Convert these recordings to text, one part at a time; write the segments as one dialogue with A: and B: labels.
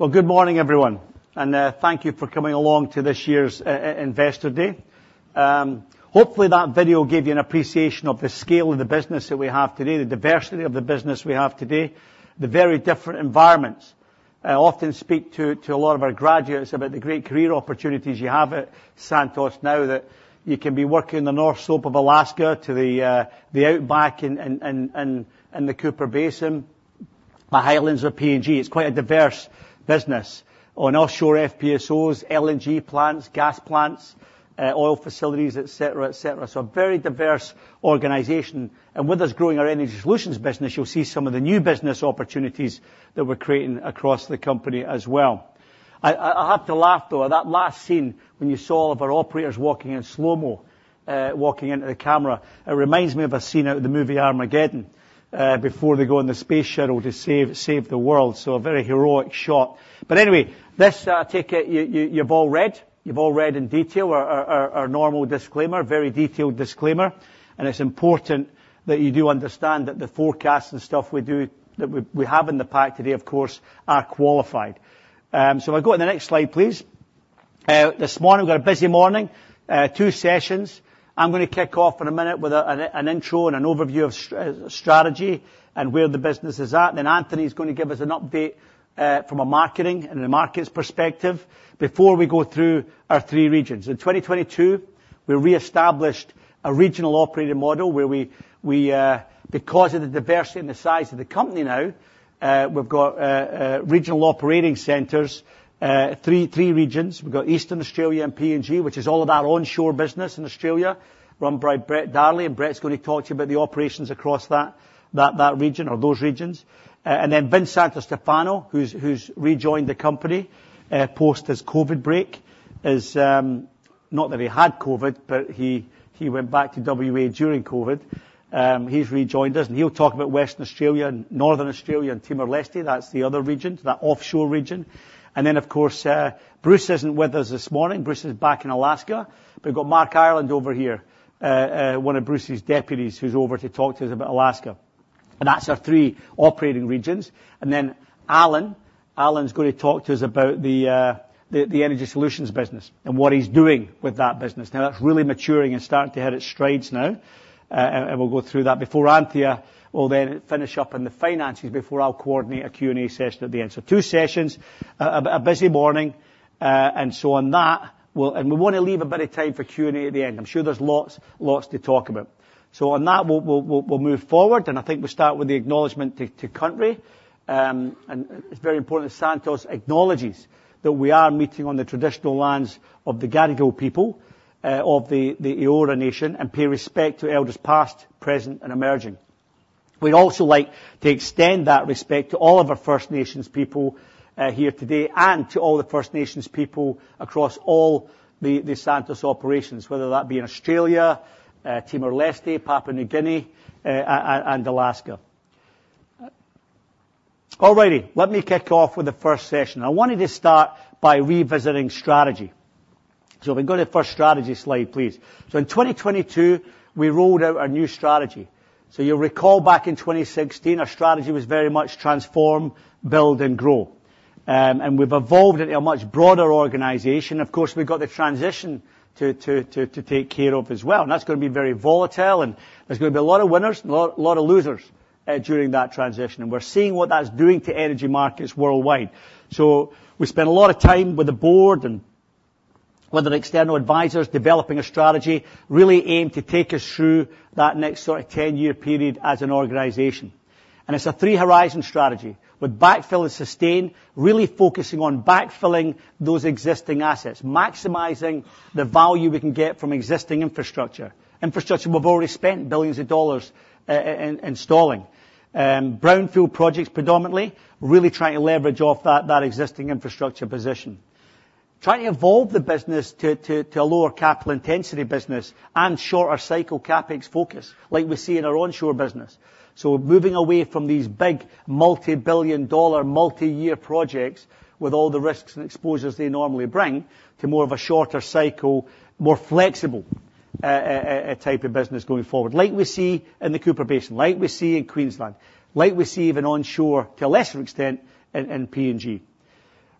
A: Well, good morning, everyone, and thank you for coming along to this year's Investor Day. Hopefully, that video gave you an appreciation of the scale of the business that we have today, the diversity of the business we have today, the very different environments. I often speak to a lot of our graduates about the great career opportunities you have at Santos now, that you can be working in the North Slope of Alaska to the outback in the Cooper Basin, the Highlands of PNG. It's quite a diverse business. On offshore FPSOs, LNG plants, gas plants, oil facilities, et cetera, et cetera. So a very diverse organization, and with us growing our energy solutions business, you'll see some of the new business opportunities that we're creating across the company as well. I have to laugh, though, at that last scene when you saw all of our operators walking in slow-mo, walking into the camera. It reminds me of a scene out of the movie Armageddon, before they go in the space shuttle to save the world. So a very heroic shot. But anyway, this kit, you've all read in detail our normal disclaimer, very detailed disclaimer, and it's important that you do understand that the forecasts and stuff we do, that we have in the pack today, of course, are qualified. So if I go to the next slide, please. This morning, we've got a busy morning,.two sessions. I'm gonna kick off in a minute with an intro and an overview of strategy and where the business is at. Then Anthony is going to give us an update from a marketing and a markets perspective before we go through our three regions. In 2022, we re-established a regional operating model, where because of the diversity and the size of the company now, we've got regional operating centers, three regions. We've got Eastern Australia and PNG, which is all of our onshore business in Australia, run by Brett Darley, and Brett's going to talk to you about the operations across that region or those regions. And then Vince Santostefano, who's rejoined the company post his COVID break, is. Not that he had COVID, but he went back to WA during COVID. He's rejoined us, and he'll talk about Western Australia and Northern Australia and Timor-Leste. That's the other region, that offshore region. And then, of course, Bruce isn't with us this morning. Bruce is back in Alaska, but we've got Mark Ireland over here, one of Bruce's deputies, who's over to talk to us about Alaska. And that's our three operating regions. And then Alan, Alan's going to talk to us about the energy solutions business and what he's doing with that business. Now, that's really maturing and starting to hit its strides now. And we'll go through that before Anthea will then finish up in the finances, before I'll coordinate a Q&A session at the end. So two sessions, a busy morning. And we want to leave a bit of time for Q&A at the end. I'm sure there's lots, lots to talk about. So on that, we'll move forward, and I think we start with the acknowledgment to country. And it's very important that Santos acknowledges that we are meeting on the traditional lands of the Gadigal people of the Eora Nation, and pay respect to elders past, present, and emerging. We'd also like to extend that respect to all of our First Nations people here today and to all the First Nations people across all the Santos operations, whether that be in Australia, Timor-Leste, Papua New Guinea, and Alaska. All righty, let me kick off with the first session. I wanted to start by revisiting strategy. So if we can go to the first strategy slide, please. So in 2022, we rolled out our new strategy. So you'll recall back in 2016, our strategy was very much transform, build, and grow. And we've evolved into a much broader organization. Of course, we've got the transition to take care of as well, and that's gonna be very volatile, and there's gonna be a lot of winners and a lot, lot of losers during that transition. And we're seeing what that's doing to energy markets worldwide. So we spent a lot of time with the board and with an external advisors, developing a strategy, really aimed to take us through that next sort of 10-year period as an organization. And it's a three-horizon strategy, with backfill and sustain, really focusing on backfilling those existing assets, maximizing the value we can get from existing infrastructure. Infrastructure, we've already spent $ billions in installing. Brownfield projects predominantly, really trying to leverage off that existing infrastructure position. Trying to evolve the business to a lower capital intensity business and shorter cycle CapEx focus, like we see in our onshore business. So we're moving away from these big multibillion-dollar, multi-year projects, with all the risks and exposures they normally bring, to more of a shorter cycle, more flexible type of business going forward, like we see in the Cooper Basin, like we see in Queensland, like we see even onshore, to a lesser extent, in PNG.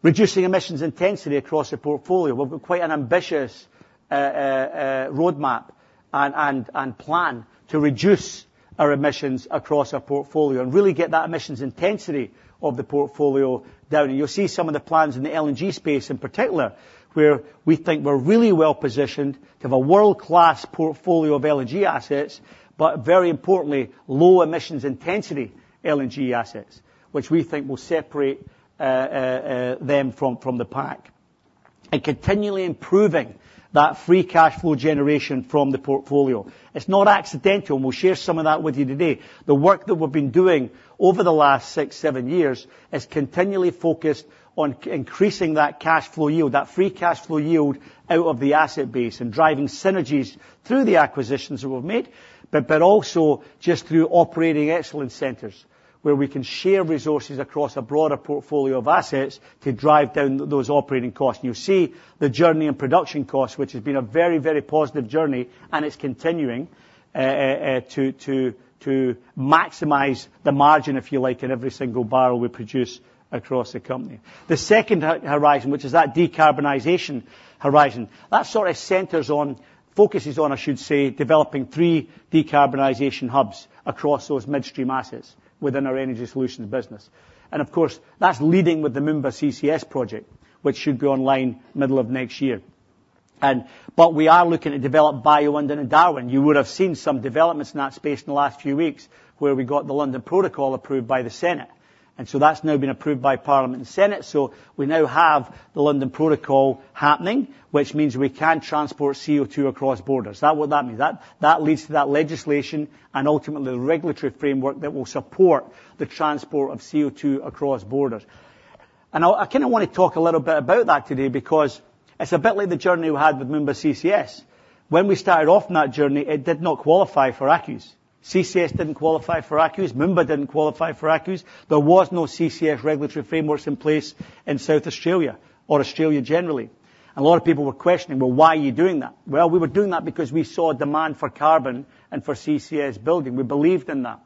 A: Reducing emissions intensity across the portfolio. We've got quite an ambitious roadmap and plan to reduce our emissions across our portfolio and really get that emissions intensity of the portfolio down. You'll see some of the plans in the LNG space in particular, where we think we're really well-positioned to have a world-class portfolio of LNG assets, but very importantly, low emissions intensity LNG assets, which we think will separate them from the pack. And continually improving that free cash flow generation from the portfolio. It's not accidental, and we'll share some of that with you today. The work that we've been doing over the last 6-7 years is continually focused on increasing that cash flow yield, that free cash flow yield out of the asset base and driving synergies through the acquisitions that we've made, but also just through operating excellence centers, where we can share resources across a broader portfolio of assets to drive down those operating costs. And you'll see the journey in production costs, which has been a very, very positive journey, and it's continuing to maximize the margin, if you like, in every single barrel we produce across the company. The second horizon, which is that decarbonization horizon, that sort of centers on, focuses on, I should say, developing three decarbonization hubs across those midstream assets within our energy solutions business. And of course, that's leading with the Moomba CCS project, which should go online middle of next year. And but we are looking to develop Bayu-Undan in Darwin. You would have seen some developments in that space in the last few weeks, where we got the London Protocol approved by the Senate. And so that's now been approved by Parliament and Senate. So we now have the London Protocol happening, which means we can transport CO2 across borders. Is that what that means? That, that leads to that legislation and ultimately the regulatory framework that will support the transport of CO2 across borders. And I, I kinda wanna talk a little bit about that today, because it's a bit like the journey we had with Moomba CCS. When we started off on that journey, it did not qualify for ACCUs. CCS didn't qualify for ACCUs, Moomba didn't qualify for ACCUs. There was no CCS regulatory frameworks in place in South Australia or Australia generally. A lot of people were questioning, "Well, why are you doing that?" Well, we were doing that because we saw a demand for carbon and for CCS building. We believed in that.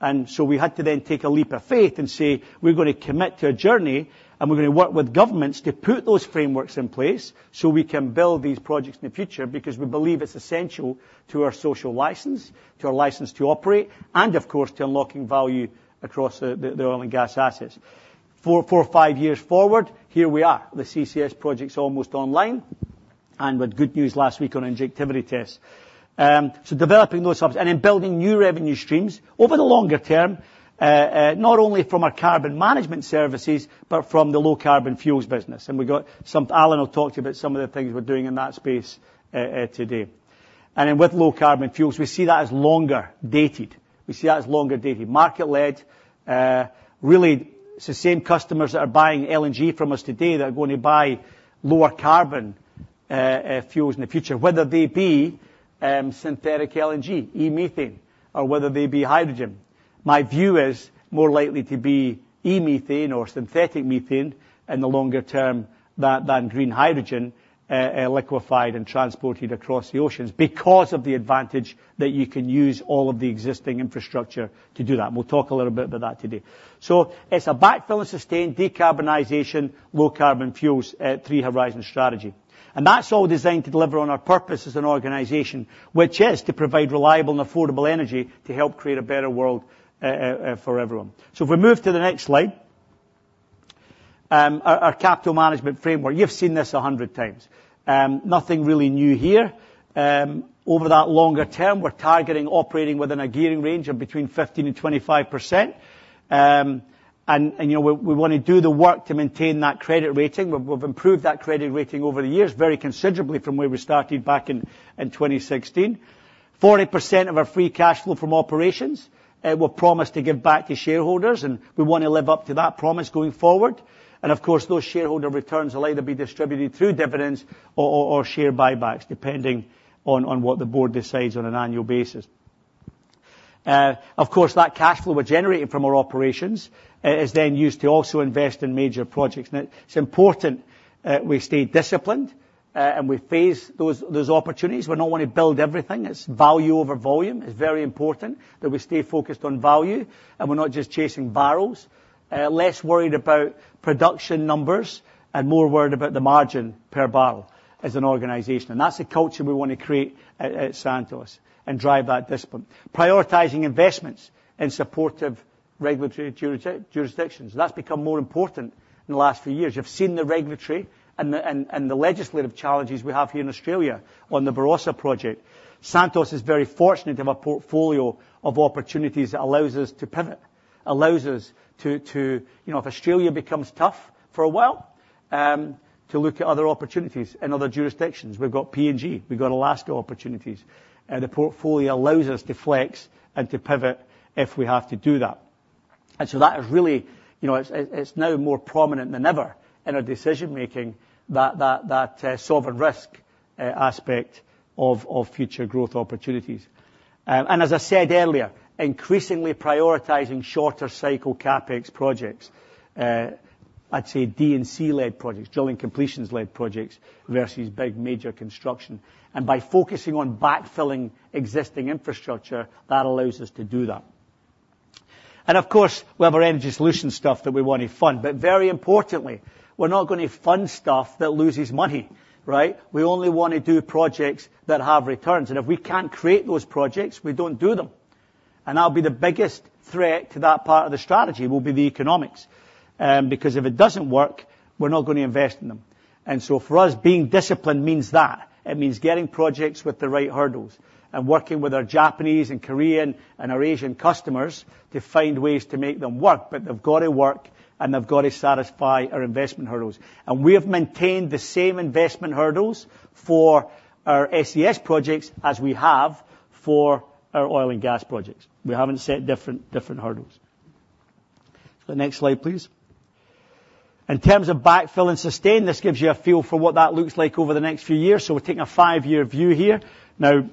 A: And so we had to then take a leap of faith and say, "We're gonna commit to a journey, and we're gonna work with governments to put those frameworks in place, so we can build these projects in the future, because we believe it's essential to our social license, to our license to operate, and of course, to unlocking value across the oil and gas assets." Four or five years forward, here we are, the CCS project's almost online, and with good news last week on injectivity tests. So developing those ups and in building new revenue streams over the longer term, not only from our carbon management services, but from the low carbon fuels business. And we got some. Alan will talk to you about some of the things we're doing in that space today. And then with low carbon fuels, we see that as longer dated. We see that as longer dated. Market-led, really, it's the same customers that are buying LNG from us today, they're going to buy lower carbon, fuels in the future, whether they be, synthetic LNG, e-methane, or whether they be hydrogen. My view is more likely to be e-methane or synthetic methane in the longer term, than green hydrogen, liquefied and transported across the oceans, because of the advantage that you can use all of the existing infrastructure to do that. We'll talk a little bit about that today. So it's a backfill and sustain decarbonization, low carbon fuels, three horizon strategy. That's all designed to deliver on our purpose as an organization, which is to provide reliable and affordable energy to help create a better world for everyone. So if we move to the next slide, our capital management framework, you've seen this 100x. Nothing really new here. Over that longer term, we're targeting operating within a gearing range of between 15%-25%. And you know, we wanna do the work to maintain that credit rating. We've improved that credit rating over the years, very considerably from where we started back in 2016. 40% of our free cash flow from operations, we've promised to give back to shareholders, and we wanna live up to that promise going forward. Of course, those shareholder returns will either be distributed through dividends or share buybacks, depending on what the board decides on an annual basis. Of course, that cash flow we're generating from our operations is then used to also invest in major projects. Now, it's important we stay disciplined and we face those opportunities. We're not wanting to build everything. It's value over volume. It's very important that we stay focused on value, and we're not just chasing barrels. Less worried about production numbers and more worried about the margin per barrel as an organization, and that's the culture we wanna create at Santos and drive that discipline. Prioritizing investments in supportive regulatory jurisdictions. That's become more important in the last few years. You've seen the regulatory and the legislative challenges we have here in Australia on the Barossa project. Santos is very fortunate to have a portfolio of opportunities that allows us to pivot, allows us to. You know, if Australia becomes tough for a while, to look at other opportunities in other jurisdictions. We've got PNG, we've got Alaska opportunities, and the portfolio allows us to flex and to pivot if we have to do that. And so that is really, you know, it's now more prominent than ever in our decision-making, sovereign risk aspect of future growth opportunities. And as I said earlier, increasingly prioritizing shorter cycle CapEx projects, I'd say D&C-led projects, drilling completions-led projects, versus big major construction. And by focusing on backfilling existing infrastructure, that allows us to do that. Of course, we have our energy solution stuff that we want to fund, but very importantly, we're not gonna fund stuff that loses money, right? We only wanna do projects that have returns, and if we can't create those projects, we don't do them. That'll be the biggest threat to that part of the strategy, will be the economics. Because if it doesn't work, we're not gonna invest in them. So for us, being disciplined means that. It means getting projects with the right hurdles and working with our Japanese and Korean and our Asian customers to find ways to make them work. But they've got to work, and they've got to satisfy our investment hurdles. We have maintained the same investment hurdles for our SES projects as we have for our oil and gas projects. We haven't set different, different hurdles. The next slide, please. In terms of backfill and sustain, this gives you a feel for what that looks like over the next few years. So we're taking a five-year view here. Now,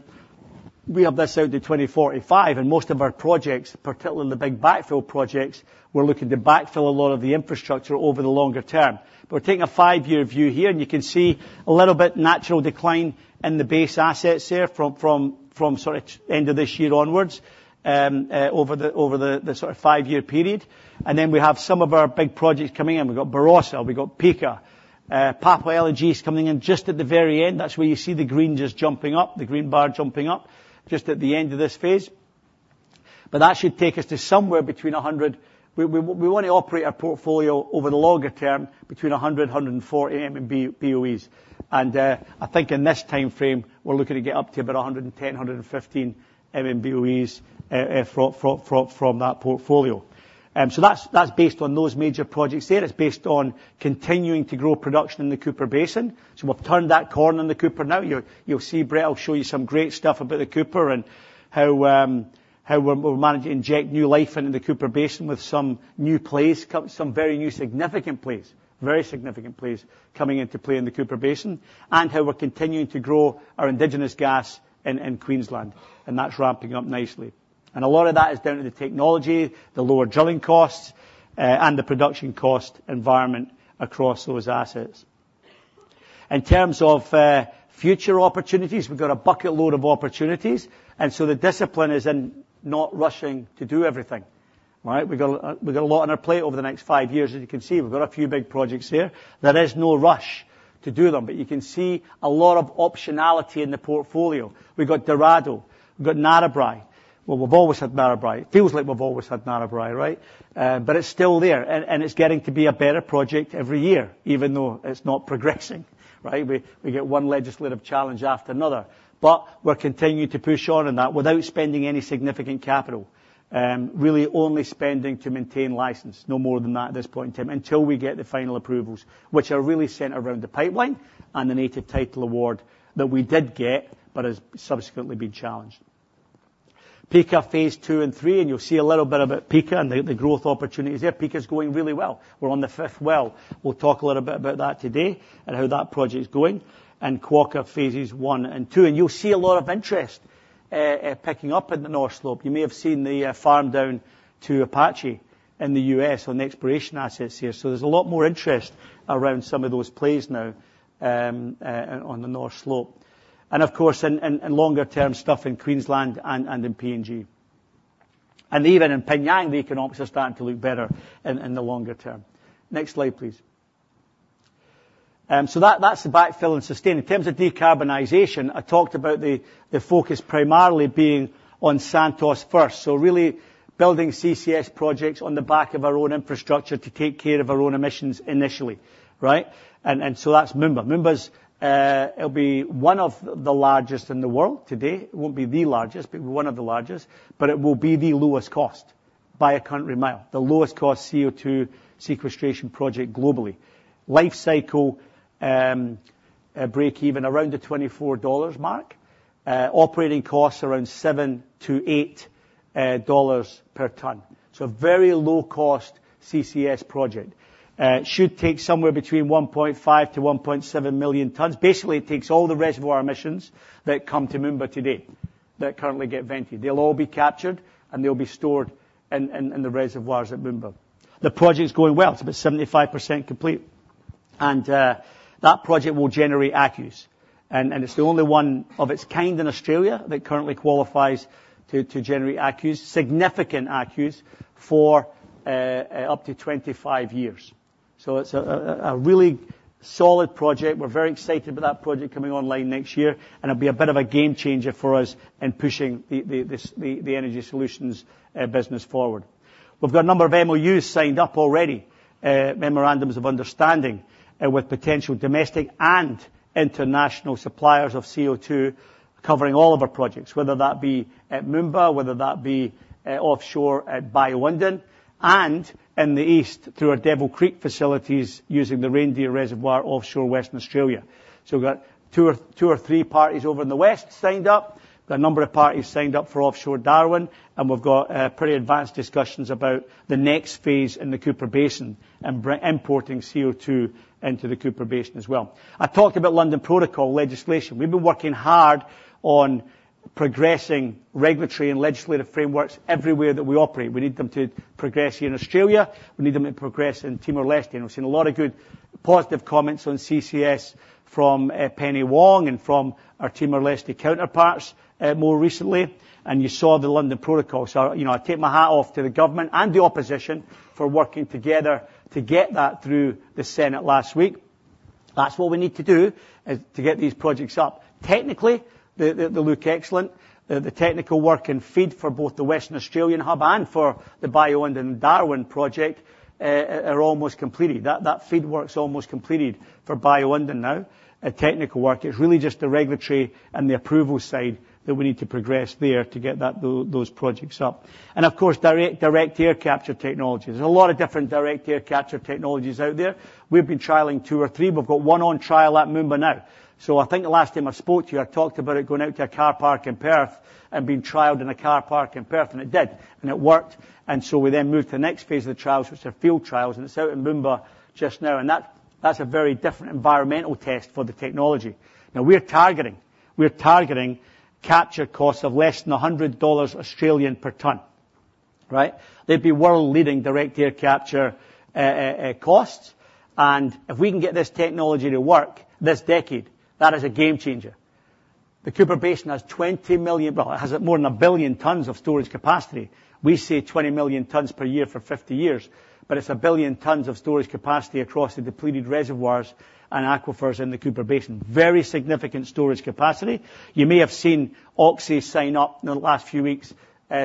A: we have this out to 2045, and most of our projects, particularly in the big backfill projects, we're looking to backfill a lot of the infrastructure over the longer term. But we're taking a five-year view here, and you can see a little bit natural decline in the base assets there from sort of end of this year onwards, over the the sort of five-year period. And then we have some of our big projects coming in. We've got Barossa, we've got Pikka, Papua LNG is coming in just at the very end. That's where you see the green just jumping up, the green bar jumping up, just at the end of this phase. But that should take us to somewhere between 100 - we want to operate our portfolio over the longer term, between 100-104 MMBoe. And I think in this time frame, we're looking to get up to about 110-115 MMBoe from that portfolio. So that's based on those major projects there. It's based on continuing to grow production in the Cooper Basin. So we've turned that corner in the Cooper now. You'll see Brett, I'll show you some great stuff about the Cooper and how we're managing to inject new life into the Cooper Basin with some new plays, count some very new significant plays, very significant plays coming into play in the Cooper Basin, and how we're continuing to grow our indigenous gas in Queensland, and that's ramping up nicely. And a lot of that is down to the technology, the lower drilling costs, and the production cost environment across those assets. In terms of future opportunities, we've got a bucket load of opportunities, and so the discipline is in not rushing to do everything, right? We got a lot on our plate over the next five years. As you can see, we've got a few big projects here. There is no rush to do them, but you can see a lot of optionality in the portfolio. We've got Dorado, we've got Narrabri. Well, we've always had Narrabri. It feels like we've always had Narrabri, right? But it's still there, and it's getting to be a better project every year, even though it's not progressing, right? We get one legislative challenge after another. But we're continuing to push on that without spending any significant capital, really only spending to maintain license, no more than that at this point in time, until we get the final approvals, which are really centered around the pipeline and the native title award that we did get, but has subsequently been challenged. Pikka Phase II and III, and you'll see a little bit about Pikka and the growth opportunities there. Pikka's going really well. We're on the fifth well. We'll talk a little bit about that today and how that project is going, and Quokka Phases I and II. And you'll see a lot of interest picking up in the North Slope. You may have seen the farm down to Apache in the U.S. on the exploration assets here. So there's a lot more interest around some of those plays now on the North Slope. And of course, in longer term, stuff in Queensland and in PNG. And even in PNG, the economics are starting to look better in the longer term. Next slide, please. So that, that's the backfill and sustain. In terms of decarbonization, I talked about the focus primarily being on Santos first, so really building CCS projects on the back of our own infrastructure to take care of our own emissions initially, right? And so that's Moomba. Moomba's, it'll be one of the largest in the world today. It won't be the largest, but one of the largest, but it will be the lowest cost by a country mile, the lowest cost CO2 sequestration project globally. Life cycle break even around the $24 mark, operating costs around $7-$8 per ton. So very low cost CCS project. It should take somewhere between 1.5-1.7 million tons. Basically, it takes all the reservoir emissions that come to Moomba today, that currently get vented. They'll all be captured, and they'll be stored in the reservoirs at Moomba. The project is going well. It's about 75% complete, and that project will generate ACCUs. And it's the only one of its kind in Australia that currently qualifies to generate ACCUs, significant ACCUs, for up to 25 years. So it's a really solid project. We're very excited about that project coming online next year, and it'll be a bit of a game changer for us in pushing the energy solutions business forward. We've got a number of MOUs signed up already, memorandums of understanding, with potential domestic and international suppliers of CO2, covering all of our projects, whether that be at Moomba, whether that be offshore at Bayu-Undan, and in the east, through our Devil Creek facilities, using the Reindeer Reservoir offshore Western Australia. So we've got two or two or three parties over in the west signed up, the number of parties signed up for offshore Darwin, and we've got, pretty advanced discussions about the next phase in the Cooper Basin and importing CO2 into the Cooper Basin as well. I talked about London Protocol legislation. We've been working hard on progressing regulatory and legislative frameworks everywhere that we operate. We need them to progress here in Australia. We need them to progress in Timor-Leste. We've seen a lot of good, positive comments on CCS from Penny Wong and from our Timor-Leste counterparts, more recently. You saw the London Protocol. So, you know, I take my hat off to the government and the opposition for working together to get that through the Senate last week. That's what we need to do, is to get these projects up. Technically, they look excellent. The technical work and FEED for both the Western Australian Hub and for the Bayu-Undan Darwin project are almost completed. That FEED work's almost completed for Bayu-Undan now, technical work. It's really just the regulatory and the approval side that we need to progress there to get those projects up. And of course, direct air capture technology. There's a lot of different direct air capture technologies out there. We've been trialing two or three. We've got one on trial at Moomba now. So I think the last time I spoke to you, I talked about it going out to a car park in Perth and being trialed in a car park in Perth, and it did, and it worked. And so we then moved to the next phase of the trials, which are field trials, and it's out in Moomba just now, and that, that's a very different environmental test for the technology. Now, we're targeting, we're targeting capture costs of less than 100 Australian dollars per ton, right? They'd be world-leading direct air capture costs. And if we can get this technology to work this decade, that is a game changer. The Cooper Basin has 20 million, well, it has more than 1 billion tons of storage capacity. We say 20 million tons per year for 50 years, but it's billion tons of storage capacity across the depleted reservoirs and aquifers in the Cooper Basin. Very significant storage capacity. You may have seen Oxy sign up in the last few weeks,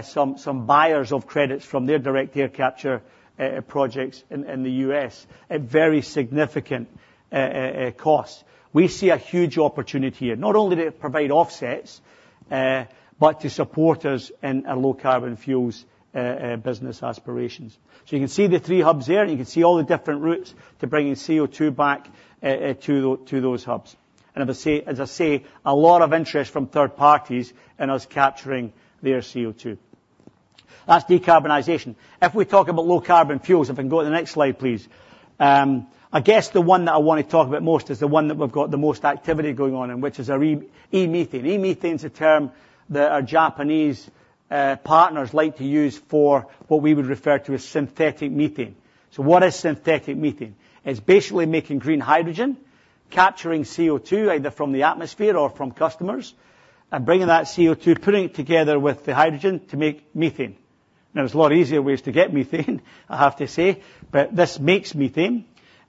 A: some buyers of credits from their direct air capture projects in the U.S. at very significant costs. We see a huge opportunity here, not only to provide offsets, but to support us in our low carbon fuels business aspirations. So you can see the three hubs there, and you can see all the different routes to bringing CO2 back to those hubs. As I say, a lot of interest from third parties in us capturing their CO2. That's decarbonization If we talk about low carbon fuels, if I can go to the next slide, please. I guess the one that I wanna talk about most is the one that we've got the most activity going on, and which is our E-methane. E-methane is a term that our Japanese partners like to use for what we would refer to as synthetic methane. So what is synthetic methane? It's basically making green hydrogen, capturing CO2, either from the atmosphere or from customers, and bringing that CO2, putting it together with the hydrogen to make methane. Now, there's a lot easier ways to get methane, I have to say, but this makes methane.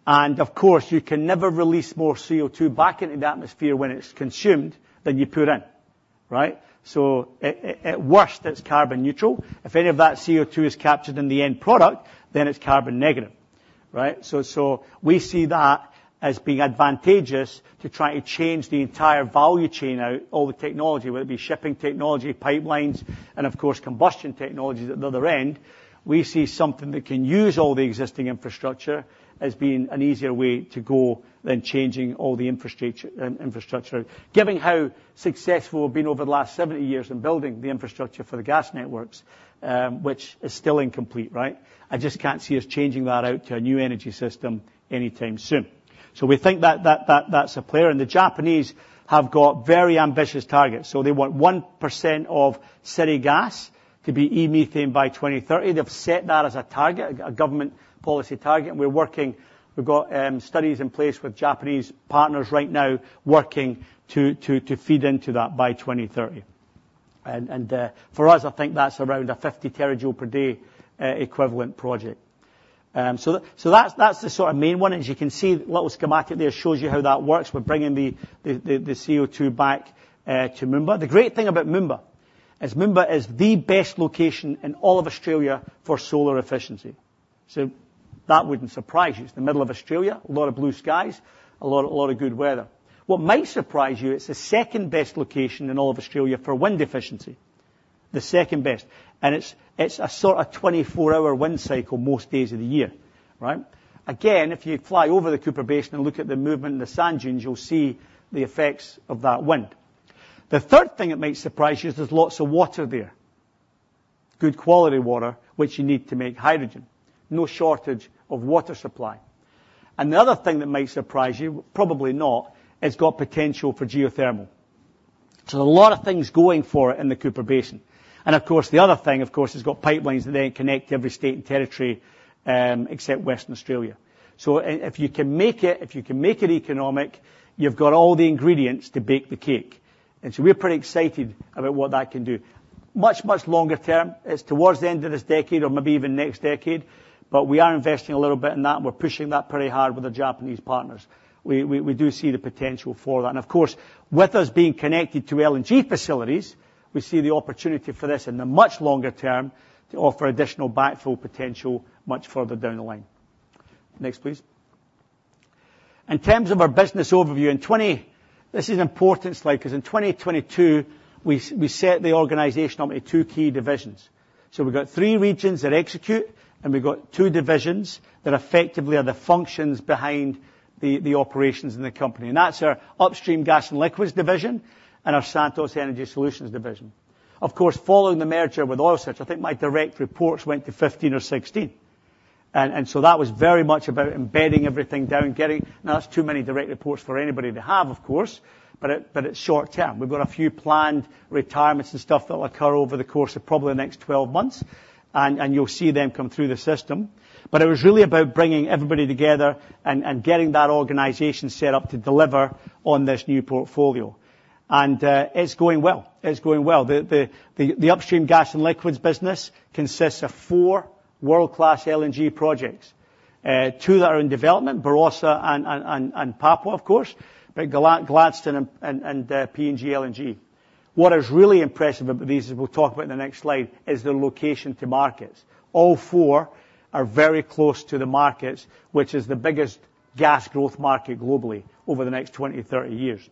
A: And of course, you can never release more CO2 back into the atmosphere when it's consumed than you put in, right? So at worst, it's carbon neutral. If any of that CO2 is captured in the end product, then it's carbon negative, right? So we see that as being advantageous to try to change the entire value chain out, all the technology, whether it be shipping technology, pipelines, and of course, combustion technologies at the other end. We see something that can use all the existing infrastructure as being an easier way to go than changing all the infrastructure. Given how successful we've been over the last 70 years in building the infrastructure for the gas networks, which is still incomplete, right? I just can't see us changing that out to a new energy system anytime soon. So we think that's a player, and the Japanese have got very ambitious targets. So they want 1% of city gas to be e-methane by 2030. They've set that as a target, a government policy target, and we're working. We've got studies in place with Japanese partners right now, working to FEED into that by 2030. And for us, I think that's around a 50 terajoule per day equivalent project. So that's the sort of main one. As you can see, the little schematic there shows you how that works. We're bringing the CO2 back to Moomba. The great thing about Moomba is Moomba is the best location in all of Australia for solar efficiency. So that wouldn't surprise you. It's the middle of Australia, a lot of blue skies, a lot of good weather. What may surprise you, it's the second-best location in all of Australia for wind efficiency. The second best, and it's, it's a sort of 24-hour wind cycle most days of the year, right? Again, if you fly over the Cooper Basin and look at the movement in the sand dunes, you'll see the effects of that wind. The third thing that may surprise you is there's lots of water there. Good quality water, which you need to make hydrogen. No shortage of water supply. And the other thing that may surprise you, probably not, it's got potential for geothermal. So there's a lot of things going for it in the Cooper Basin. And of course, the other thing, of course, it's got pipelines that then connect every state and territory, except Western Australia. So if you can make it, if you can make it economic, you've got all the ingredients to bake the cake, and so we're pretty excited about what that can do. Much, much longer term, it's towards the end of this decade or maybe even next decade, but we are investing a little bit in that, and we're pushing that pretty hard with the Japanese partners. We do see the potential for that. And of course, with us being connected to LNG facilities, we see the opportunity for this in the much longer term to offer additional backfill potential much further down the line. Next, please. In terms of our business overview, in 2022. This is an important slide, 'cause in 2022, we set the organization up in two key divisions. So we've got three regions that execute, and we've got two divisions that effectively are the functions behind the operations in the company. That's our Upstream Gas and Liquids division and our Santos Energy Solutions division. Of course, following the merger with Oil Search, I think my direct reports went to 15 or 16. And so that was very much about embedding everything down. Now, that's too many direct reports for anybody to have, of course, but it's short term. We've got a few planned retirements and stuff that will occur over the course of probably the next 12 months, and you'll see them come through the system. But it was really about bringing everybody together and getting that organization set up to deliver on this new portfolio. It's going well. It's going well. The Upstream Gas and Liquids business consists of four world-class LNG projects. Two that are in development, Barossa and Papua, of course, but Gladstone and PNG LNG. What is really impressive about these, as we'll talk about in the next slide, is the location to markets. All four are very close to the markets, which is the biggest gas growth market globally over the next 20-30 years.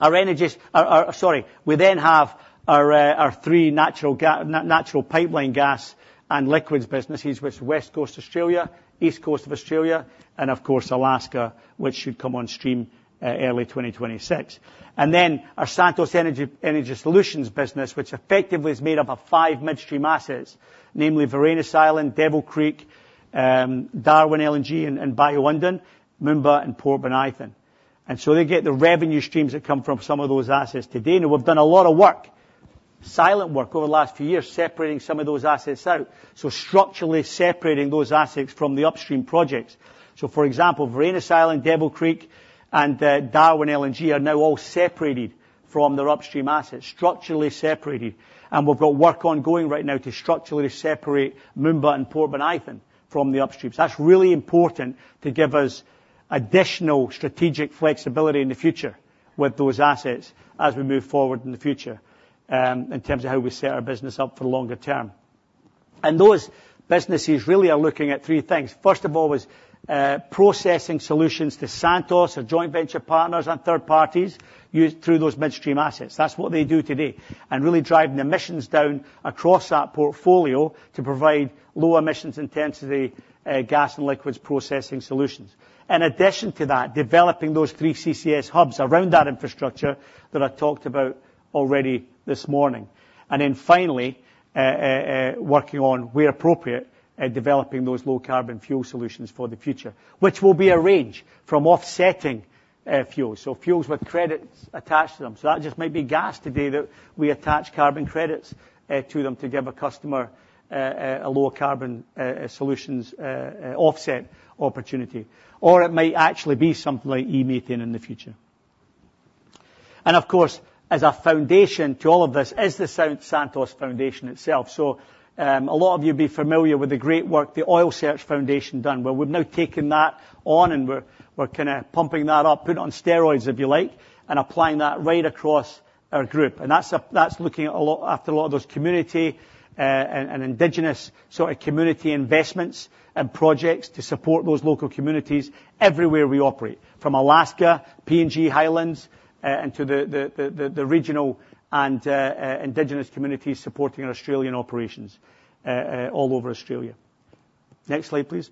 A: Sorry, we then have our three natural pipeline gas and liquids businesses, which is Western Australia, East Coast of Australia, and of course, Alaska, which should come on stream early 2026. And then our Santos Energy Solutions business, which effectively is made up of five midstream assets, namely Varanus Island, Devil Creek, Darwin LNG, and Bayu-Undan, Moomba, and Port Bonython. And so they get the revenue streams that come from some of those assets today, and we've done a lot of work over the last few years, separating some of those assets out. So structurally separating those assets from the upstream projects. So, for example, Varanus Island, Devil Creek, and Darwin LNG are now all separated from their upstream assets, structurally separated. And we've got work ongoing right now to structurally separate Moomba and Port Bonython from the upstream. So that's really important to give us additional strategic flexibility in the future with those assets as we move forward in the future, in terms of how we set our business up for the longer term. And those businesses really are looking at three things. First of all, processing solutions to Santos, our joint venture partners and third parties, use through those midstream assets. That's what they do today, and really driving emissions down across that portfolio to provide low emissions intensity, gas and liquids processing solutions. In addition to that, developing those three CCS hubs around that infrastructure that I talked about already this morning. And then finally, working on, where appropriate, developing those low carbon fuel solutions for the future. Which will be a range from offsetting, fuels, so fuels with credits attached to them. So that just might be gas today, that we attach carbon credits to them to give a customer a lower carbon solutions offset opportunity. Or it may actually be something like e-methane in the future. And of course, as a foundation to all of this is the Santos Foundation itself. So, a lot of you'll be familiar with the great work the Oil Search Foundation done. Well, we've now taken that on, and we're, we're kinda pumping that up, put it on steroids, if you like, and applying that right across our group. And that's that's looking a lot. After a lot of those community and indigenous sort of community investments and projects to support those local communities everywhere we operate, from Alaska, PNG, Highlands, and to the regional and indigenous communities supporting our Australian operations all over Australia. Next slide, please.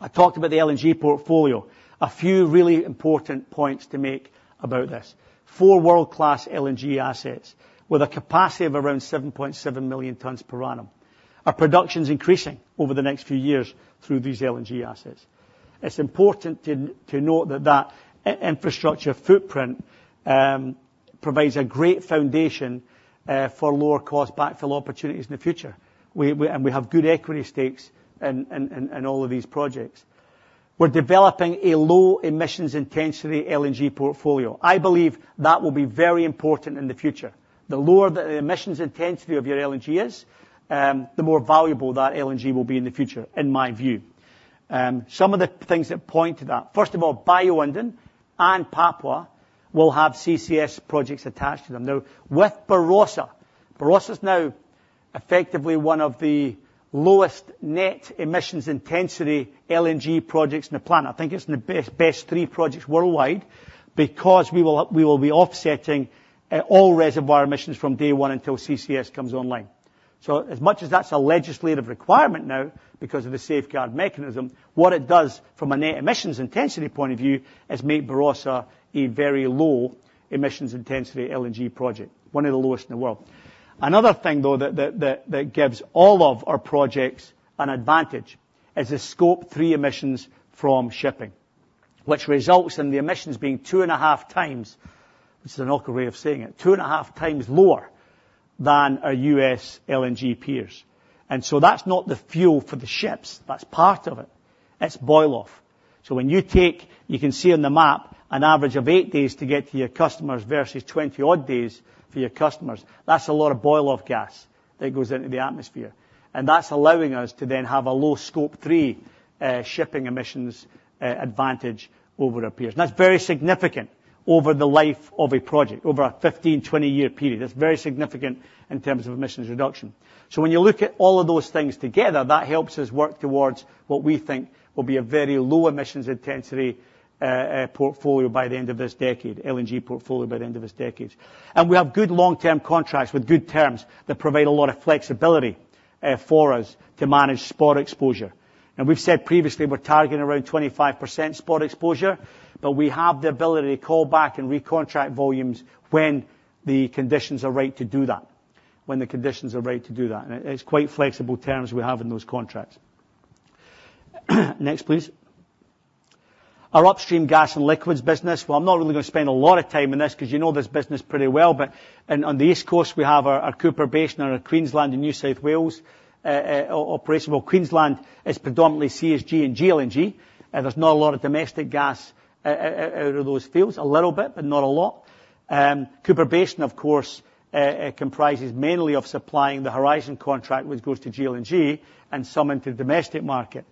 A: I talked about the LNG portfolio. A few really important points to make about this. Four world-class LNG assets with a capacity of around 7.7 million tonnes per annum. Our production's increasing over the next few years through these LNG assets. It's important to note that infrastructure footprint provides a great foundation for lower cost backfill opportunities in the future. And we have good equity stakes in all of these projects. We're developing a low emissions intensity LNG portfolio. I believe that will be very important in the future. The lower the emissions intensity of your LNG is, the more valuable that LNG will be in the future, in my view. Some of the things that point to that: First of all, Bayu-Undan and Papua will have CCS projects attached to them. Now, with Barossa, Barossa is now effectively one of the lowest net emissions intensity LNG projects in the planet. I think it's in the best three projects worldwide, because we will be offsetting all reservoir emissions from day one until CCS comes online. So as much as that's a legislative requirement now, because of the Safeguard Mechanism, what it does from a net emissions intensity point of view, is make Barossa a very low emissions intensity LNG project, one of the lowest in the world. Another thing, though, that gives all of our projects an advantage, is the Scope 3 emissions from shipping, which results in the emissions being 2.5x, it's an awkward way of saying it, 2.5x lower than our U.S. LNG peers. And so that's not the fuel for the ships, that's part of it. It's boil off. So when you take. You can see on the map, an average of eight days to get to your customers versus 20-odd days for your customers. That's a lot of boil off gas that goes into the atmosphere, and that's allowing us to then have a low Scope 3 shipping emissions advantage over our peers. And that's very significant over the life of a project, over a 15-20-year period. That's very significant in terms of emissions reduction. So when you look at all of those things together, that helps us work towards what we think will be a very low emissions intensity portfolio by the end of this decade, LNG portfolio, by the end of this decade. And we have good long-term contracts with good terms that provide a lot of flexibility for us to manage spot exposure. And we've said previously, we're targeting around 25% spot exposure, but we have the ability to call back and recontract volumes when the conditions are right to do that, when the conditions are right to do that. And it's quite flexible terms we have in those contracts. Next, please. Our upstream gas and liquids business. Well, I'm not really gonna spend a lot of time on this, 'cause you know this business pretty well, but on the East Coast, we have our Cooper Basin and our Queensland and New South Wales operation. Well, Queensland is predominantly CSG and GLNG, and there's not a lot of domestic gas out of those fields. A little bit, but not a lot. Cooper Basin, of course, comprises mainly of supplying the Horizon contract, which goes to GLNG and some into the domestic market.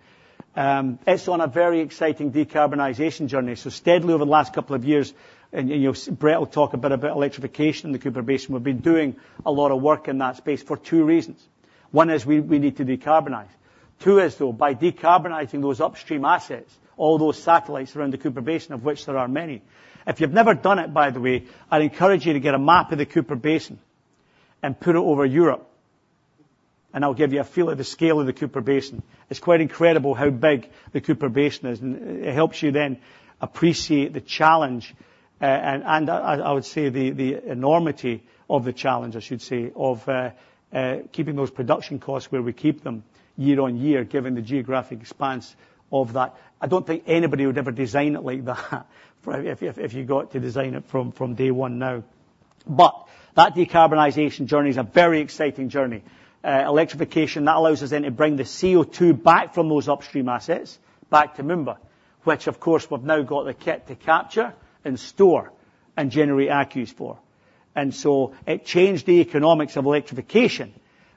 A: It's on a very exciting decarbonization journey. So steadily over the last couple of years, and, you know, Brett will talk a bit about electrification in the Cooper Basin. We've been doing a lot of work in that space for two reasons. One is we need to decarbonize. Two is, though, by decarbonizing those upstream assets, all those satellites around the Cooper Basin, of which there are many. If you've never done it, by the way, I'd encourage you to get a map of the Cooper Basin and put it over Europe, and I'll give you a feel of the scale of the Cooper Basin. It's quite incredible how big the Cooper Basin is, and it helps you then appreciate the challenge, and I would say the enormity of the challenge, I should say, of keeping those production costs where we keep them year-on-year, given the geographic expanse of that. I don't think anybody would ever design it like that, if you got to design it from day one now. But that decarbonization journey is a very exciting journey. Electrification, that allows us then to bring the CO2 back from those upstream assets, back to Moomba, which, of course, we've now got the kit to capture and store and generate ACCUs for. And so it changed the economics of electrification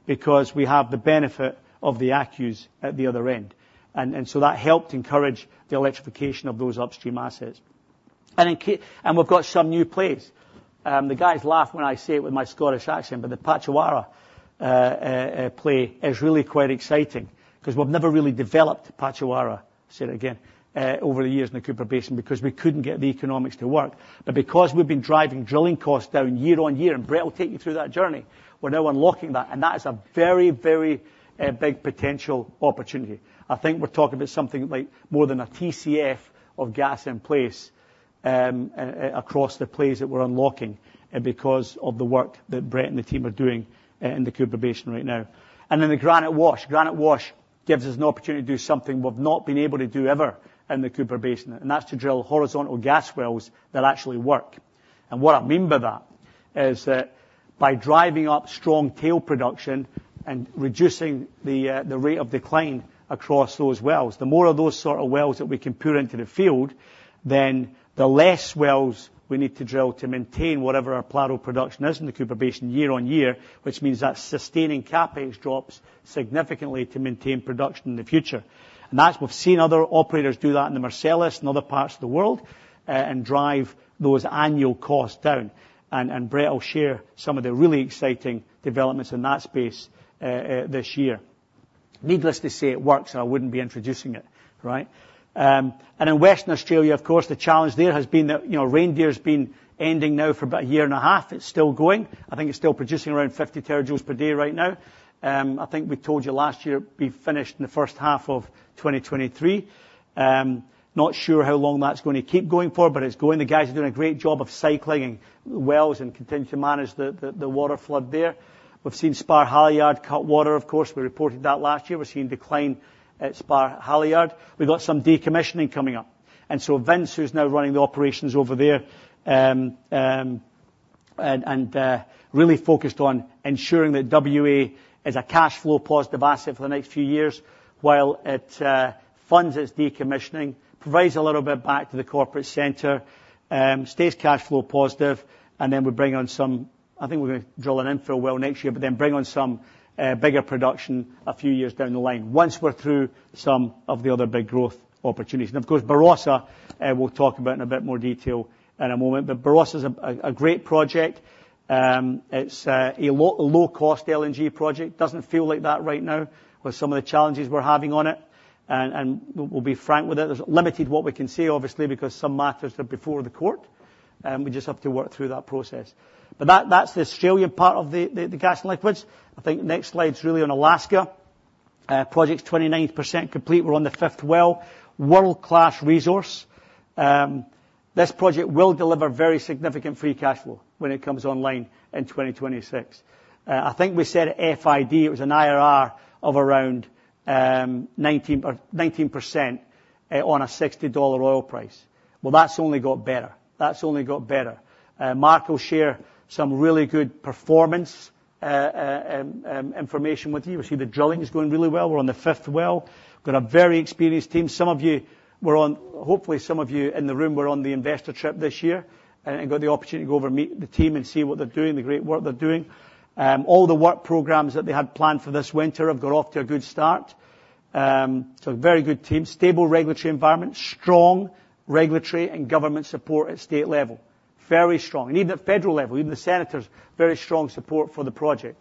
A: because we have the benefit of the ACCUs at the other end. And so that helped encourage the electrification of those upstream assets. And we've got some new plays. The guys laugh when I say it with my Scottish accent, but the Patchawarra play is really quite exciting, 'cause we've never really developed Patchawarra, say it again, over the years in the Cooper Basin, because we couldn't get the economics to work. But because we've been driving drilling costs down year-on-year, and Brett will take you through that journey, we're now unlocking that, and that is a very, very, big potential opportunity. I think we're talking about something like more than a TCF of gas in place, across the plays that we're unlocking, and because of the work that Brett and the team are doing, in the Cooper Basin right now. And then the Granite Wash. Granite Wash gives us an opportunity to do something we've not been able to do ever in the Cooper Basin, and that's to drill horizontal gas wells that actually work. What I mean by that is that by driving up strong tail production and reducing the rate of decline across those wells, the more of those sort of wells that we can put into the field, then the less wells we need to drill to maintain whatever our plateau production is in the Cooper Basin year-on-year, which means that sustaining CapEx drops significantly to maintain production in the future. And that's. We've seen other operators do that in the Marcellus and other parts of the world, and drive those annual costs down. And Brett will share some of the really exciting developments in that space this year. Needless to say, it works, or I wouldn't be introducing it, right? And in Western Australia, of course, the challenge there has been that, you know, Reindeer has been ending now for about a 1.5 year. It's still going. I think it's still producing around 50 TJ per day right now. I think we told you last year, we finished in the first half of 2023. Not sure how long that's going to keep going for, but it's going. The guys are doing a great job of cycling wells and continuing to manage the water flood there. We've seen Spar Halyard cut water, of course, we reported that last year. We've seen decline at Spar Halyard. We've got some decommissioning coming up. So Vince, who's now running the operations over there, really focused on ensuring that WA is a cash flow positive asset for the next few years, while it funds its decommissioning, provides a little bit back to the corporate center, stays cash flow positive, and then we bring on some. I think we're gonna drill an infill well next year, but then bring on some bigger production a few years down the line once we're through some of the other big growth opportunities. And of course, Barossa, we'll talk about in a bit more detail in a moment. But Barossa is a great project. It's a low-cost LNG project. Doesn't feel like that right now with some of the challenges we're having on it. We'll be frank with it. There's limited what we can say, obviously, because some matters are before the court, and we just have to work through that process. But that, that's the Australian part of the gas and liquids. I think next slide's really on Alaska. Project's 29% complete. We're on the 5th well, world-class resource. This project will deliver very significant free cash flow when it comes online in 2026. I think we said at FID, it was an IRR of around 19% or 19%, on a $60 oil price. Well, that's only got better. That's only got better. Mark will share some really good performance information with you. We see the drilling is going really well. We're on the 5th well. We've got a very experienced team. Some of you were on, hopefully some of you in the room were on the investor trip this year, and got the opportunity to go over and meet the team and see what they're doing, the great work they're doing. All the work programs that they had planned for this winter have got off to a good start. So a very good team, stable regulatory environment, strong regulatory and government support at state level. Very strong. And even at federal level, even the senators, very strong support for the project.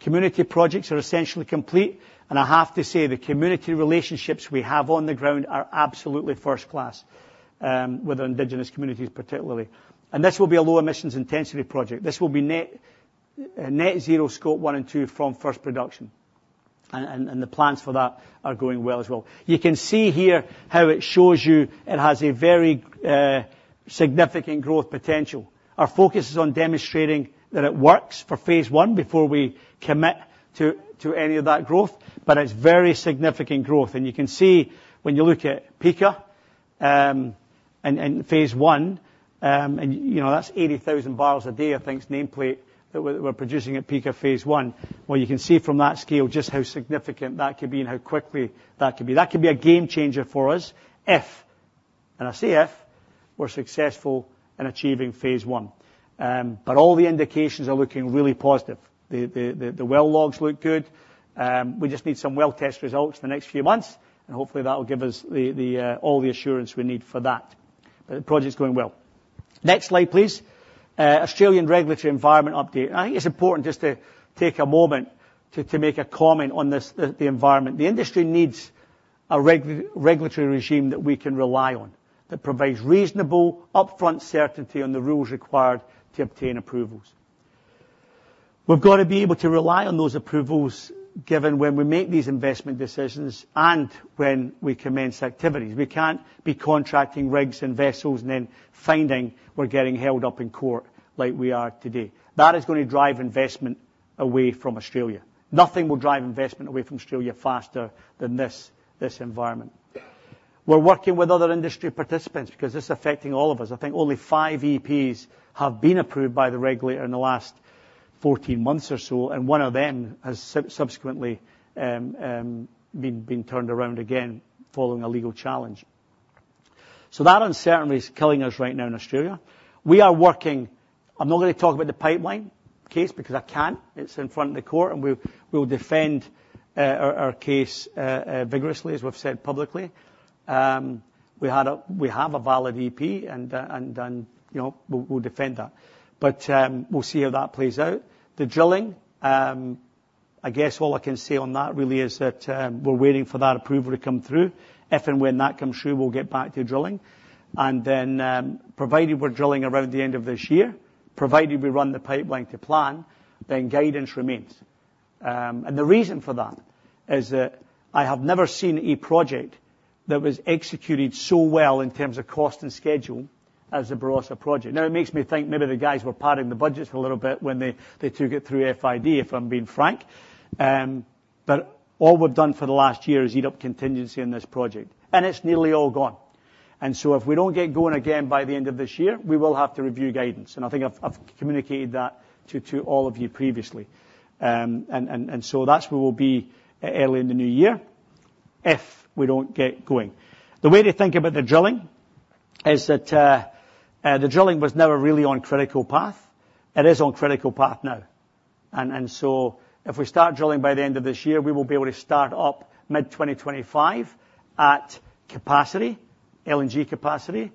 A: Community projects are essentially complete, and I have to say, the community relationships we have on the ground are absolutely first-class, with our indigenous communities particularly. And this will be a low emissions intensity project. This will be net, net zero Scope 1 and 2 from first production. And the plans for that are going well as well. You can see here how it shows you it has a very significant growth potential. Our focus is on demonstrating that it works for Phase I before we commit to any of that growth, but it's very significant growth. And you can see when you look at Pikka, and Phase I, and, you know, that's 80,000 barrels a day, I think, is nameplate, that we're producing at Pikka, Phase I. Well, you can see from that scale just how significant that could be and how quickly that could be. That could be a game changer for us if, and I say if, we're successful in achieving Phase I. But all the indications are looking really positive. The well logs look good. We just need some well test results in the next few months, and hopefully that will give us all the assurance we need for that. But the project is going well. Next slide, please. Australian Regulatory Environment Update. I think it's important just to take a moment to make a comment on this, the environment. The industry needs a regulatory regime that we can rely on, that provides reasonable, upfront certainty on the rules required to obtain approvals. We've got to be able to rely on those approvals, given when we make these investment decisions and when we commence activities. We can't be contracting rigs and vessels and then finding we're getting held up in court like we are today. That is going to drive investment away from Australia. Nothing will drive investment away from Australia faster than this, this environment. We're working with other industry participants because this is affecting all of us. I think only five EPs have been approved by the regulator in the last 14 months or so, and one of them has subsequently been turned around again, following a legal challenge. So that uncertainty is killing us right now in Australia. We are working. I'm not going to talk about the pipeline case because I can't. It's in front of the court, and we will defend our case vigorously, as we've said publicly. We have a valid EP, and you know, we'll defend that. But we'll see how that plays out. The drilling, I guess all I can say on that really is that we're waiting for that approval to come through. If and when that comes through, we'll get back to drilling. And then, provided we're drilling around the end of this year, provided we run the pipeline to plan, then guidance remains. And the reason for that is that I have never seen a project that was executed so well in terms of cost and schedule as the Barossa project. Now, it makes me think maybe the guys were padding the budgets a little bit when they took it through FID, if I'm being frank. But all we've done for the last year is eat up contingency on this project, and it's nearly all gone. And so if we don't get going again by the end of this year, we will have to review guidance. And I think I've communicated that to all of you previously. That's where we'll be early in the new year if we don't get going. The way to think about the drilling is that the drilling was never really on critical path. It is on critical path now. So if we start drilling by the end of this year, we will be able to start up mid-2025 at capacity, LNG capacity.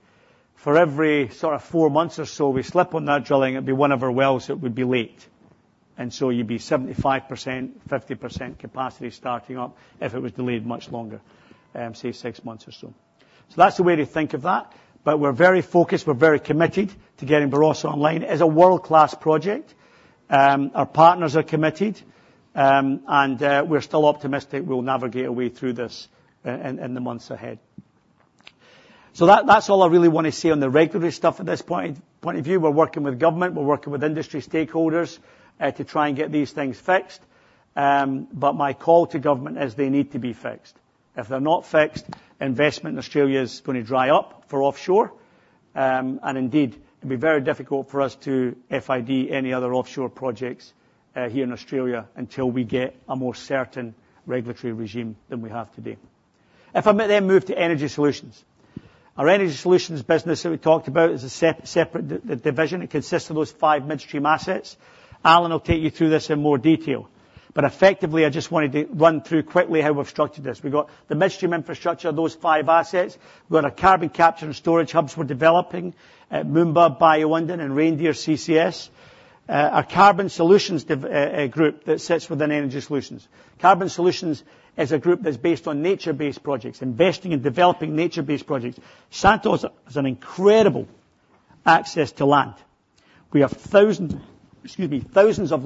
A: For every sort of four months or so, we slip on that drilling, it'd be one of our wells that would be late. And so you'd be 75%, 50% capacity starting up if it was delayed much longer, say, six months or so. So that's the way to think of that. But we're very focused, we're very committed to getting Barossa online as a world-class project. Our partners are committed, and we're still optimistic we'll navigate a way through this in the months ahead. That's all I really want to say on the regulatory stuff at this point of view. We're working with government, we're working with industry stakeholders, to try and get these things fixed. But my call to government is they need to be fixed. If they're not fixed, investment in Australia is going to dry up for offshore, and indeed, it'd be very difficult for us to FID any other offshore projects, here in Australia, until we get a more certain regulatory regime than we have today. If I may then move to Energy Solutions. Our Energy Solutions business that we talked about is a separate division. It consists of those five midstream assets. Alan will take you through this in more detail, but effectively, I just wanted to run through quickly how we've structured this. We've got the midstream infrastructure, those five assets. We've got our carbon capture and storage hubs we're developing at Moomba, Bayu-Undan, and Reindeer CCS. Our Carbon Solutions dev group that sits within Energy Solutions. Carbon Solutions is a group that's based on nature-based projects, investing and developing nature-based projects. Santos has an incredible access to land. We have thousands, excuse me, thousands of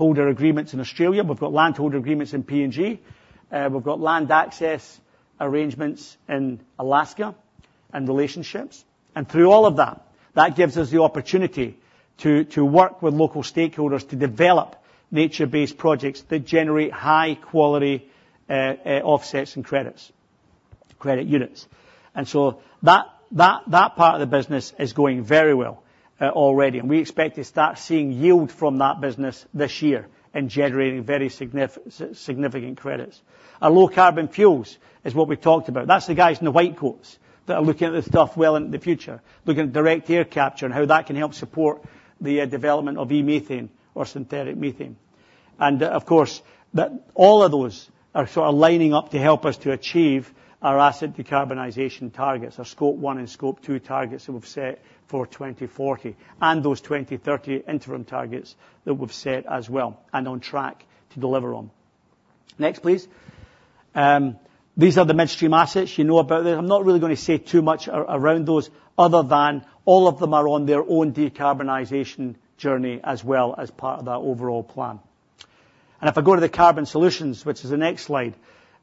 A: landholder agreements in Australia. We've got landholder agreements in PNG. We've got land access arrangements in Alaska and relationships. And through all of that, that gives us the opportunity to work with local stakeholders to develop nature-based projects that generate high-quality offsets and credits, credit units. And so that part of the business is going very well already, and we expect to start seeing yield from that business this year and generating very significant credits. Our low carbon fuels is what we talked about. That's the guys in the white coats that are looking at this stuff well into the future, looking at direct air capture and how that can help support the development of e-methane or synthetic methane. And of course, that all of those are sort of lining up to help us to achieve our asset decarbonization targets, our Scope 1 and Scope 2 targets that we've set for 2040, and those 2030 interim targets that we've set as well, and on track to deliver on. Next, please. These are the midstream assets. You know about this. I'm not really going to say too much around those other than all of them are on their own decarbonization journey as well as part of our overall plan. And if I go to the Carbon Solutions, which is the next slide,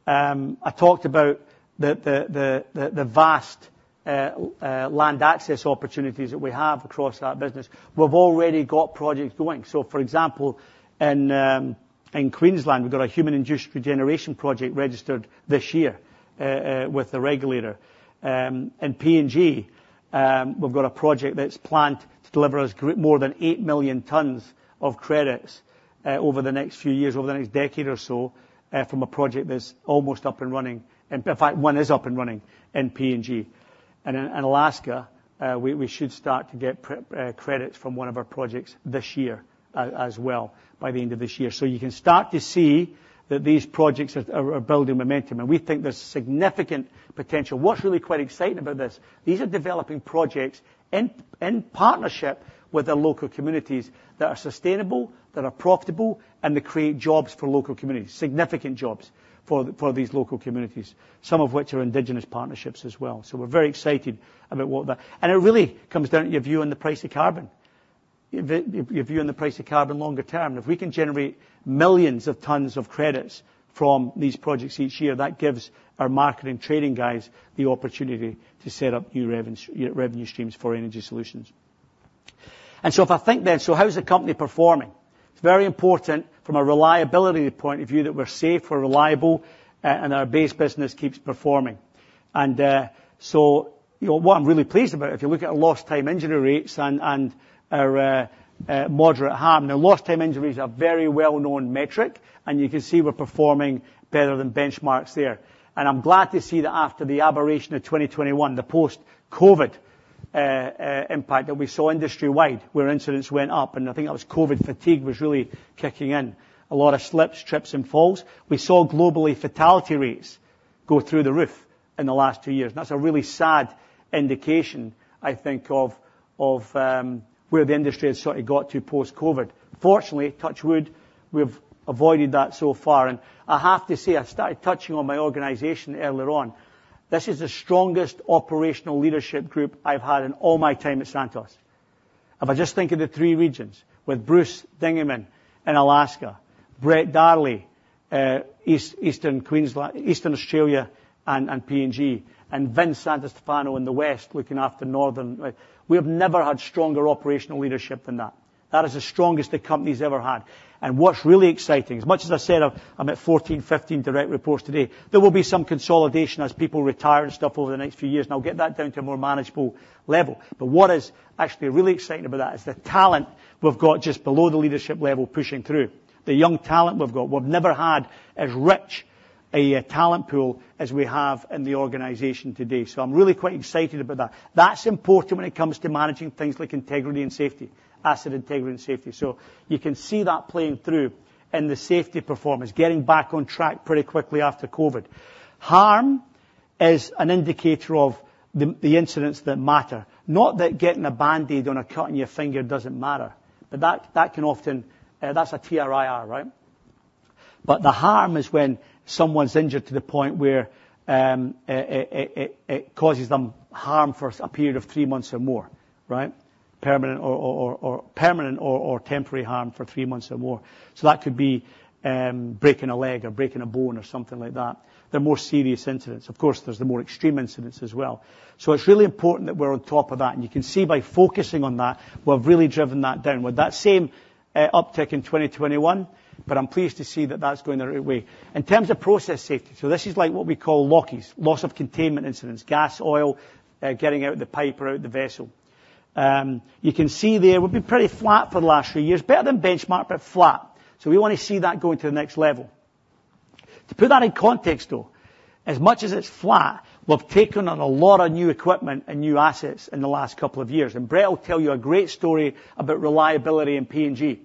A: I talked about the vast land access opportunities that we have across our business. We've already got projects going. So for example, in Queensland, we've got a human-induced regeneration project registered this year with the regulator. In PNG, we've got a project that's planned to deliver us more than 8 million tons of credits over the next few years, over the next decade or so, from a project that's almost up and running, and in fact, one is up and running in PNG. And in Alaska, we should start to get prep credits from one of our projects this year, as well, by the end of this year. So you can start to see that these projects are building momentum, and we think there's significant potential. What's really quite exciting about this, these are developing projects in partnership with the local communities that are sustainable, that are profitable, and they create jobs for local communities, significant jobs for these local communities, some of which are indigenous partnerships as well. So we're very excited about what that. And it really comes down to your view on the price of carbon, your view on the price of carbon longer term. If we can generate millions of tons of credits from these projects each year, that gives our marketing trading guys the opportunity to set up new revenue, revenue streams for Energy Solutions. So if I think then, so how is the company performing? It's very important from a reliability point of view, that we're safe, we're reliable, and our base business keeps performing. So you know, what I'm really pleased about, if you look at our lost time injury rates and our moderate harm. Now, lost time injuries are a very well-known metric, and you can see we're performing better than benchmarks there. And I'm glad to see that after the aberration of 2021, the post-COVID impact that we saw industry-wide, where incidents went up, and I think that was COVID fatigue, was really kicking in. A lot of slips, trips, and falls. We saw globally, fatality rates go through the roof in the last two years, and that's a really sad indication, I think, of where the industry has sort of got to post-COVID. Fortunately, touch wood, we've avoided that so far. I have to say, I started touching on my organization earlier on. This is the strongest operational leadership group I've had in all my time at Santos. If I just think of the three regions, with Bruce Dingemans in Alaska, Brett Darley in Eastern Australia and PNG, and Vince Santostefano in the west, looking after Northern. We have never had stronger operational leadership than that. That is the strongest the company's ever had. What's really exciting, as much as I said, I'm at 14, 15 direct reports today. There will be some consolidation as people retire and stuff over the next few years, and I'll get that down to a more manageable level. But what is actually really exciting about that is the talent we've got just below the leadership level, pushing through. The young talent we've got. We've never had as rich a talent pool as we have in the organization today. So I'm really quite excited about that. That's important when it comes to managing things like integrity and safety, asset integrity and safety. So you can see that playing through in the safety performance, getting back on track pretty quickly after COVID. Harm is an indicator of the incidents that matter. Not that getting a Band-Aid on a cut on your finger doesn't matter, but that, that can often. That's a TRIR, right? But the harm is when someone's injured to the point where it causes them harm for a period of three months or more, right? Permanent or permanent or temporary harm for three months or more. So that could be breaking a leg or breaking a bone or something like that. They're more serious incidents. Of course, there's the more extreme incidents as well. So it's really important that we're on top of that, and you can see by focusing on that, we've really driven that down. With that same uptick in 2021, but I'm pleased to see that that's going the right way. In terms of process safety, so this is like what we call LOCIs, loss of containment incidents. Gas, oil, getting out of the pipe or out of the vessel. You can see there, we've been pretty flat for the last few years. Better than benchmark, but flat. So we want to see that going to the next level. To put that in context, though, as much as it's flat, we've taken on a lot of new equipment and new assets in the last couple of years, and Brett will tell you a great story about reliability in PNG,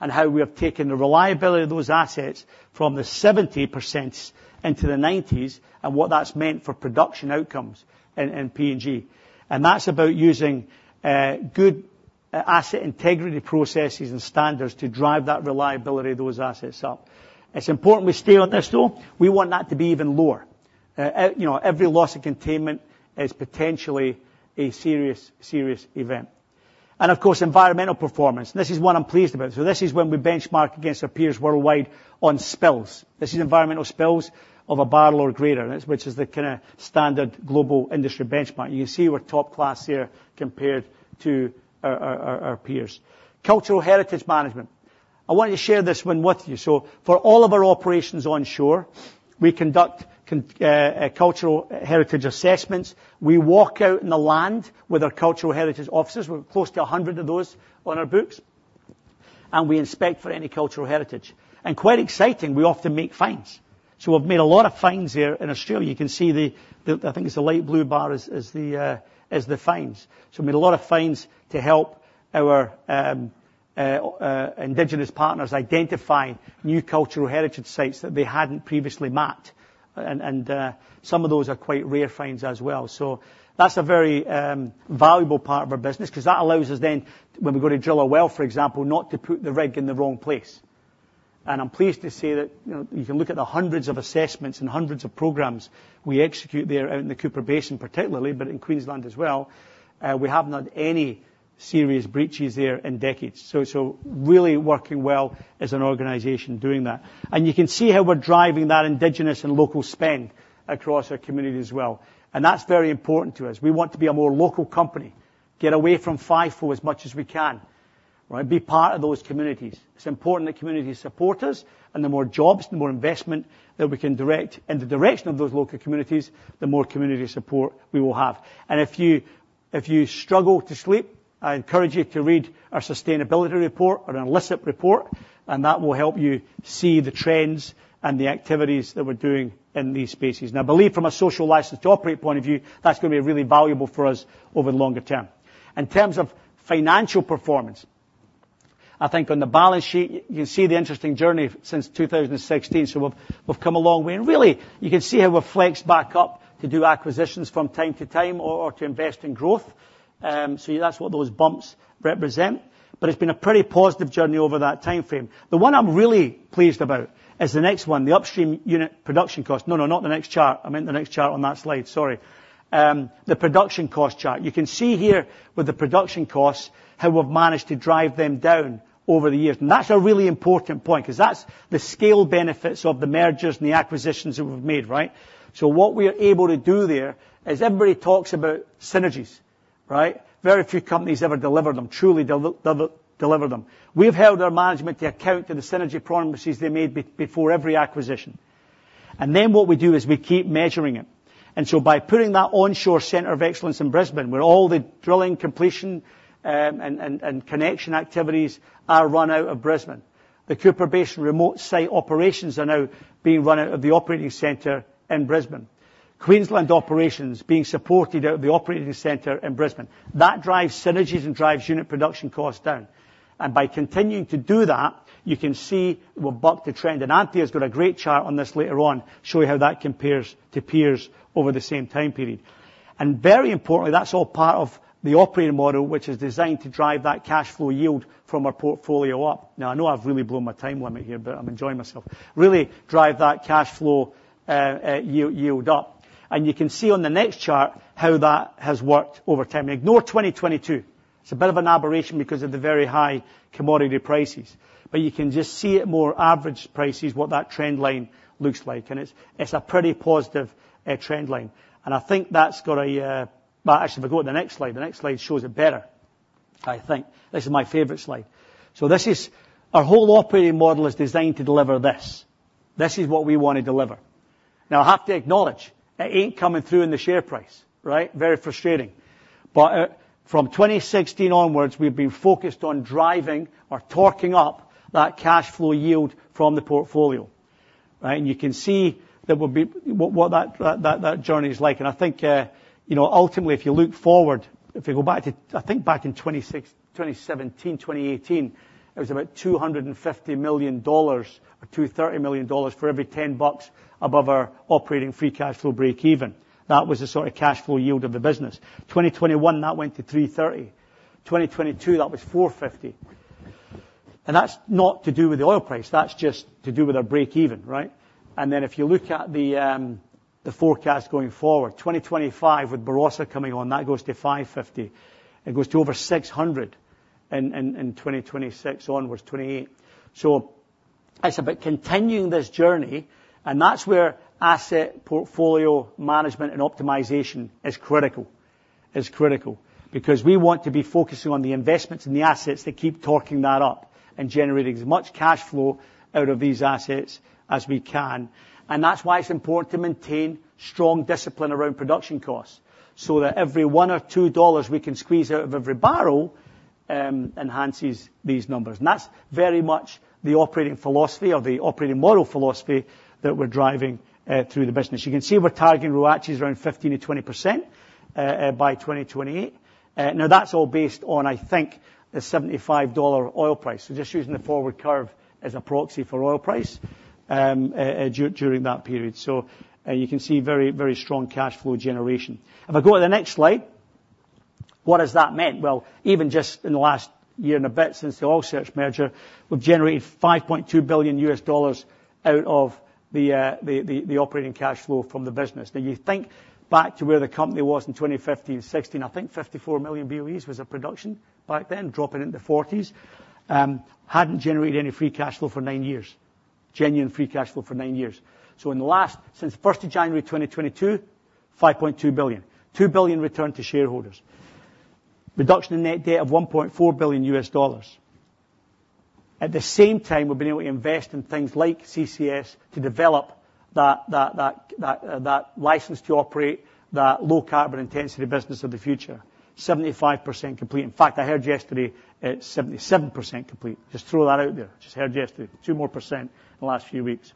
A: and how we have taken the reliability of those assets from the 70% into the 90s, and what that's meant for production outcomes in PNG. And that's about using good asset integrity processes and standards to drive that reliability of those assets up. It's important we stay on this, though. We want that to be even lower. You know, every loss of containment is potentially a serious, serious event. And of course, environmental performance. This is what I'm pleased about. So this is when we benchmark against our peers worldwide on spills. This is environmental spills of a barrel or greater, which is the kinda standard global industry benchmark. You can see we're top class here compared to our peers. Cultural heritage management. I want to share this one with you. So for all of our operations onshore, we conduct cultural heritage assessments. We walk out in the land with our cultural heritage officers. We're close to 100 of those on our books, and we inspect for any cultural heritage. And quite exciting, we often make finds. So we've made a lot of finds here in Australia. You can see the light blue bar is the finds. So we made a lot of finds to help our Indigenous partners identify new cultural heritage sites that they hadn't previously mapped. And some of those are quite rare finds as well. So that's a very valuable part of our business, 'cause that allows us then, when we go to drill a well, for example, not to put the rig in the wrong place. And I'm pleased to say that, you know, you can look at the hundreds of assessments and hundreds of programs we execute there out in the Cooper Basin particularly, but in Queensland as well, we have not any serious breaches there in decades. So, so really working well as an organization doing that. And you can see how we're driving that Indigenous and local spend across our community as well, and that's very important to us. We want to be a more local company, get away from FIFO as much as we can, right? Be part of those communities. It's important the community support us, and the more jobs, the more investment that we can direct in the direction of those local communities, the more community support we will have. And if you, if you struggle to sleep, I encourage you to read our sustainability report and our LSIP report, and that will help you see the trends and the activities that we're doing in these spaces. Now, I believe from a social license to operate point of view, that's gonna be really valuable for us over the longer term. In terms of financial performance, I think on the balance sheet, you can see the interesting journey since 2016. So we've, we've come a long way, and really, you can see how we've flexed back up to do acquisitions from time to time or, or to invest in growth. So that's what those bumps represent, but it's been a pretty positive journey over that timeframe. The one I'm really pleased about is the next one, the upstream unit production cost. No, no, not the next chart. I meant the next chart on that slide. Sorry. The production cost chart. You can see here with the production costs, how we've managed to drive them down over the years. And that's a really important point, 'cause that's the scale benefits of the mergers and the acquisitions that we've made, right? So what we're able to do there is everybody talks about synergies. Right? Very few companies ever deliver them, truly deliver them. We've held our management to account to the synergy promises they made before every acquisition. And then what we do is we keep measuring it. And so by putting that onshore center of excellence in Brisbane, where all the drilling completion and connection activities are run out of Brisbane. The Cooper Basin remote site operations are now being run out of the operating center in Brisbane. Queensland operations being supported out of the operating center in Brisbane. That drives synergies and drives unit production costs down. And by continuing to do that, you can see we've bucked the trend. And Anthea has got a great chart on this later on, showing how that compares to peers over the same time period. And very importantly, that's all part of the operating model, which is designed to drive that cash flow yield from our portfolio up. Now, I know I've really blown my time limit here, but I'm enjoying myself. Really drive that cash flow yield up. And you can see on the next chart how that has worked over time. Ignore 2022. It's a bit of an aberration because of the very high commodity prices, but you can just see at more average prices, what that trend line looks like, and it's a pretty positive trend line. And I think that's got a. Well, actually, if I go to the next slide, the next slide shows it better, I think. This is my favorite slide. So this is, our whole operating model is designed to deliver this. This is what we want to deliver. Now, I have to acknowledge, it ain't coming through in the share price, right? Very frustrating. But from 2016 onwards, we've been focused on driving or torquing up that cash flow yield from the portfolio, right? And you can see that would be, what that journey is like. And I think, you know, ultimately, if you look forward, if we go back to, I think back in 2017, 2018, it was about $250 million, or $230 million for every $10 above our operating free cash flow breakeven. That was the sort of cash flow yield of the business. 2021, that went to $330. 2022, that was $450. And that's not to do with the oil price, that's just to do with our breakeven, right? And then if you look at the forecast going forward, 2025, with Barossa coming on, that goes to 550. It goes to over 600 in 2026 onwards, 2028. So it's about continuing this journey, and that's where asset portfolio management and optimization is critical. Is critical. Because we want to be focusing on the investments in the assets that keep torquing that up and generating as much cash flow out of these assets as we can. And that's why it's important to maintain strong discipline around production costs, so that every $1 or $2 we can squeeze out of every barrel enhances these numbers. And that's very much the operating philosophy or the operating model philosophy that we're driving through the business. You can see we're targeting ROACE is around 15%-20% by 2028. Now, that's all based on, I think, the $75 oil price. So just using the forward curve as a proxy for oil price, during that period. So, you can see very, very strong cash flow generation. If I go to the next slide, what has that meant? Well, even just in the last year and a bit since the Oil Search merger, we've generated $5.2 billion out of the operating cash flow from the business. Now, you think back to where the company was in 2015, 2016, I think 54 million BOEs was a production back then, dropping into the 40s. Hadn't generated any free cash flow for nine years, genuine free cash flow for nine years. So in the last, since first of January 2022, $5.2 billion. $2 billion returned to shareholders. Reduction in net debt of $1.4 billion. At the same time, we've been able to invest in things like CCS to develop that license to operate, that low carbon intensity business of the future. 75% complete. In fact, I heard yesterday, it's 77% complete. Just throw that out there. Just heard yesterday, 2% more in the last few weeks.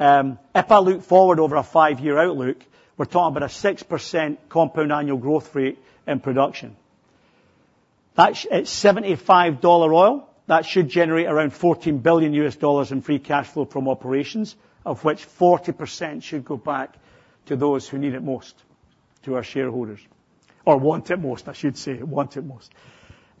A: If I look forward over a five-year outlook, we're talking about a 6% compound annual growth rate in production. That's at $75 oil, that should generate around $14 billion in free cash flow from operations, of which 40% should go back to those who need it most, to our shareholders, or want it most, I should say, want it mos.. third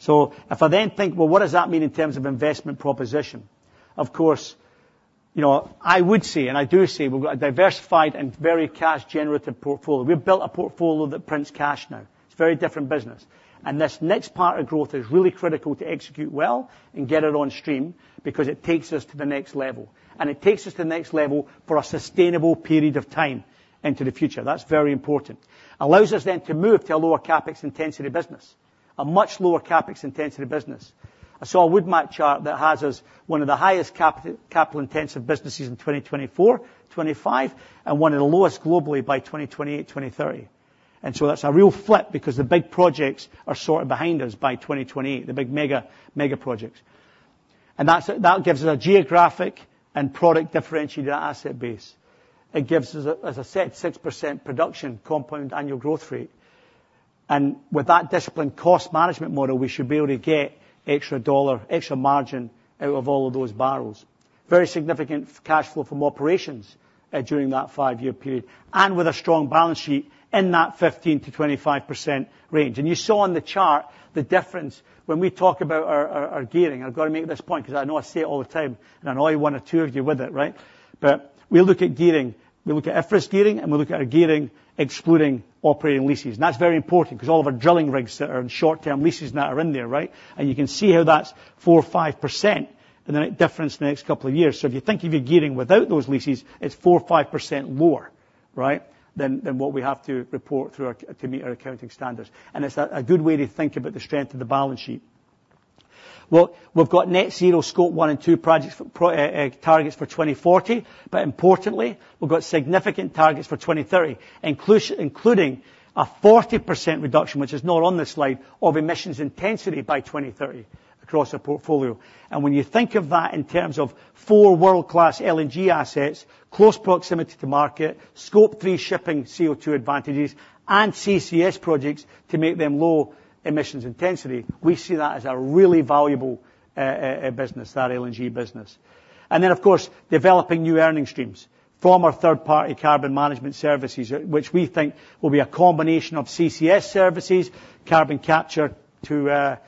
A: say, and I do say, we've got a diversified and very cash-generative portfolio. We've built a portfolio that prints cash now. It's a very different business. And this next part of growth is really critical to execute well and get it on stream because it takes us to the next level, and it takes us to the next level for a sustainable period of time into the future. That's very important. Allows us then to move to a lower CapEx intensity business, a much lower CapEx intensity business. I saw a WoodMac chart that has us one of the highest capital-intensive businesses in 2024, 2025, and one of the lowest globally by 2028, 2030. And that's a real flip because the big projects are sort of behind us by 2028, the big mega projects. And that gives us a geographic and product differentiated asset base. It gives us a, as I said, 6% production compound annual growth rate. With that disciplined cost management model, we should be able to get extra dollar, extra margin out of all of those barrels. Very significant cash flow from operations during that five-year period, and with a strong balance sheet in that 15%-25% range. And you saw on the chart the difference when we talk about our gearing. I've got to make this point, because I know I say it all the time, and I know only one or two of you with it, right? But we look at gearing, we look at FRS gearing, and we look at our gearing excluding operating leases. And that's very important, because all of our drilling rigs that are in short-term leases now are in there, right? And you can see how that's 4% or 5%, and then the difference in the next couple of years. So if you think of your gearing without those leases, it's 4 or 5% lower, right, than what we have to report through our, to meet our accounting standards. It's a good way to think about the strength of the balance sheet. Well, we've got net zero Scope 1 and 2 projects pro targets for 2040, but importantly, we've got significant targets for 2030, including a 40% reduction, which is not on this slide, of emissions intensity by 2030 across our portfolio. When you think of that in terms of four world-class LNG assets, close proximity to market, Scope 3 shipping CO2 advantages, and CCS projects to make them low emissions intensity, we see that as a really valuable business, that LNG business. And then, of course, developing new earning streams from our third-party carbon management services, which we think will be a combination of CCS services, carbon capture to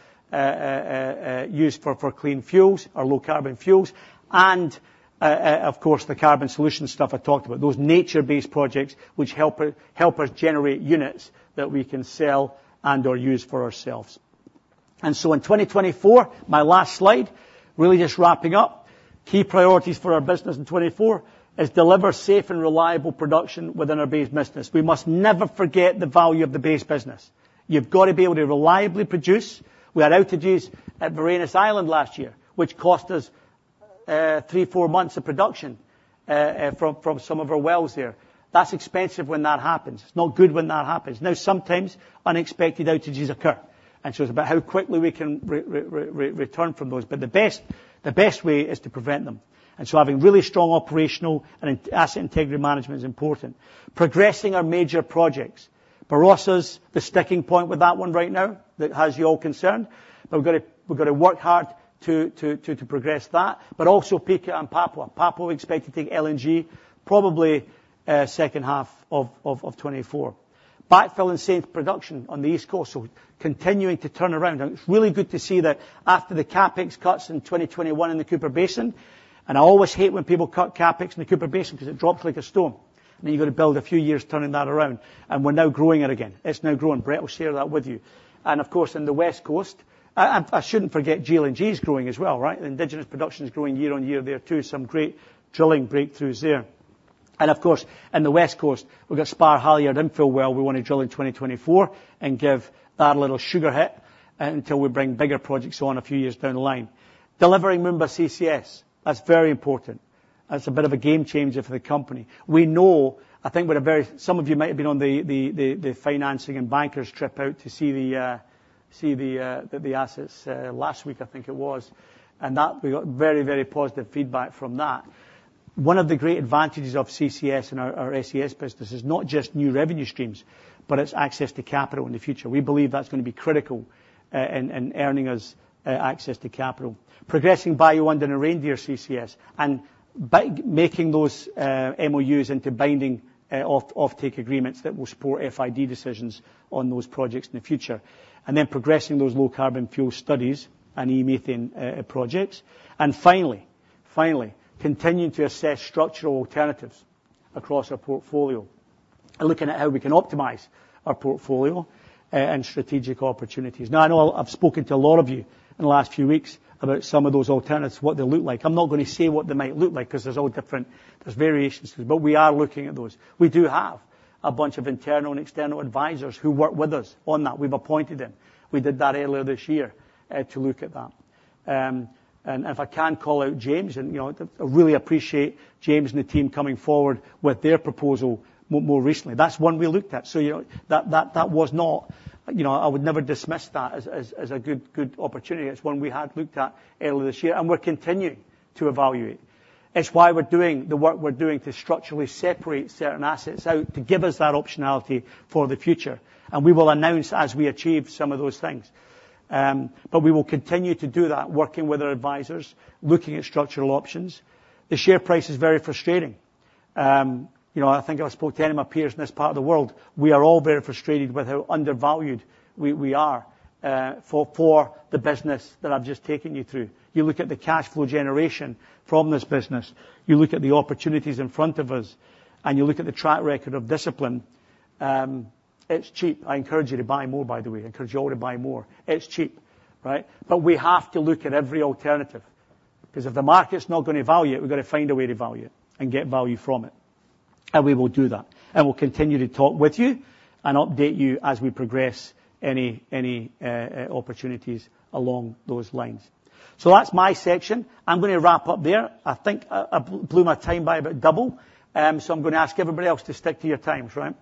A: use for, for clean fuels or low carbon fuels, and, of course, the carbon solution stuff I talked about, those nature-based projects, which help us generate units that we can sell and/or use for ourselves. And so in 2024, my last slide, really just wrapping up. Key priorities for our business in 2024 is deliver safe and reliable production within our base business. We must never forget the value of the base business. You've got to be able to reliably produce. We had outages at Varanus Island last year, which cost us 3-4 months of production from some of our wells there. That's expensive when that happens. It's not good when that happens. Now, sometimes unexpected outages occur, and so it's about how quickly we can return from those. But the best, the best way is to prevent them, and so having really strong operational and asset integrity management is important. Progressing our major projects. Barossa's the sticking point with that one right now, that has you all concerned. But we've got to work hard to progress that, but also Pikka and Papua. Papua, we expect to take LNG, probably, second half of 2024. Backfill and gas production on the East Coast, so continuing to turn around. It's really good to see that after the CapEx cuts in 2021 in the Cooper Basin, and I always hate when people cut CapEx in the Cooper Basin because it drops like a stone, and then you've got to build a few years turning that around. And we're now growing it again. It's now growing. Brett will share that with you. And of course, in the West Coast. I shouldn't forget GLNG is growing as well, right? Indigenous production is growing year-on-year there, too. Some great drilling breakthroughs there. And of course, in the West Coast, we've got Spar Halyard infill well we want to drill in 2024 and give that a little sugar hit until we bring bigger projects on a few years down the line. Delivering Moomba CCS, that's very important. That's a bit of a game changer for the company. We know, I think some of you might have been on the financing and bankers trip out to see the assets last week, I think it was. And that we got very, very positive feedback from that. One of the great advantages of CCS and our CCS business is not just new revenue streams, but it's access to capital in the future. We believe that's gonna be critical in earning us access to capital. Progressing Bayu-Undan and Reindeer CCS, and by making those MOUs into binding offtake agreements that will support FID decisions on those projects in the future. And then progressing those low carbon fuel studies and e-methane projects. Finally, finally, continuing to assess structural alternatives across our portfolio, and looking at how we can optimize our portfolio and strategic opportunities. Now, I know I've spoken to a lot of you in the last few weeks about some of those alternatives, what they look like. I'm not going to say what they might look like, because there's all different, there's variations, but we are looking at those. We do have a bunch of internal and external advisors who work with us on that. We've appointed them. We did that earlier this year to look at that. And if I can call out James, and, you know, I really appreciate James and the team coming forward with their proposal more recently. That's one we looked at. So, you know, that, that, that was not. You know, I would never dismiss that as a good opportunity. It's one we had looked at earlier this year, and we're continuing to evaluate. It's why we're doing the work we're doing to structurally separate certain assets out, to give us that optionality for the future, and we will announce as we achieve some of those things. But we will continue to do that, working with our advisors, looking at structural options. The share price is very frustrating. You know, I think I've spoke to any of my peers in this part of the world. We are all very frustrated with how undervalued we are for the business that I've just taken you through. You look at the cash flow generation from this business, you look at the opportunities in front of us, and you look at the track record of discipline. It's cheap. I encourage you to buy more, by the way. I encourage you all to buy more. It's cheap, right? But we have to look at every alternative, because if the market's not gonna value it, we've got to find a way to value it and get value from it. And we will do that. And we'll continue to talk with you and update you as we progress any opportunities along those lines. So that's my section. I'm gonna wrap up there. I think I blew my time by about double, so I'm gonna ask everybody else to stick to your times, right?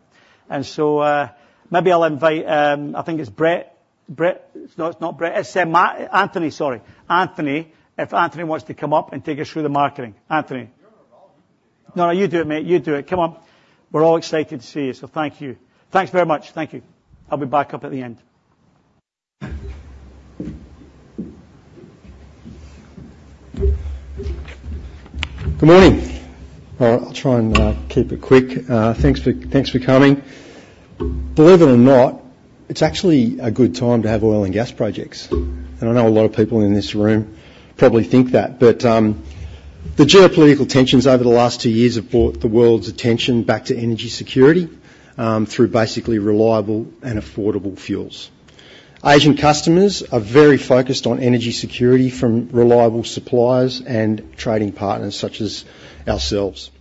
A: And so, maybe I'll invite. I think it's Brett. Brett? It's not, it's not Brett. It's Anthony, sorry. Anthony, if Anthony wants to come up and take us through the marketing. Anthony. You're involved. No, you do it, mate. You do it. Come up. We're all excited to see you, so thank you. Thanks very much. Thank you. I'll be back up at the end.
B: Good morning! I'll try and keep it quick. Thanks for, thanks for coming. Believe it or not, it's actually a good time to have oil and gas projects, and I know a lot of people in this room probably think that. But, the geopolitical tensions over the last two years have brought the world's attention back to energy security through basically reliable and affordable fuels. Asian customers are very focused on energy security from reliable suppliers and trading partners such as ourselves.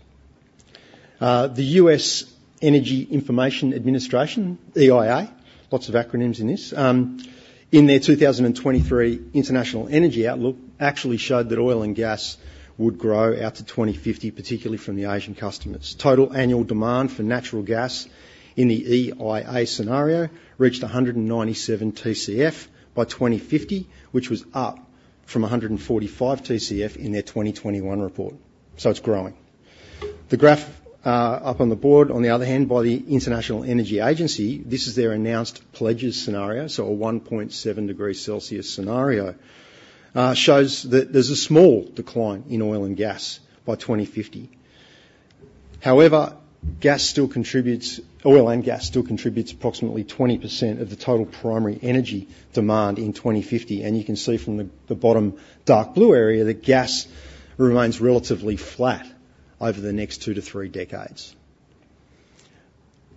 B: The U.S. Energy Information Administration, EIA, lots of acronyms in this, in their 2023 International Energy Outlook actually showed that oil and gas would grow out to 2050, particularly from the Asian customers. Total annual demand for natural gas in the EIA scenario reached 197 TCF by 2050, which was up from 145 TCF in their 2021 report. So it's growing. The graph up on the board, on the other hand, by the International Energy Agency, this is their announced pledges scenario, so a 1.7 degree Celsius scenario, shows that there's a small decline in oil and gas by 2050. However, gas still contributes. Oil and gas still contributes approximately 20% of the total primary energy demand in 2050, and you can see from the bottom dark blue area that gas remains relatively flat over the next 2-3 decades.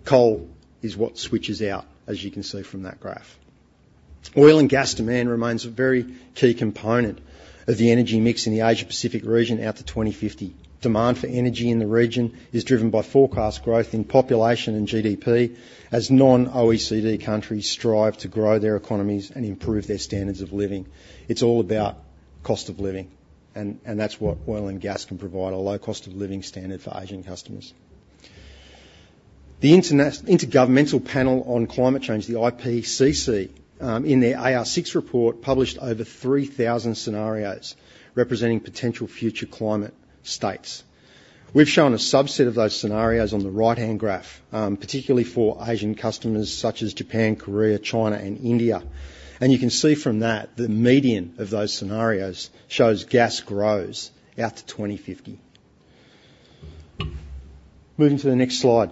B: Coal is what switches out, as you can see from that graph. Oil and gas demand remains a very key component of the energy mix in the Asia-Pacific region out to 2050. Demand for energy in the region is driven by forecast growth in population and GDP, as non-OECD countries strive to grow their economies and improve their standards of living. It's all about cost of living, and, and that's what oil and gas can provide, a low cost of living standard for Asian customers. The Intergovernmental Panel on Climate Change, the IPCC, in their AR6 report, published over 3,000 scenarios representing potential future climate states. We've shown a subset of those scenarios on the right-hand graph, particularly for Asian customers such as Japan, Korea, China and India. And you can see from that, the median of those scenarios shows gas grows out to 2050. Moving to the next slide.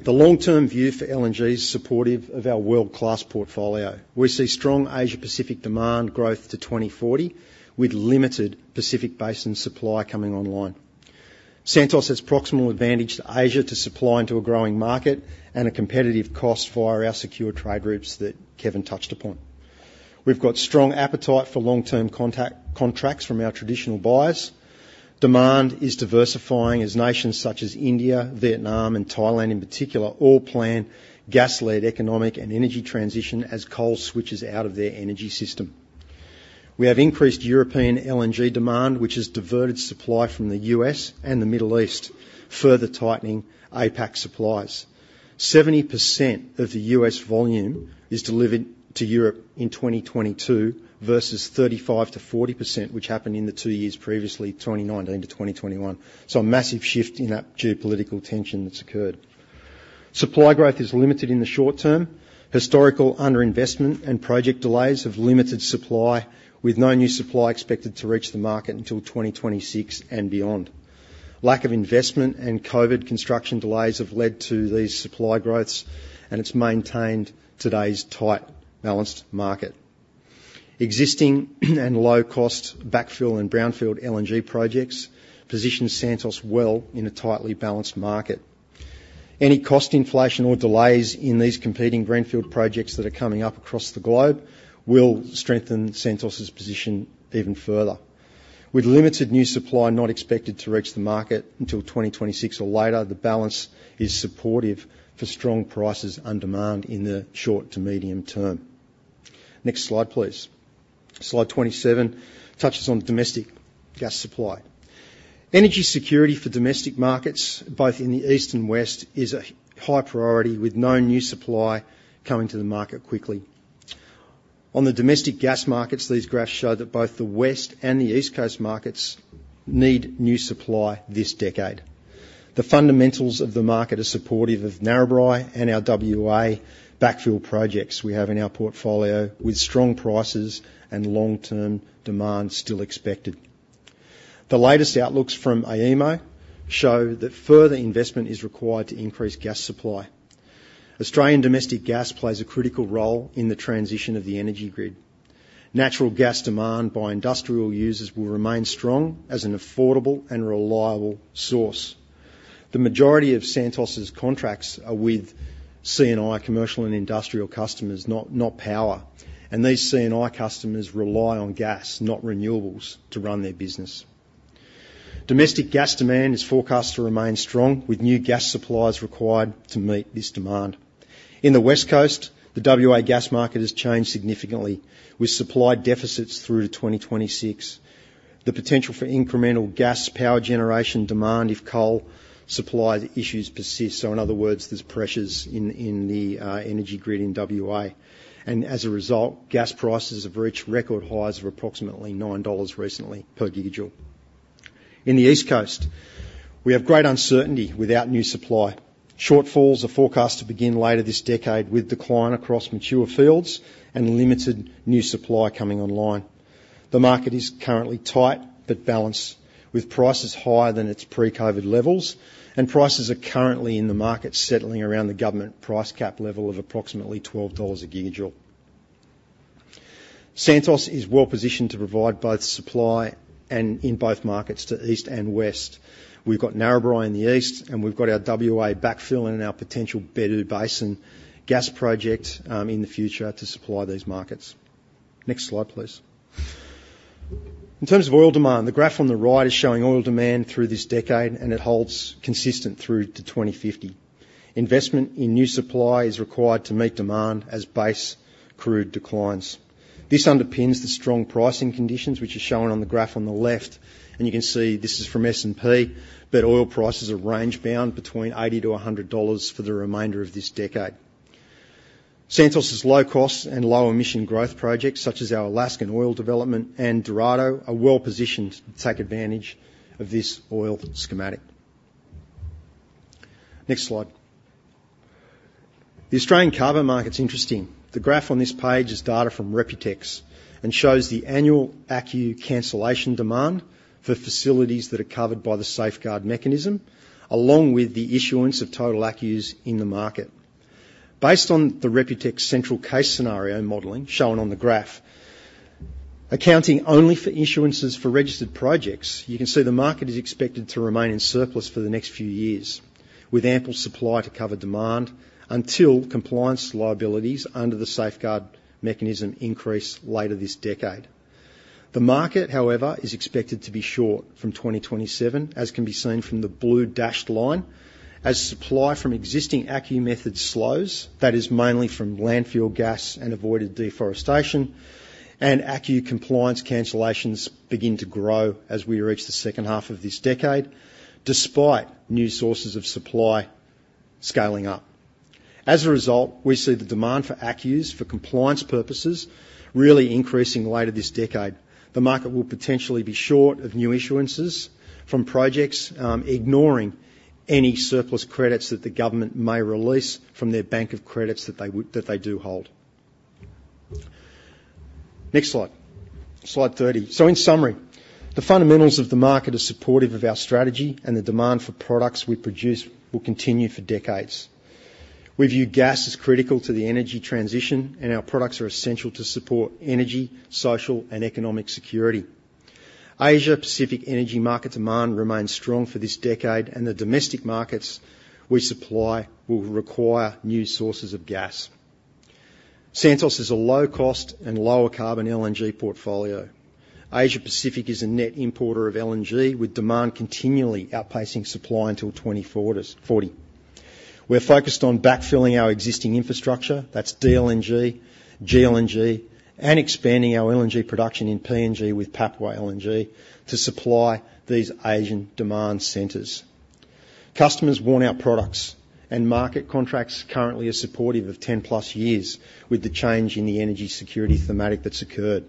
B: The long-term view for LNG is supportive of our world-class portfolio. We see strong Asia-Pacific demand growth to 2040, with limited Pacific Basin supply coming online. Santos has proximal advantage to Asia to supply into a growing market and a competitive cost via our secure trade routes that Kevin touched upon. We've got strong appetite for long-term contact, contracts from our traditional buyers. Demand is diversifying as nations such as India, Vietnam and Thailand in particular, all plan gas-led economic and energy transition as coal switches out of their energy system. We have increased European LNG demand, which has diverted supply from the U.S. and the Middle East, further tightening APAC supplies. 70% of the U.S. volume is delivered to Europe in 2022, versus 35%-40%, which happened in the two years previously, 2019-2021. So a massive shift in that geopolitical tension that's occurred. Supply growth is limited in the short term. Historical underinvestment and project delays have limited supply, with no new supply expected to reach the market until 2026 and beyond. Lack of investment and COVID construction delays have led to these supply growths, and it's maintained today's tight balanced market. Existing and low-cost backfill and brownfield LNG projects position Santos well in a tightly balanced market. Any cost inflation or delays in these competing greenfield projects that are coming up across the globe will strengthen Santos' position even further. With limited new supply not expected to reach the market until 2026 or later, the balance is supportive for strong prices and demand in the short to medium term. Next slide, please. Slide 27 touches on domestic gas supply. Energy security for domestic markets, both in the east and west, is a high priority, with no new supply coming to the market quickly. On the domestic gas markets, these graphs show that both the west and the east coast markets need new supply this decade. The fundamentals of the market are supportive of Narrabri and our WA backfill projects we have in our portfolio, with strong prices and long-term demand still expected. The latest outlooks from AEMO show that further investment is required to increase gas supply. Australian domestic gas plays a critical role in the transition of the energy grid. Natural gas demand by industrial users will remain strong as an affordable and reliable source. The majority of Santos' contracts are with C&I, commercial and industrial customers, not power, and these C&I customers rely on gas, not renewables, to run their business. Domestic gas demand is forecast to remain strong, with new gas supplies required to meet this demand. In the West Coast, the WA gas market has changed significantly, with supply deficits through to 2026. The potential for incremental gas power generation demand if coal supply issues persist, so in other words, there's pressures in, in the energy grid in WA. And as a result, gas prices have reached record highs of approximately 9 dollars recently per gigajoule. In the East Coast, we have great uncertainty without new supply. Shortfalls are forecast to begin later this decade, with decline across mature fields and limited new supply coming online. The market is currently tight but balanced, with prices higher than its pre-COVID levels, and prices are currently in the market settling around the government price cap level of approximately 12 dollars a gigajoule. Santos is well positioned to provide both supply and in both markets to East and West. We've got Narrabri in the East, and we've got our WA backfill and our potential Bedout Basin gas project, in the future to supply these markets. Next slide, please. In terms of oil demand, the graph on the right is showing oil demand through this decade, and it holds consistent through to 2050. Investment in new supply is required to meet demand as base crude declines. This underpins the strong pricing conditions, which are shown on the graph on the left, and you can see this is from S&P, but oil prices are range-bound between $80-$100 for the remainder of this decade. Santos' low-cost and low-emission growth projects, such as our Alaskan oil development and Dorado, are well positioned to take advantage of this oil schematic. Next slide. The Australian carbon market's interesting. The graph on this page is data from RepuTex and shows the annual ACCU cancellation demand for facilities that are covered by the Safeguard Mechanism, along with the issuance of total ACCUs in the market. Based on the RepuTex central case scenario modeling, shown on the graph, accounting only for insurances for registered projects, you can see the market is expected to remain in surplus for the next few years, with ample supply to cover demand until compliance liabilities under the Safeguard Mechanism increase later this decade. The market, however, is expected to be short from 2027, as can be seen from the blue dashed line. As supply from existing ACCU methods slows, that is mainly from landfill gas and avoided deforestation, and ACCU compliance cancellations begin to grow as we reach the second half of this decade, despite new sources of supply scaling up. As a result, we see the demand for ACCUs for compliance purposes really increasing later this decade. The market will potentially be short of new insurances from projects, ignoring any surplus credits that the government may release from their bank of credits that they do hold. Next slide. Slide 30. So in summary, the fundamentals of the market are supportive of our strategy, and the demand for products we produce will continue for decades. We view gas as critical to the energy transition, and our products are essential to support energy, social, and economic security. Asia Pacific energy market demand remains strong for this decade, and the domestic markets we supply will require new sources of gas. Santos is a low-cost and lower-carbon LNG portfolio. Asia Pacific is a net importer of LNG, with demand continually outpacing supply until 2040. We're focused on backfilling our existing infrastructure, that's DLNG, GLNG, and expanding our LNG production in PNG with Papua LNG to supply these Asian demand centers. Customers want our products, and market contracts currently are supportive of 10+ years with the change in the energy security thematic that's occurred.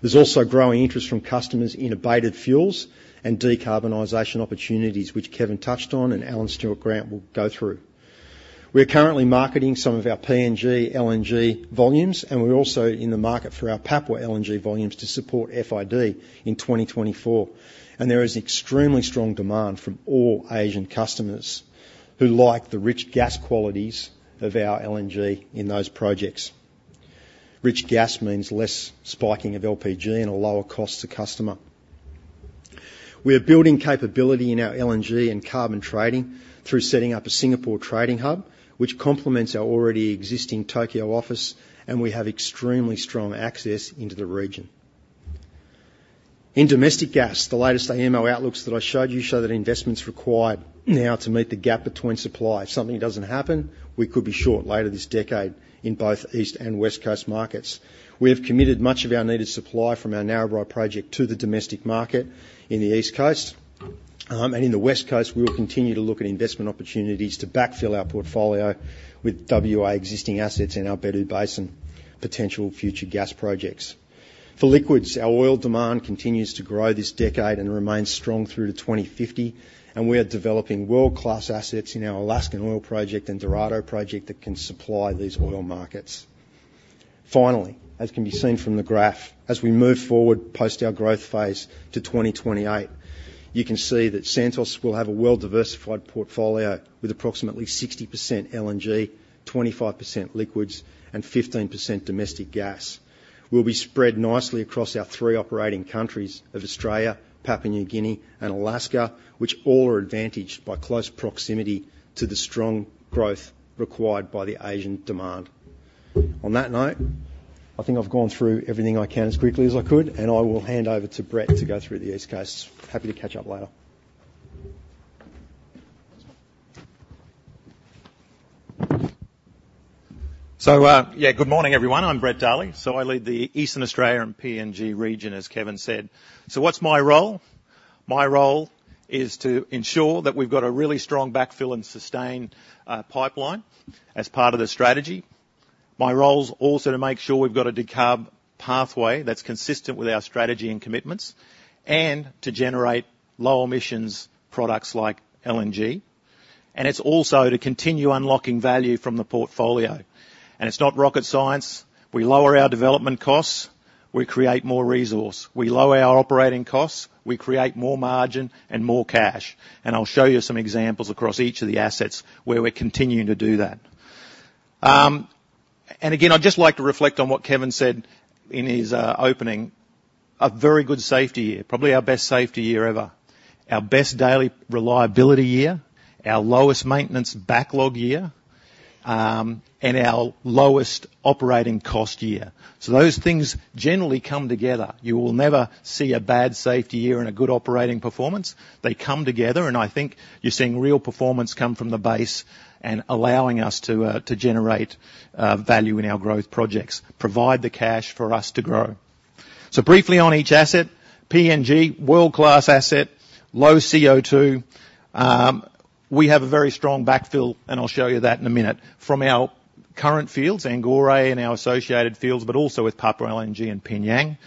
B: There's also growing interest from customers in abated fuels and decarbonization opportunities, which Kevin touched on and Alan Stuart-Grant will go through. We are currently marketing some of our PNG LNG volumes, and we're also in the market for our Papua LNG volumes to support FID in 2024. There is extremely strong demand from all Asian customers who like the rich gas qualities of our LNG in those projects. Rich gas means less spiking of LPG and a lower cost to customer. We are building capability in our LNG and carbon trading through setting up a Singapore trading hub, which complements our already existing Tokyo office, and we have extremely strong access into the region. In domestic gas, the latest AEMO outlooks that I showed you show that investment's required now to meet the gap between supply. If something doesn't happen, we could be short later this decade in both East and West Coast markets. We have committed much of our needed supply from our Narrabri project to the domestic market in the East Coast. And in the West Coast, we will continue to look at investment opportunities to backfill our portfolio with WA existing assets in our Bedout Basin potential future gas projects. For liquids, our oil demand continues to grow this decade and remains strong through to 2050, and we are developing world-class assets in our Alaskan oil project and Dorado project that can supply these oil markets. Finally, as can be seen from the graph, as we move forward, post our growth phase to 2028, you can see that Santos will have a well-diversified portfolio with approximately 60% LNG, 25% liquids, and 15% domestic gas. We'll be spread nicely across our three operating countries of Australia, Papua New Guinea, and Alaska, which all are advantaged by close proximity to the strong growth required by the Asian demand. On that note, I think I've gone through everything I can as quickly as I could, and I will hand over to Brett to go through the East Coast. Happy to catch up later.
C: Yeah, good morning, everyone. I'm Brett Darley. I lead the Eastern Australia and PNG region, as Kevin said. What's my role? My role is to ensure that we've got a really strong backfill and sustain pipeline as part of the strategy. My role is also to make sure we've got a decarb pathway that's consistent with our strategy and commitments, and to generate low emissions products like LNG. And it's also to continue unlocking value from the portfolio. And it's not rocket science. We lower our development costs, we create more resource. We lower our operating costs, we create more margin and more cash. And I'll show you some examples across each of the assets where we're continuing to do that. And again, I'd just like to reflect on what Kevin said in his opening. A very good safety year. Probably our best safety year ever. Our best daily reliability year, our lowest maintenance backlog year, and our lowest operating cost year. So those things generally come together. You will never see a bad safety year and a good operating performance. They come together, and I think you're seeing real performance come from the base and allowing us to generate value in our growth projects, provide the cash for us to grow. So briefly on each asset. PNG, world-class asset, low CO2. We have a very strong backfill, and I'll show you that in a minute. From our current fields, Angore and our associated fields, but also with Papua LNG and PNG.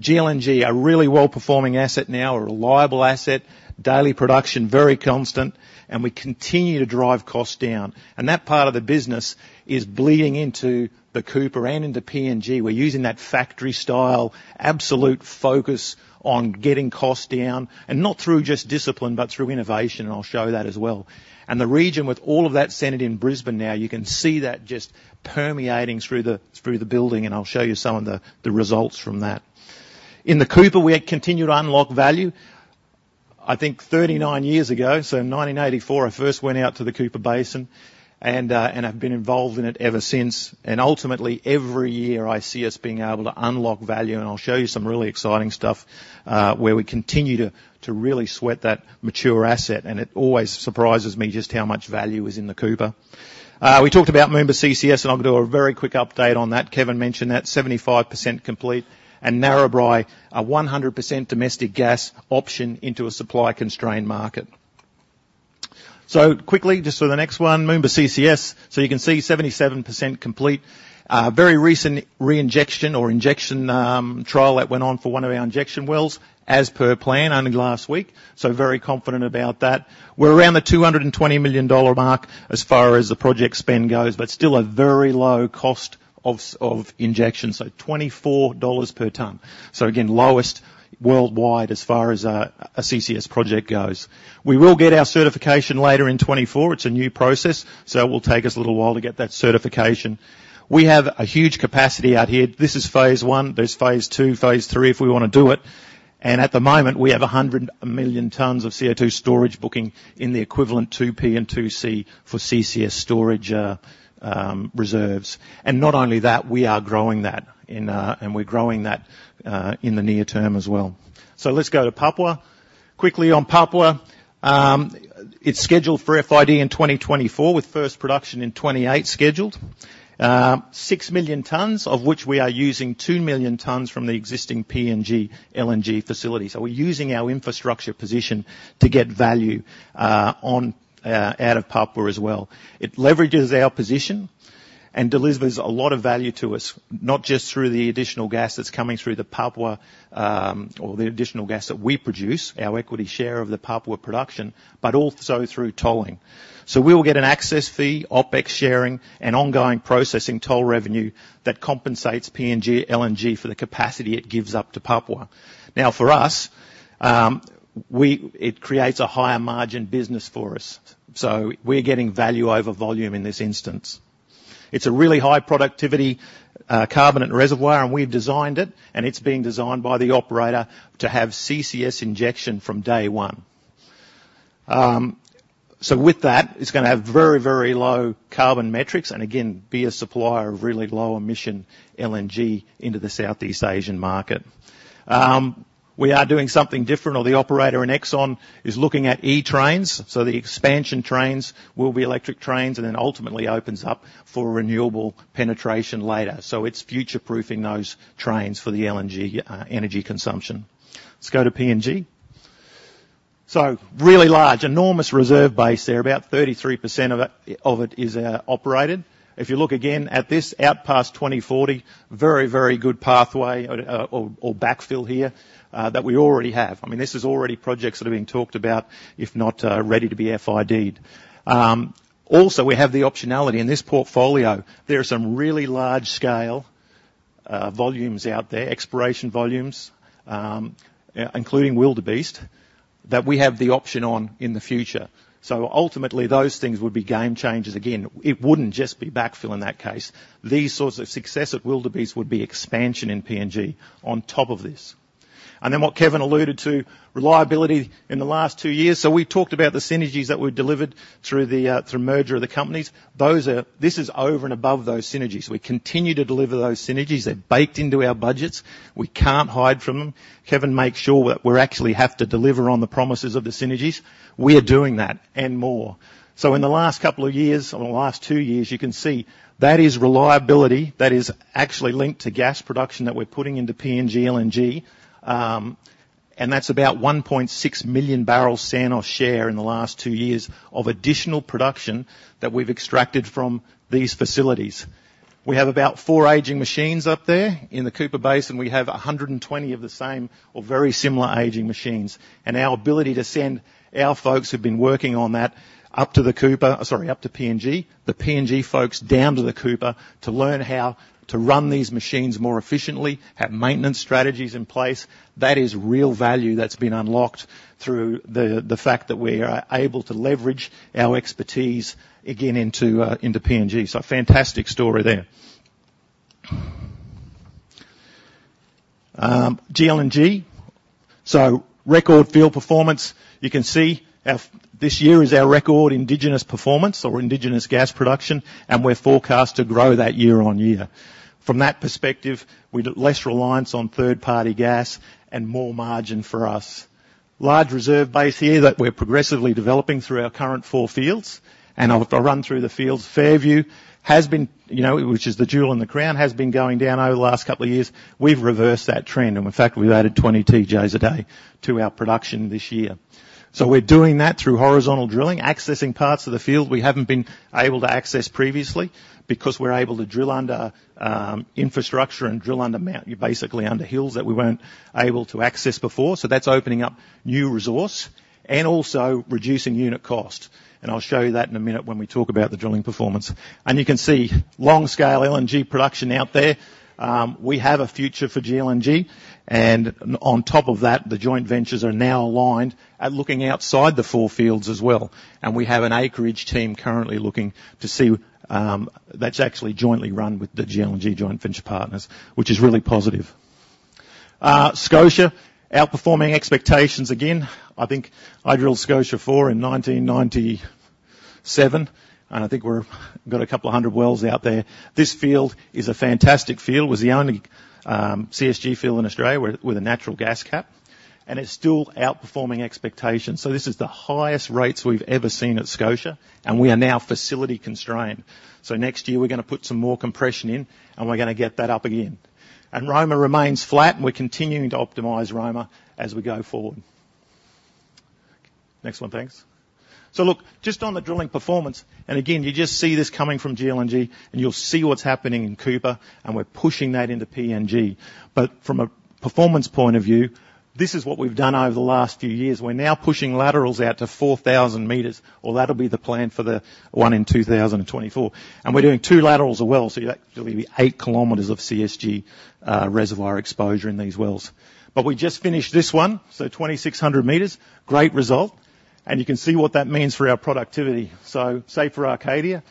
C: GLNG, a really well-performing asset now, a reliable asset. Daily production, very constant, and we continue to drive costs down. That part of the business is bleeding into the Cooper and into PNG. We're using that factory style, absolute focus on getting costs down, and not through just discipline, but through innovation, and I'll show that as well. The region with all of that centered in Brisbane now, you can see that just permeating through the building, and I'll show you some of the results from that. In the Cooper, we continue to unlock value. I think 39 years ago, so in 1984, I first went out to the Cooper Basin, and I've been involved in it ever since. Ultimately, every year, I see us being able to unlock value, and I'll show you some really exciting stuff, where we continue to really sweat that mature asset. It always surprises me just how much value is in the Cooper. We talked about Moomba CCS, and I'll do a very quick update on that. Kevin mentioned that, 75% complete, and Narrabri, a 100% domestic gas option into a supply-constrained market. So quickly, just to the next one, Moomba CCS. So you can see, 77% complete. Very recent reinjection or injection trial that went on for one of our injection wells as per plan only last week, so very confident about that. We're around the 220 million dollar mark as far as the project spend goes, but still a very low cost of injection, so 24 dollars per ton. So again, lowest worldwide as far as a CCS project goes. We will get our certification later in 2024. It's a new process, so it will take us a little while to get that certification. We have a huge capacity out here. This is Phase I. There's Phase II, Phase III, if we want to do it. And at the moment, we have 100 million tons of CO2 storage booking in the equivalent 2P and 2C for CCS storage, reserves. And not only that, we are growing that in, and we're growing that, in the near term as well. So let's go to Papua. Quickly on Papua, it's scheduled for FID in 2024, with first production in 2028 scheduled. 6 million tons, of which we are using 2 million tons from the existing PNG LNG facility. So we're using our infrastructure position to get value, on, out of Papua as well. It leverages our position and delivers a lot of value to us, not just through the additional gas that's coming through the Papua, or the additional gas that we produce, our equity share of the Papua production, but also through tolling. So we will get an access fee, OpEx sharing, and ongoing processing toll revenue that compensates PNG LNG for the capacity it gives up to Papua. Now, for us, it creates a higher margin business for us, so we're getting value over volume in this instance. It's a really high productivity, carbonate reservoir, and we've designed it, and it's being designed by the operator to have CCS injection from day one. So with that, it's going to have very, very low carbon metrics and again, be a supplier of really low emission LNG into the Southeast Asian market. We are doing something different, or the operator in Exxon is looking at E trains, so the expansion trains will be electric trains and then ultimately opens up for renewable penetration later. So it's future-proofing those trains for the LNG, energy consumption. Let's go to PNG. So really large, enormous reserve base there. About 33% of it is operated. If you look again at this out past 2040, very, very good pathway or backfill here, that we already have. I mean, this is already projects that are being talked about, if not, ready to be FIDed. Also, we have the optionality. In this portfolio, there are some really large-scale, volumes out there, exploration volumes, including Wildebeest, that we have the option on in the future. So ultimately, those things would be game changers. Again, it wouldn't just be backfill in that case. These sorts of success at Wildebeest would be expansion in PNG on top of this. And then what Kevin alluded to, reliability in the last two years. So we talked about the synergies that we've delivered through the merger of the companies. Those are. This is over and above those synergies. We continue to deliver those synergies. They're baked into our budgets. We can't hide from them. Kevin makes sure that we actually have to deliver on the promises of the synergies. We are doing that and more. So in the last couple of years, or the last two years, you can see that is reliability that is actually linked to gas production that we're putting into PNG LNG. That's about 1.6 million barrels Santos' share in the last two years of additional production that we've extracted from these facilities. We have about four aging machines up there in the Cooper Basin. We have 120 of the same or very similar aging machines, and our ability to send our folks who've been working on that up to the Cooper, sorry, up to PNG, the PNG folks down to the Cooper to learn how to run these machines more efficiently, have maintenance strategies in place, that is real value that's been unlocked through the fact that we are able to leverage our expertise again into into PNG. Fantastic story there. GLNG, record field performance. You can see our, this year is our record indigenous performance or indigenous gas production, and we're forecast to grow that year-on-year. From that perspective, we've less reliance on third-party gas and more margin for us. Large reserve base here that we're progressively developing through our current four fields, and I'll run through the fields. Fairview, you know, which is the jewel in the crown, has been going down over the last couple of years. We've reversed that trend, and in fact, we've added 20 TJs a day to our production this year. So we're doing that through horizontal drilling, accessing parts of the field we haven't been able to access previously, because we're able to drill under infrastructure and drill under mount, basically under hills that we weren't able to access before. So that's opening up new resource and also reducing unit cost, and I'll show you that in a minute when we talk about the drilling performance. And you can see GLNG production out there. We have a future for GLNG, and on top of that, the joint ventures are now aligned at looking outside the four fields as well. We have an acreage team currently looking to see. That's actually jointly run with the GLNG joint venture partners, which is really positive. Scotia, outperforming expectations again. I think I drilled Scotia 4 in 1997, and I think we got a couple of hundred wells out there. This field is a fantastic field. It was the only CSG field in Australia with, with a natural gas cap, and it's still outperforming expectations. So this is the highest rates we've ever seen at Scotia, and we are now facility constrained. So next year we're going to put some more compression in, and we're going to get that up again. Roma remains flat, and we're continuing to optimize Roma as we go forward. Next one, thanks. So look, just on the drilling performance, and again, you just see this coming from GLNG, and you'll see what's happening in Cooper, and we're pushing that into PNG. But from a performance point of view, this is what we've done over the last few years. We're now pushing laterals out to 4,000 m, or that'll be the plan for the one in 2024. And we're doing two laterals a well, so you're actually 8 km of CSG reservoir exposure in these wells. But we just finished this one, so 2,600 m. Great result, and you can see what that means for our productivity. So, say, for Arcadia,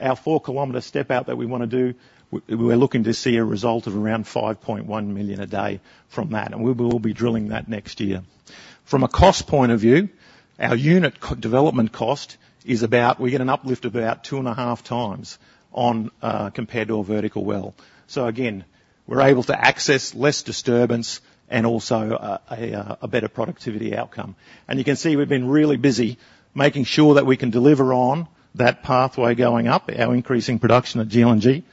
C: our 4-km step out that we want to do, we're looking to see a result of around 5.1 million a day from that, and we will be drilling that next year. From a cost point of view, our unit development cost is about. We get an uplift about 2.5x on compared to a vertical well. So again, we're able to access less disturbance and also a better productivity outcome. And you can see we've been really busy making sure that we can deliver on that pathway going up, our increasing production at GLNG,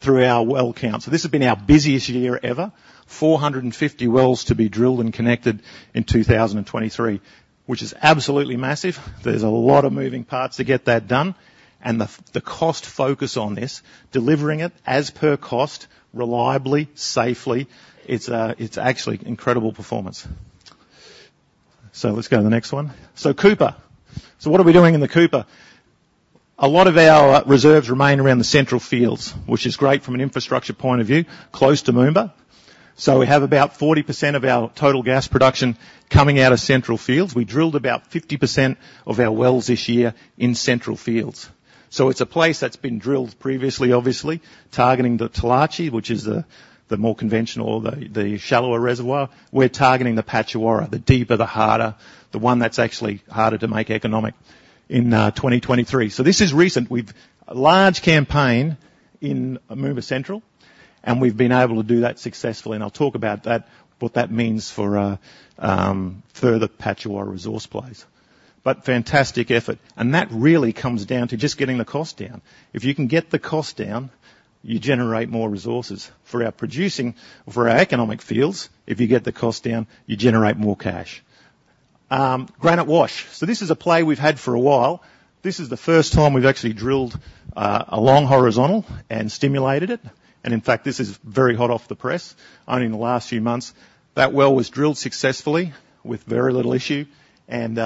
C: through our well count. So this has been our busiest year ever. 450 wells to be drilled and connected in 2023, which is absolutely massive. There's a lot of moving parts to get that done, and the cost focus on this, delivering it as per cost, reliably, safely, it's actually incredible performance. So let's go to the next one. So Cooper. So what are we doing in the Cooper? A lot of our reserves remain around the central fields, which is great from an infrastructure point of view, close to Moomba. So we have about 40% of our total gas production coming out of central fields. We drilled about 50% of our wells this year in central fields. So it's a place that's been drilled previously, obviously, targeting the Toolachee, which is the more conventional, or the shallower reservoir. We're targeting the Patchawarra, the deeper, the harder, the one that's actually harder to make economic in 2023. So this is recent. We've a large campaign in Moomba Central, and we've been able to do that successfully, and I'll talk about that, what that means for further Patchawarra resource plays. But fantastic effort, and that really comes down to just getting the cost down. If you can get the cost down, you generate more resources for our producing, for our economic fields. If you get the cost down, you generate more cash. Granite Wash. So this is a play we've had for a while. This is the first time we've actually drilled a long horizontal and stimulated it, and in fact, this is very hot off the press. Only in the last few months, that well was drilled successfully with very little issue, and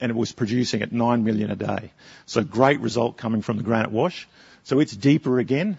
C: it was producing at 9 million a day. So great result coming from the Granite Wash. So it's deeper again,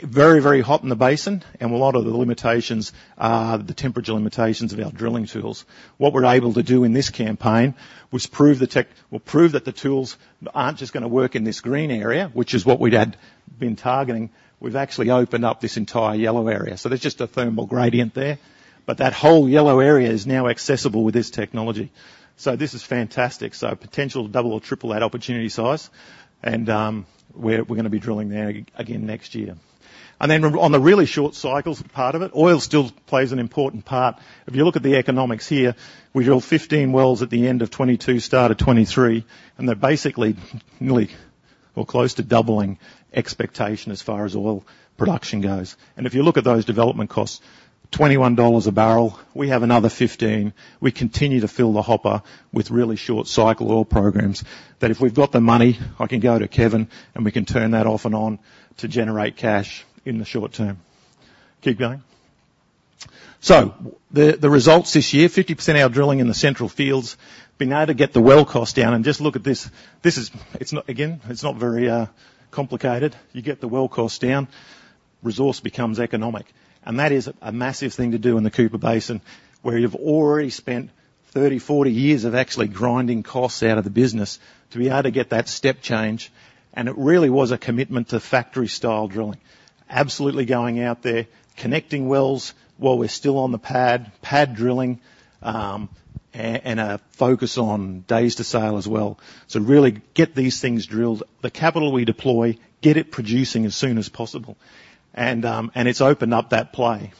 C: very, very hot in the basin, and a lot of the limitations are the temperature limitations of our drilling tools. What we're able to do in this campaign, which prove the tech well, prove that the tools aren't just going to work in this green area, which is what we'd had been targeting. We've actually opened up this entire yellow area, so there's just a thermal gradient there, but that whole yellow area is now accessible with this technology. So this is fantastic. So potential to double or triple that opportunity size and, we're going to be drilling there again next year. And then on the really short cycles part of it, oil still plays an important part. If you look at the economics here, we drilled 15 wells at the end of 2022, start of 2023, and they're basically nearly. We're close to doubling expectation as far as oil production goes. And if you look at those development costs, $21 a barrel, we have another $15. We continue to fill the hopper with really short cycle oil programs that if we've got the money, I can go to Kevin, and we can turn that off and on to generate cash in the short term. Keep going. So the results this year, 50% of our drilling in the central fields, being able to get the well cost down and just look at this. This is, it's not again, it's not very complicated. You get the well cost down, resource becomes economic. That is a massive thing to do in the Cooper Basin, where you've already spent 30, 40 years of actually grinding costs out of the business to be able to get that step change, and it really was a commitment to factory-style drilling. Absolutely going out there, connecting wells while we're still on the pad, pad drilling, and a focus on days to sale as well. So really get these things drilled. The capital we deploy, get it producing as soon as possible, and it's opened up that play.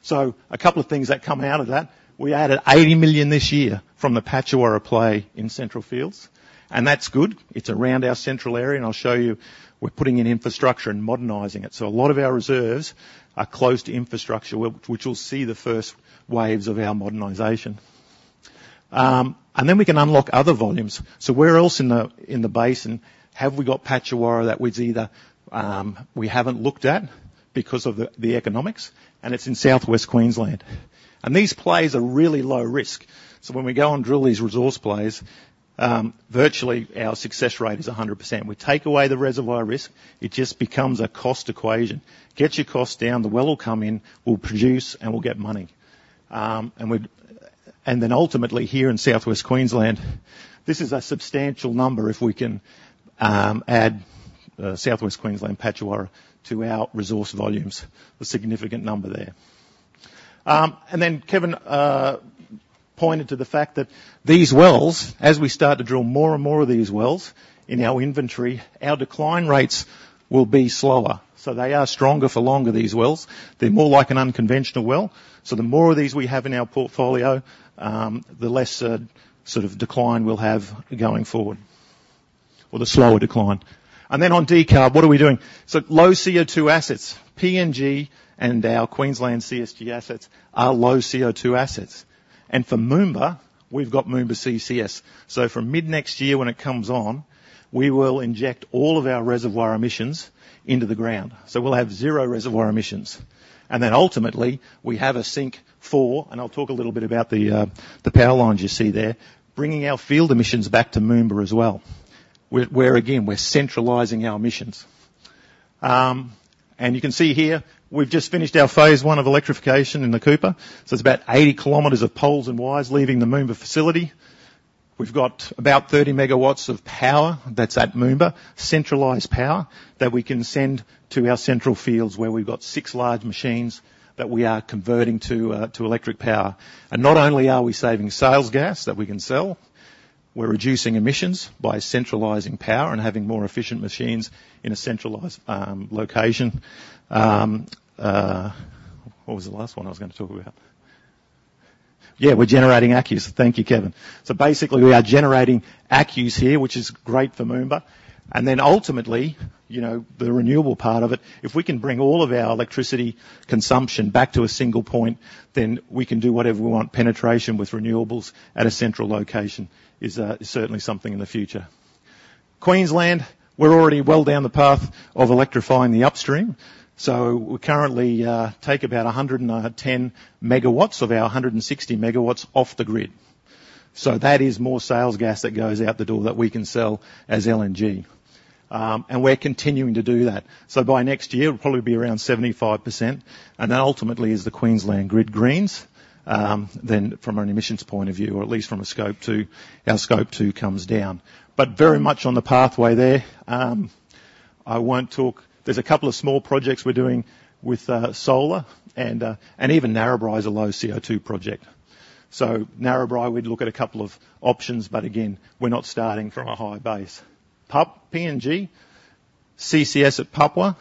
C: So a couple of things that come out of that. We added 80 million this year from the Patchawarra play in Central Fields, and that's good. It's around our central area, and I'll show you. We're putting in infrastructure and modernizing it. So a lot of our reserves are close to infrastructure, which you'll see the first waves of our modernization. And then we can unlock other volumes. So where else in the basin have we got Patchawarra that was either we haven't looked at because of the economics? And it's in southwest Queensland. And these plays are really low risk. So when we go and drill these resource plays, virtually our success rate is 100%. We take away the reservoir risk, it just becomes a cost equation. Get your costs down, the well will come in, we'll produce, and we'll get money. And then ultimately, here in southwest Queensland, this is a substantial number if we can add southwest Queensland Patchawarra to our resource volumes, a significant number there. And then Kevin pointed to the fact that these wells, as we start to drill more and more of these wells in our inventory, our decline rates will be slower. So they are stronger for longer, these wells. They're more like an unconventional well, so the more of these we have in our portfolio, the less sort of decline we'll have going forward, or the slower decline. And then on decarb, what are we doing? So low CO2 assets, PNG and our Queensland CSG assets are low CO2 assets. And for Moomba, we've got Moomba CCS. So from mid-next year, when it comes on, we will inject all of our reservoir emissions into the ground. So we'll have zero reservoir emissions. And then ultimately, we have a sink for, and I'll talk a little bit about the power lines you see there, bringing our field emissions back to Moomba as well, where again, we're centralizing our emissions. And you can see here, we've just finished our Phase I of electrification in the Cooper. So it's about 80 km of poles and wires leaving the Moomba facility. We've got about 30 MW of power that's at Moomba, centralized power that we can send to our central fields, where we've got six large machines that we are converting to electric power. And not only are we saving sales gas that we can sell, we're reducing emissions by centralizing power and having more efficient machines in a centralized location.
A: What was the last one I was going to talk about?
C: Yeah, we're generating ACCUs. Thank you, Kevin. So basically, we are generating ACCUs here, which is great for Moomba. And then ultimately, you know, the renewable part of it, if we can bring all of our electricity consumption back to a single point, then we can do whatever we want. Penetration with renewables at a central location is certainly something in the future. Queensland, we're already well down the path of electrifying the upstream. So we currently take about 110 MW of our 160 MW off the grid. So that is more sales gas that goes out the door that we can sell as LNG. And we're continuing to do that. So by next year, it'll probably be around 75%, and that ultimately is the Queensland grid greens. Then from an emissions point of view, or at least from a Scope 2, our Scope 2 comes down. But very much on the pathway there, I won't talk. There's a couple of small projects we're doing with solar and and even Narrabri is a low CO2 project. So Narrabri, we'd look at a couple of options, but again, we're not starting from a high base. PNG, CCS at Papua,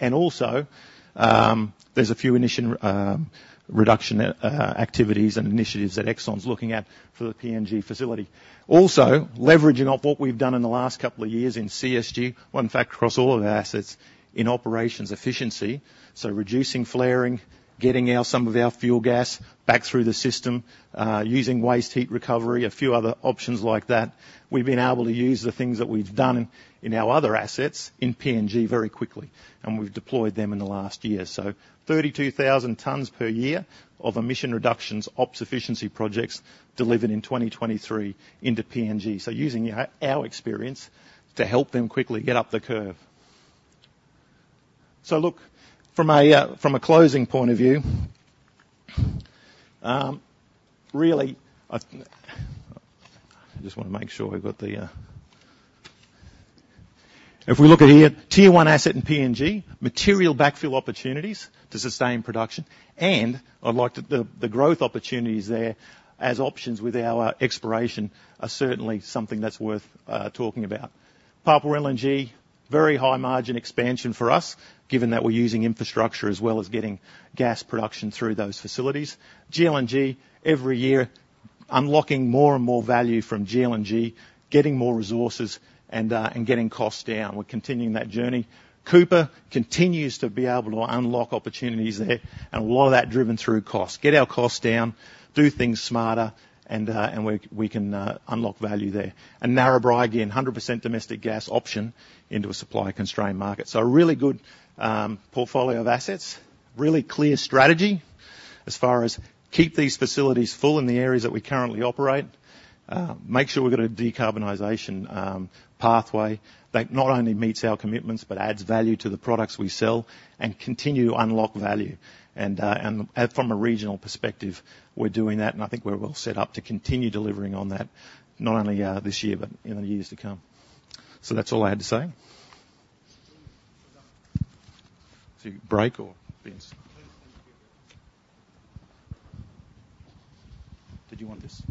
C: and also, there's a few emission reduction activities and initiatives that Exxon's looking at for the PNG facility. Also, leveraging off what we've done in the last couple of years in CSG, well, in fact, across all of our assets in operations efficiency, so reducing flaring, getting out some of our fuel gas back through the system, using waste heat recovery, a few other options like that. We've been able to use the things that we've done in our other assets in PNG very quickly, and we've deployed them in the last year. So 32,000 tons per year of emission reductions, ops efficiency projects delivered in 2023 into PNG. So using our experience to help them quickly get up the curve. So look, from a closing point of view, really, I just want to make sure we've got the. If we look at here, Tier 1 asset in PNG, material backfill opportunities to sustain production, and I'd like to the growth opportunities there as options with our exploration are certainly something that's worth talking about. Papua LNG, very high margin expansion for us, given that we're using infrastructure as well as getting gas production through those facilities. GLNG, every year. Unlocking more and more value from GLNG, getting more resources and getting costs down. We're continuing that journey. Cooper continues to be able to unlock opportunities there, and a lot of that driven through cost. Get our costs down, do things smarter, and we can unlock value there. Narrabri, again, 100% domestic gas option into a supply-constrained market. A really good portfolio of assets. Really clear strategy as far as keep these facilities full in the areas that we currently operate. Make sure we've got a decarbonization pathway that not only meets our commitments, but adds value to the products we sell, and continue to unlock value. From a regional perspective, we're doing that, and I think we're well set up to continue delivering on that, not only this year, but in the years to come. That's all I had to say. Break or Vince?
D: Please take your.
C: Did you want this?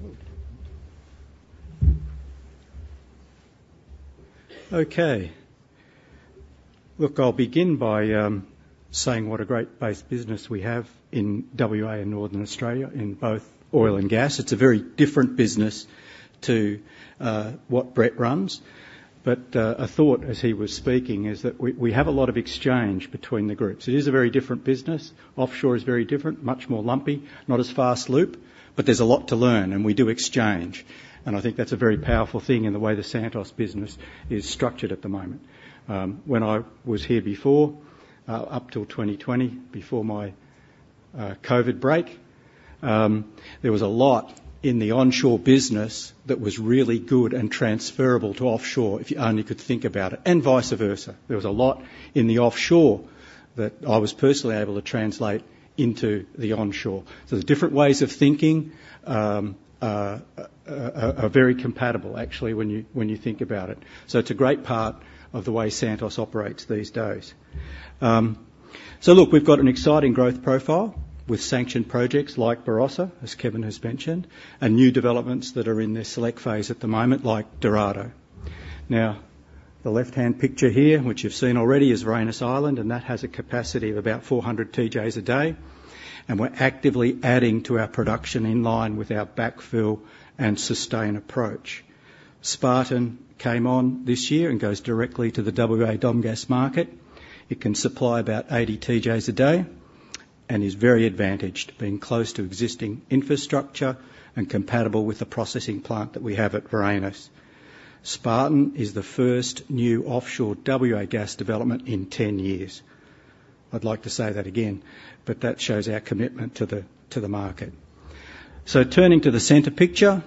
D: No.
C: Yeah.
D: Okay. Look, I'll begin by saying what a great base business we have in WA and Northern Australia in both oil and gas. It's a very different business to what Brett runs. But a thought as he was speaking is that we, we have a lot of exchange between the groups. It is a very different business. Offshore is very different, much more lumpy, not as fast loop, but there's a lot to learn, and we do exchange, and I think that's a very powerful thing in the way the Santos business is structured at the moment. When I was here before, up till 2020, before my COVID break, there was a lot in the onshore business that was really good and transferable to offshore, if you only could think about it, and vice versa. There was a lot in the offshore that I was personally able to translate into the onshore. So the different ways of thinking are very compatible, actually, when you think about it. So it's a great part of the way Santos operates these days. So look, we've got an exciting growth profile with sanctioned projects like Barossa, as Kevin has mentioned, and new developments that are in their select phase at the moment, like Dorado. Now, the left-hand picture here, which you've seen already, is Varanus Island, and that has a capacity of about 400 TJs a day, and we're actively adding to our production in line with our backfill and sustain approach. Spartan came on this year and goes directly to the WA Domgas market. It can supply about 80 TJs a day and is very advantaged, being close to existing infrastructure and compatible with the processing plant that we have at Varanus. Spartan is the first new offshore WA gas development in 10 years. I'd like to say that again, but that shows our commitment to the, to the market. So turning to the center picture,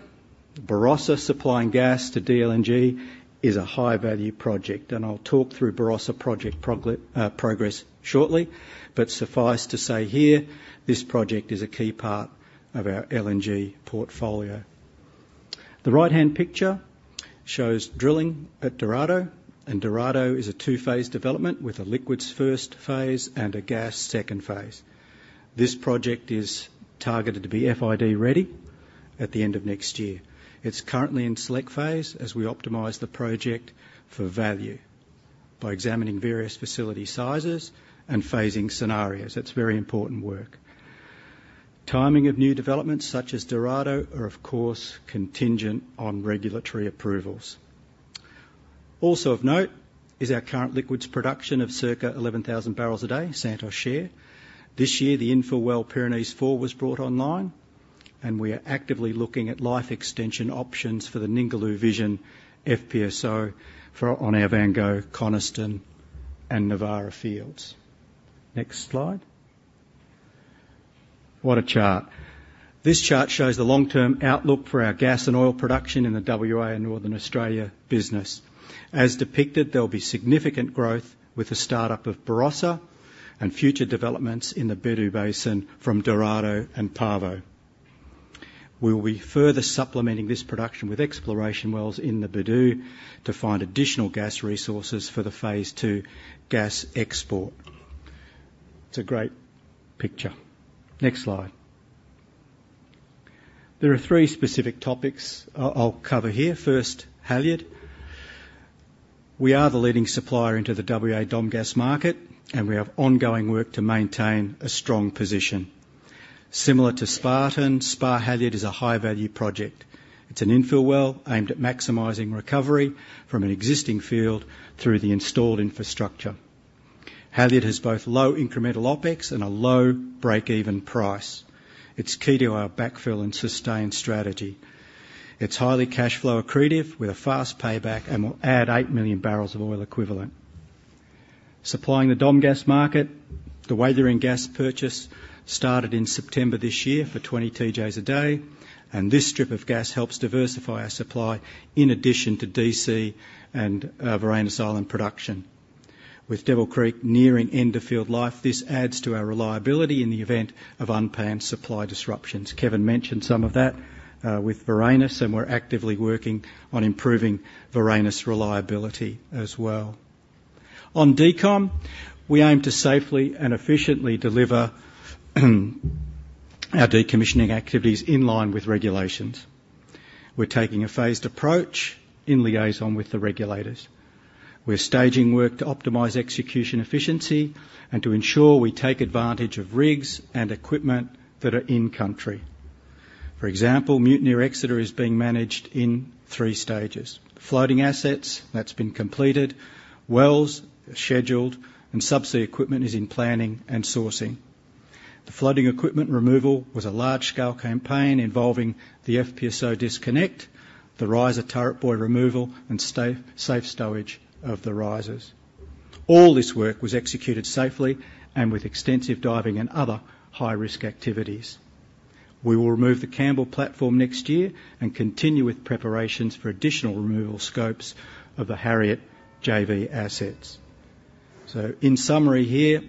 D: Barossa supplying gas to DLNG is a high-value project, and I'll talk through Barossa project progress shortly. But suffice to say here, this project is a key part of our LNG portfolio. The right-hand picture shows drilling at Dorado, and Dorado is a Phase II development with a liquids phase I and a gas phase II. This project is targeted to be FID-ready at the end of next year. It's currently in select phase as we optimize the project for value by examining various facility sizes and phasing scenarios. That's very important work. Timing of new developments such as Dorado are, of course, contingent on regulatory approvals. Also of note is our current liquids production of circa 11,000 barrels a day, Santos share. This year, the infill well, Pyrenees-4, was brought online, and we are actively looking at life extension options for the Ningaloo Vision FPSO for on our Van Gogh, Coniston, and Novara fields. Next slide. What a chart! This chart shows the long-term outlook for our gas and oil production in the WA and Northern Australia business. As depicted, there'll be significant growth with the startup of Barossa and future developments in the Bedout Basin from Dorado and Pavo. We will be further supplementing this production with exploration wells in the Bedout to find additional gas resources for the Phase II gas export. It's a great picture. Next slide. There are three specific topics I'll cover here. First, Halyard. We are the leading supplier into the WA domgas market, and we have ongoing work to maintain a strong position. Similar to Spartan, Spar Halyard is a high-value project. It's an infill well aimed at maximizing recovery from an existing field through the installed infrastructure. Halyard has both low incremental OpEx and a low breakeven price. It's key to our backfill and sustain strategy. It's highly cash flow accretive with a fast payback and will add 8 million barrels of oil equivalent. Supplying the Domgas market, the Walyering gas purchase started in September this year for 20 TJs a day, and this strip of gas helps diversify our supply in addition to DC and Varanus Island production. With Devil Creek nearing end of field life, this adds to our reliability in the event of unplanned supply disruptions. Kevin mentioned some of that with Varanus, and we're actively working on improving Varanus reliability as well. On decom, we aim to safely and efficiently deliver our decommissioning activities in line with regulations. We're taking a phased approach in liaison with the regulators. We're staging work to optimize execution efficiency and to ensure we take advantage of rigs and equipment that are in country. For example, Mutineer Exeter is being managed in three stages: floating assets, that's been completed, wells, scheduled, and subsea equipment is in planning and sourcing. The floating equipment removal was a large-scale campaign involving the FPSO disconnect, the riser turret buoy removal, and safe stowage of the risers. All this work was executed safely and with extensive diving and other high-risk activities. We will remove the Campbell platform next year and continue with preparations for additional removal scopes of the Harriet JV assets. So in summary here,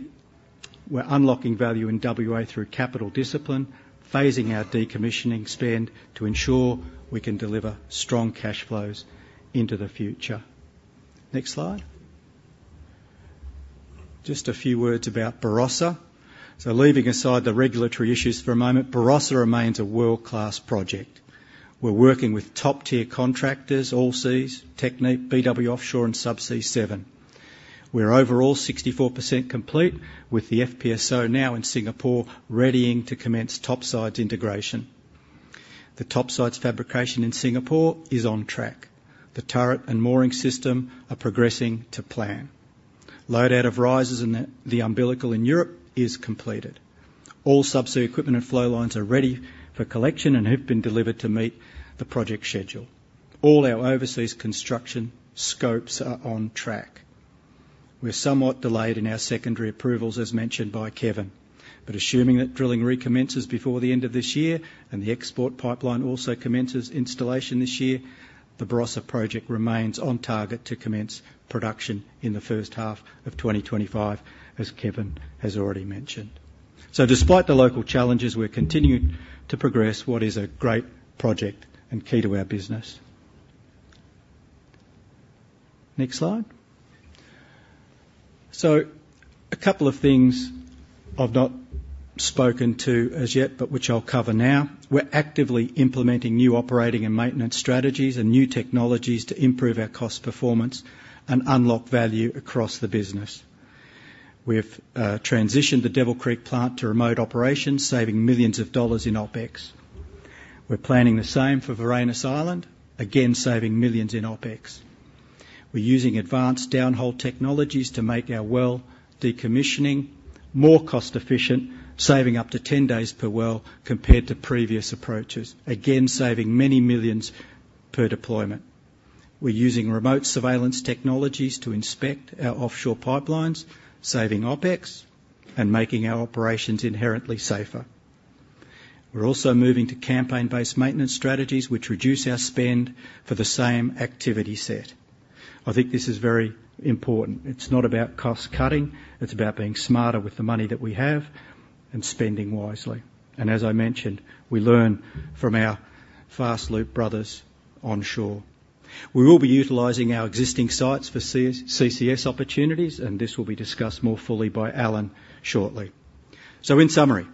D: we're unlocking value in WA through capital discipline, phasing our decommissioning spend to ensure we can deliver strong cash flows into the future. Next slide. Just a few words about Barossa. So leaving aside the regulatory issues for a moment, Barossa remains a world-class project. We're working with top-tier contractors, Allseas, Technip, BW Offshore, and Subsea 7. We're overall 64% complete with the FPSO now in Singapore, readying to commence topsides integration. The topsides fabrication in Singapore is on track. The turret and mooring system are progressing to plan. Load out of risers and the umbilical in Europe is completed. All subsea equipment and flow lines are ready for collection and have been delivered to meet the project schedule. All our overseas construction scopes are on track. We're somewhat delayed in our secondary approvals, as mentioned by Kevin. But assuming that drilling recommences before the end of this year and the export pipeline also commences installation this year, the Barossa project remains on target to commence production in the first half of 2025, as Kevin has already mentioned. So despite the local challenges, we're continuing to progress what is a great project and key to our business. Next slide. So a couple of things I've not spoken to as yet, but which I'll cover now. We're actively implementing new operating and maintenance strategies and new technologies to improve our cost performance and unlock value across the business. We've transitioned the Devil Creek plant to remote operations, saving millions dollars in OpEx. We're planning the same for Varanus Island, again, saving millions in OpEx. We're using advanced downhole technologies to make our well decommissioning more cost-efficient, saving up to 10 days per well, compared to previous approaches, again, saving many millions per deployment. We're using remote surveillance technologies to inspect our offshore pipelines, saving OpEx and making our operations inherently safer. We're also moving to campaign-based maintenance strategies, which reduce our spend for the same activity set. I think this is very important. It's not about cost cutting. It's about being smarter with the money that we have and spending wisely. And as I mentioned, we learn from our Fast Loop brothers onshore. We will be utilizing our existing sites for CCS opportunities, and this will be discussed more fully by Alan shortly. In summary,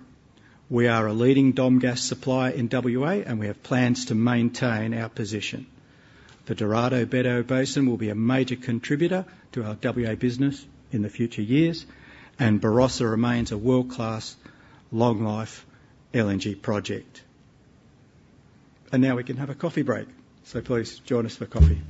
D: we are a leading Domgas supplier in WA, and we have plans to maintain our position. The Dorado Bedout Basin will be a major contributor to our WA business in the future years, and Barossa remains a world-class, long-life LNG project. Now we can have a coffee break. Please join us for coffee.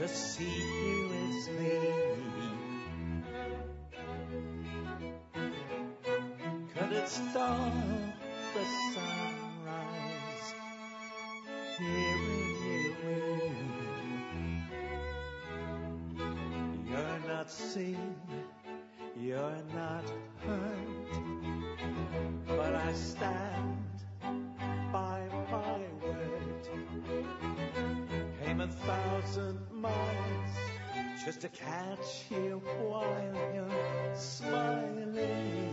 E: What a sight for my eyes to see you this way! Could it stop the sunrise hearing you wake? You're not seen, you're not heard, but I stand by my word. Came 1,000 miles just to catch you while you smile. Whenever I get to feel this way, hard to find new words to say. I think about the bad old days we used to know. Nights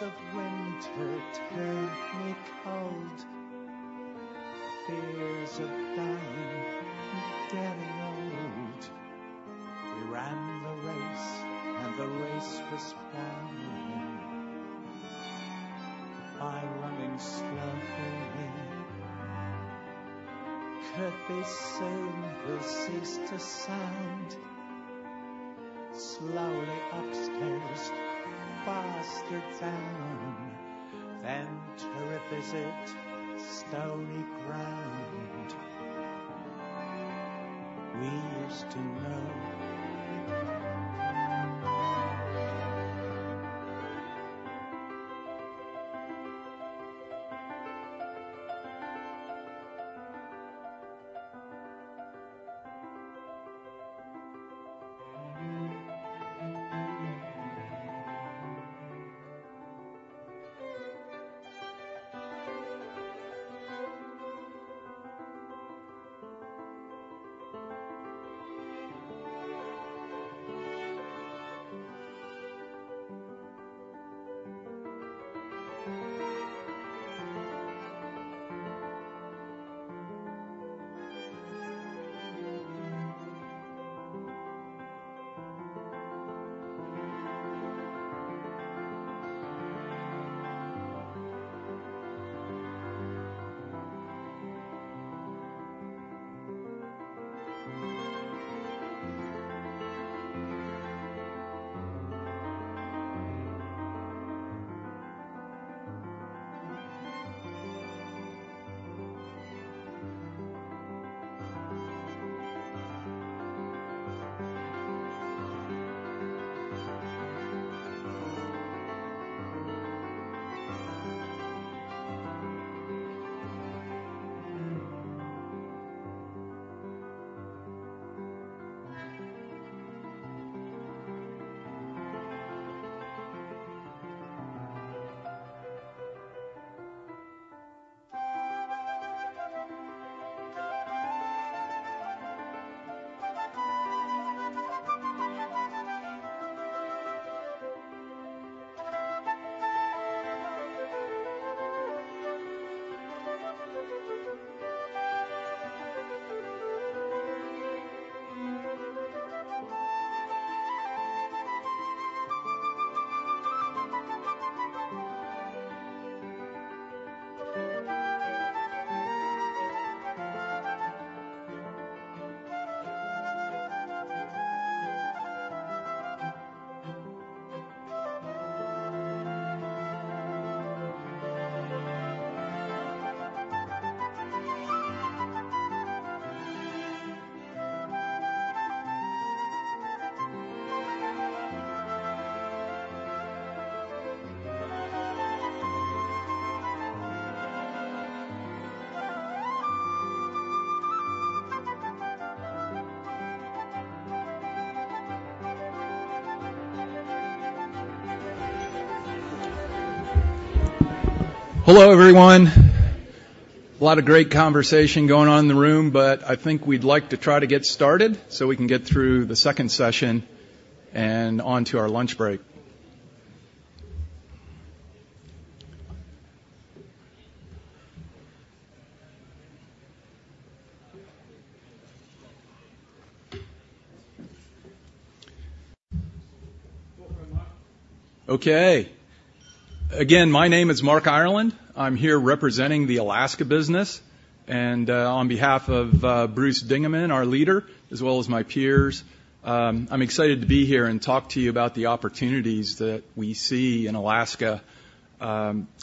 E: of winter turned me cold, fears of dying, getting old. We ran the race, and the race was bound. By running slowly, could this soon will cease to sound? Slowly upstairs, faster down, then to revisit stony ground. We used to know.
F: Hello, everyone. A lot of great conversation going on in the room, but I think we'd like to try to get started so we can get through the second session and onto our lunch break. Okay. Again, my name is Mark Ireland. I'm here representing the Alaska business, and on behalf of Bruce Dingemans, our leader, as well as my peers, I'm excited to be here and talk to you about the opportunities that we see in Alaska,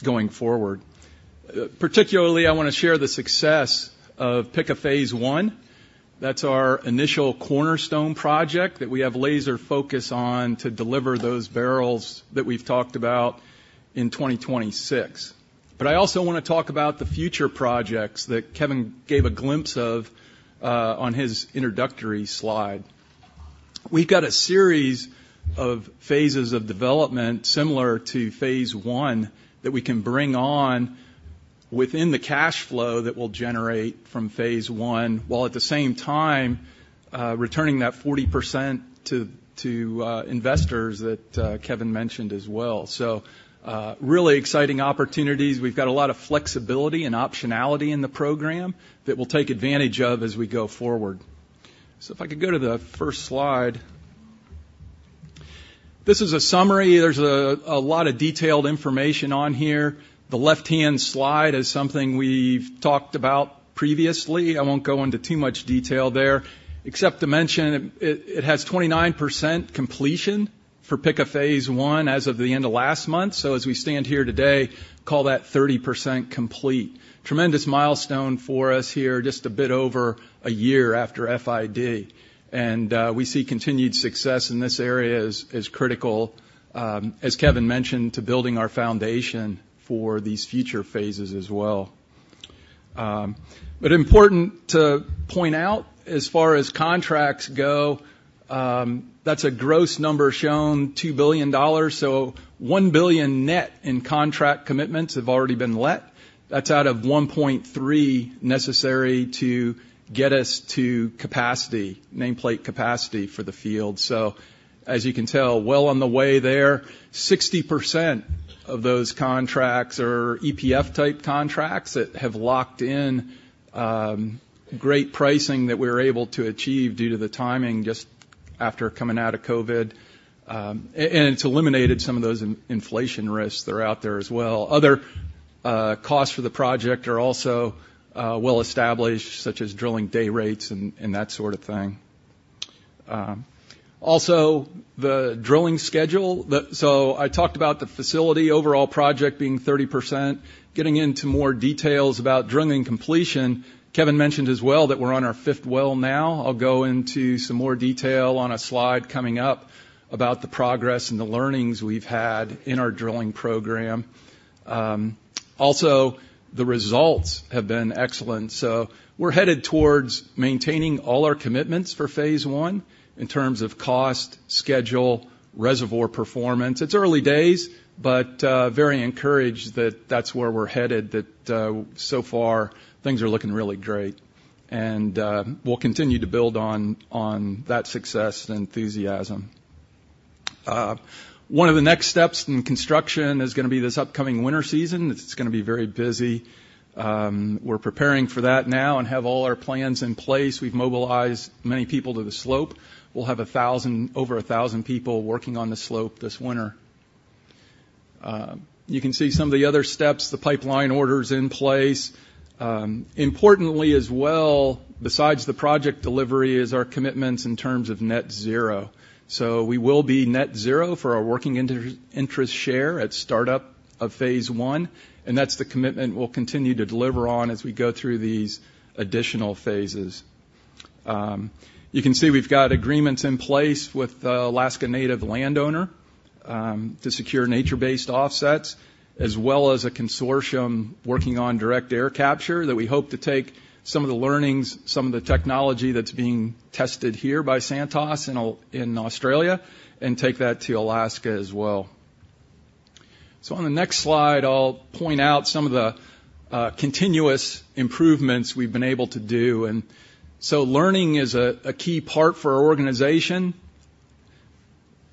F: going forward. Particularly, I want to share the success of Pikka Phase I. That's our initial cornerstone project that we have laser focus on to deliver those barrels that we've talked about in 2026. But I also want to talk about the future projects that Kevin gave a glimpse of on his introductory slide. We've got a series of phases of development, similar to Phase I, that we can bring on within the cash flow that we'll generate from Phase I, while at the same time, returning that 40% to investors that Kevin mentioned as well. So, really exciting opportunities. We've got a lot of flexibility and optionality in the program that we'll take advantage of as we go forward. So if I could go to the first slide. This is a summary. There's a lot of detailed information on here. The left-hand slide is something we've talked about previously. I won't go into too much detail there, except to mention it has 29% completion for Pikka Phase I as of the end of last month. So as we stand here today, call that 30% complete. Tremendous milestone for us here, just a bit over a year after FID, and we see continued success in this area is critical, as Kevin mentioned, to building our foundation for these future phases as well. But important to point out, as far as contracts go, that's a gross number shown, $2 billion. So $1 billion net in contract commitments have already been let. That's out of $1.3 billion necessary to get us to capacity, nameplate capacity for the field. So as you can tell, well on the way there, 60% of those contracts are EPC-type contracts that have locked in great pricing that we're able to achieve due to the timing just after coming out of COVID. And it's eliminated some of those inflation risks that are out there as well. Other costs for the project are also well established, such as drilling day rates and that sort of thing. Also, the drilling schedule. So I talked about the facility overall project being 30%. Getting into more details about drilling completion, Kevin mentioned as well that we're on our fifth well now. I'll go into some more detail on a slide coming up about the progress and the learnings we've had in our drilling program. Also, the results have been excellent. So we're headed towards maintaining all our commitments for Phase I in terms of cost, schedule, reservoir performance. It's early days, but very encouraged that that's where we're headed, that so far, things are looking really great. And we'll continue to build on that success and enthusiasm. One of the next steps in construction is gonna be this upcoming winter season. It's gonna be very busy. We're preparing for that now and have all our plans in place. We've mobilized many people to the slope. We'll have over 1,000 people working on the slope this winter. You can see some of the other steps, the pipeline orders in place. Importantly as well, besides the project delivery, is our commitments in terms of net zero. So we will be net zero for our working interest share at startup of Phase I, and that's the commitment we'll continue to deliver on as we go through these additional phases. You can see we've got agreements in place with Alaska Native Landowner to secure nature-based offsets, as well as a consortium working on direct air capture, that we hope to take some of the learnings, some of the technology that's being tested here by Santos in Australia, and take that to Alaska as well. So on the next slide, I'll point out some of the continuous improvements we've been able to do. And so learning is a key part for our organization.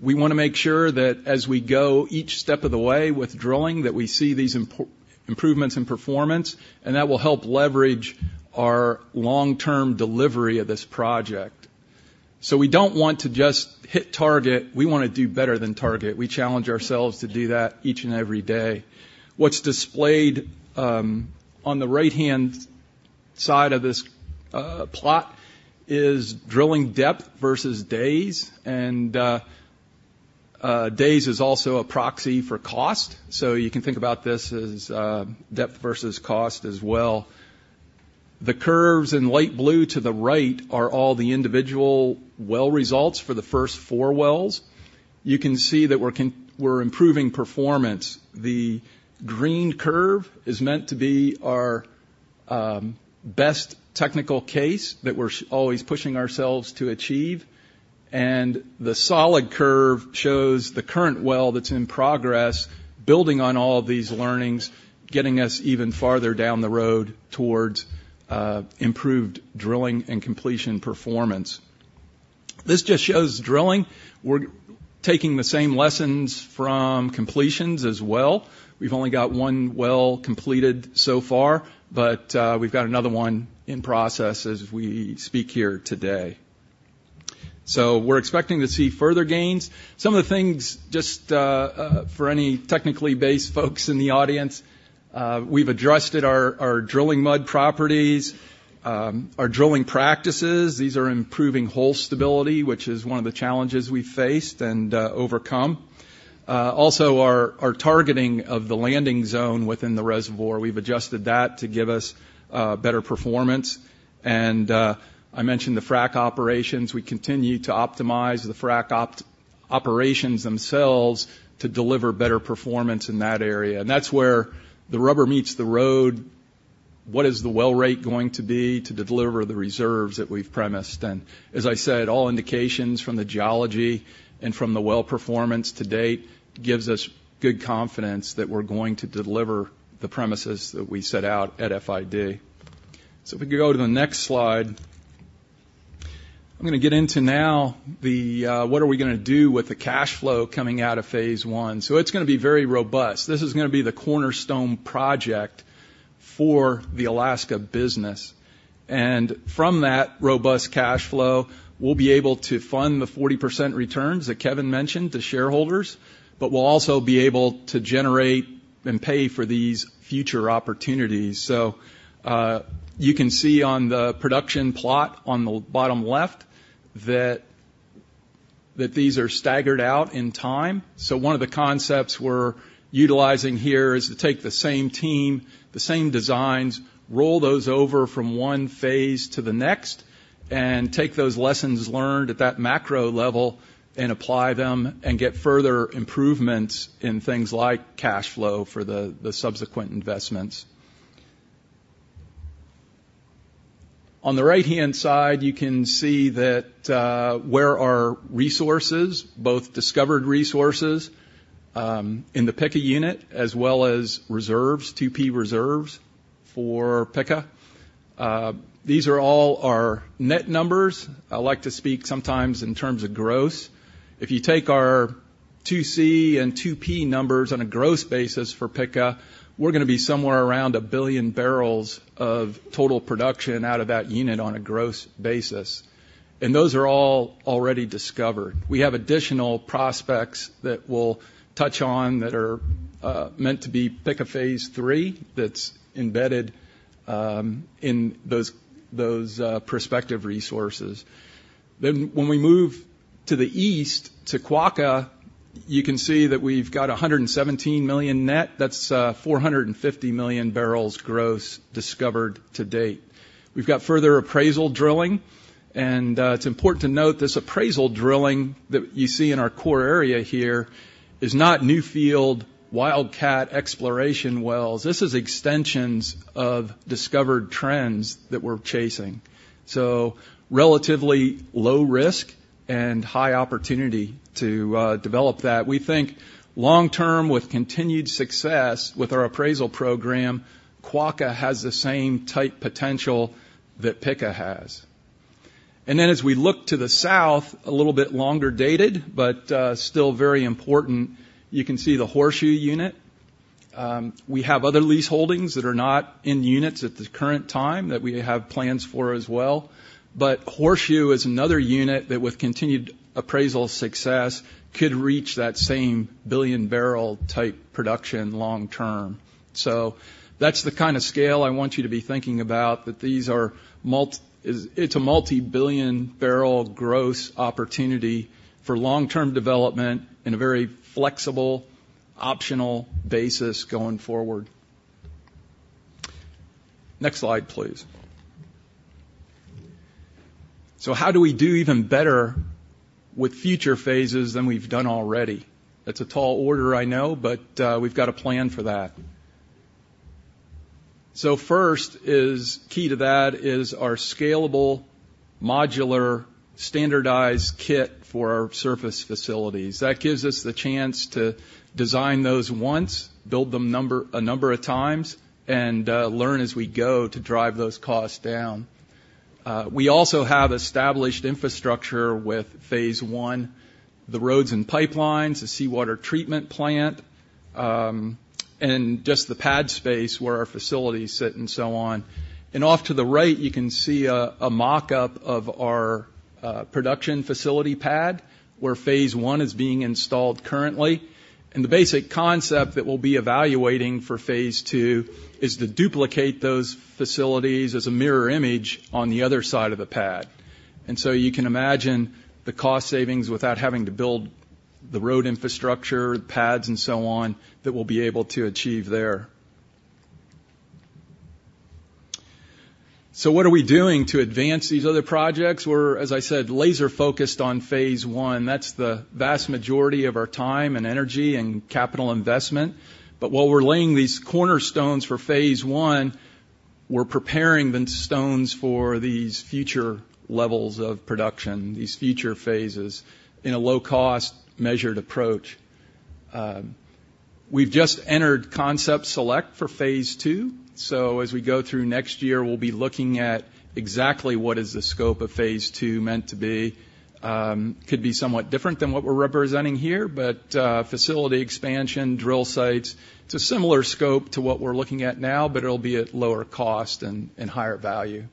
F: We wanna make sure that as we go each step of the way with drilling, that we see these improvements in performance, and that will help leverage our long-term delivery of this project. So we don't want to just hit target, we wanna do better than target. We challenge ourselves to do that each and every day. What's displayed on the right-hand side of this plot is drilling depth versus days, and days is also a proxy for cost. So you can think about this as depth versus cost as well. The curves in light blue to the right are all the individual well results for the first four wells. You can see that we're improving performance. The green curve is meant to be our best technical case that we're always pushing ourselves to achieve, and the solid curve shows the current well that's in progress, building on all of these learnings, getting us even farther down the road towards improved drilling and completion performance. This just shows drilling. We're taking the same lessons from completions as well. We've only got one well completed so far, but we've got another one in process as we speak here today. So we're expecting to see further gains. Some of the things, just, for any technically-based folks in the audience, we've adjusted our drilling mud properties, our drilling practices. These are improving hole stability, which is one of the challenges we faced and overcome. Also, our targeting of the landing zone within the reservoir, we've adjusted that to give us better performance. And I mentioned the frac operations. We continue to optimize the frac operations themselves to deliver better performance in that area. And that's where the rubber meets the road. What is the well rate going to be to deliver the reserves that we've premised? And as I said, all indications from the geology and from the well performance to date gives us good confidence that we're going to deliver the promises that we set out at FID. So if we could go to the next slide. I'm gonna get into now the, what are we gonna do with the cash flow coming out of Phase I. So it's gonna be very robust. This is gonna be the cornerstone project for the Alaska business. And from that robust cash flow, we'll be able to fund the 40% returns, that Kevin mentioned, to shareholders, but we'll also be able to generate and pay for these future opportunities. So, you can see on the production plot on the bottom left, that these are staggered out in time. So one of the concepts we're utilizing here is to take the same team, the same designs, roll those over from one phase to the next, and take those lessons learned at that macro level and apply them, and get further improvements in things like cash flow for the subsequent investments. On the right-hand side, you can see that, where our resources, both discovered resources, in the Pikka unit, as well as reserves, 2P reserves for Pikka. These are all our net numbers. I like to speak sometimes in terms of gross. If you take our 2C and 2P numbers on a gross basis for Pikka, we're gonna be somewhere around a billion barrels of total production out of that unit on a gross basis, and those are all already discovered. We have additional prospects that we'll touch on that are meant to be Pikka Phase III, that's embedded in those prospective resources. Then when we move to the east, to Quokka. You can see that we've got 117 million net. That's four hundred and 50 million barrels gross discovered to date. We've got further appraisal drilling, and it's important to note this appraisal drilling that you see in our core area here is not new field, wildcat exploration wells. This is extensions of discovered trends that we're chasing. So relatively low risk and high opportunity to develop that. We think long-term, with continued success with our appraisal program, Quokka has the same type potential that Pikka has. Then as we look to the south, a little bit longer dated but still very important, you can see the Horseshoe Unit. We have other leaseholdings that are not in units at the current time that we have plans for as well. But Horseshoe is another unit that, with continued appraisal success, could reach that same billion-barrel type production long term. So that's the kind of scale I want you to be thinking about, that these are multi. It's a multi-billion barrel gross opportunity for long-term development in a very flexible, optional basis going forward. Next slide, please. So how do we do even better with future phases than we've done already? That's a tall order, I know, but we've got a plan for that. So first is key to that is our scalable, modular, standardized kit for our surface facilities. That gives us the chance to design those once, build them a number of times, and learn as we go to drive those costs down. We also have established infrastructure with Phase I, the roads and pipelines, the seawater treatment plant, and just the pad space where our facilities sit and so on. And off to the right, you can see a mock-up of our production facility pad, where Phase I is being installed currently. And the basic concept that we'll be evaluating for Phase II is to duplicate those facilities as a mirror image on the other side of the pad. And so you can imagine the cost savings without having to build the road infrastructure, the pads, and so on, that we'll be able to achieve there. So what are we doing to advance these other projects? We're, as I said, laser-focused on Phase I. That's the vast majority of our time and energy and capital investment. But while we're laying these cornerstones for Phase I, we're preparing the stones for these future levels of production, these future phases, in a low-cost, measured approach. We've just entered Concept Select for Phase II, so as we go through next year, we'll be looking at exactly what is the scope of Phase II meant to be. Could be somewhat different than what we're representing here, but, facility expansion, drill sites, it's a similar scope to what we're looking at now, but it'll be at lower cost and, and higher value.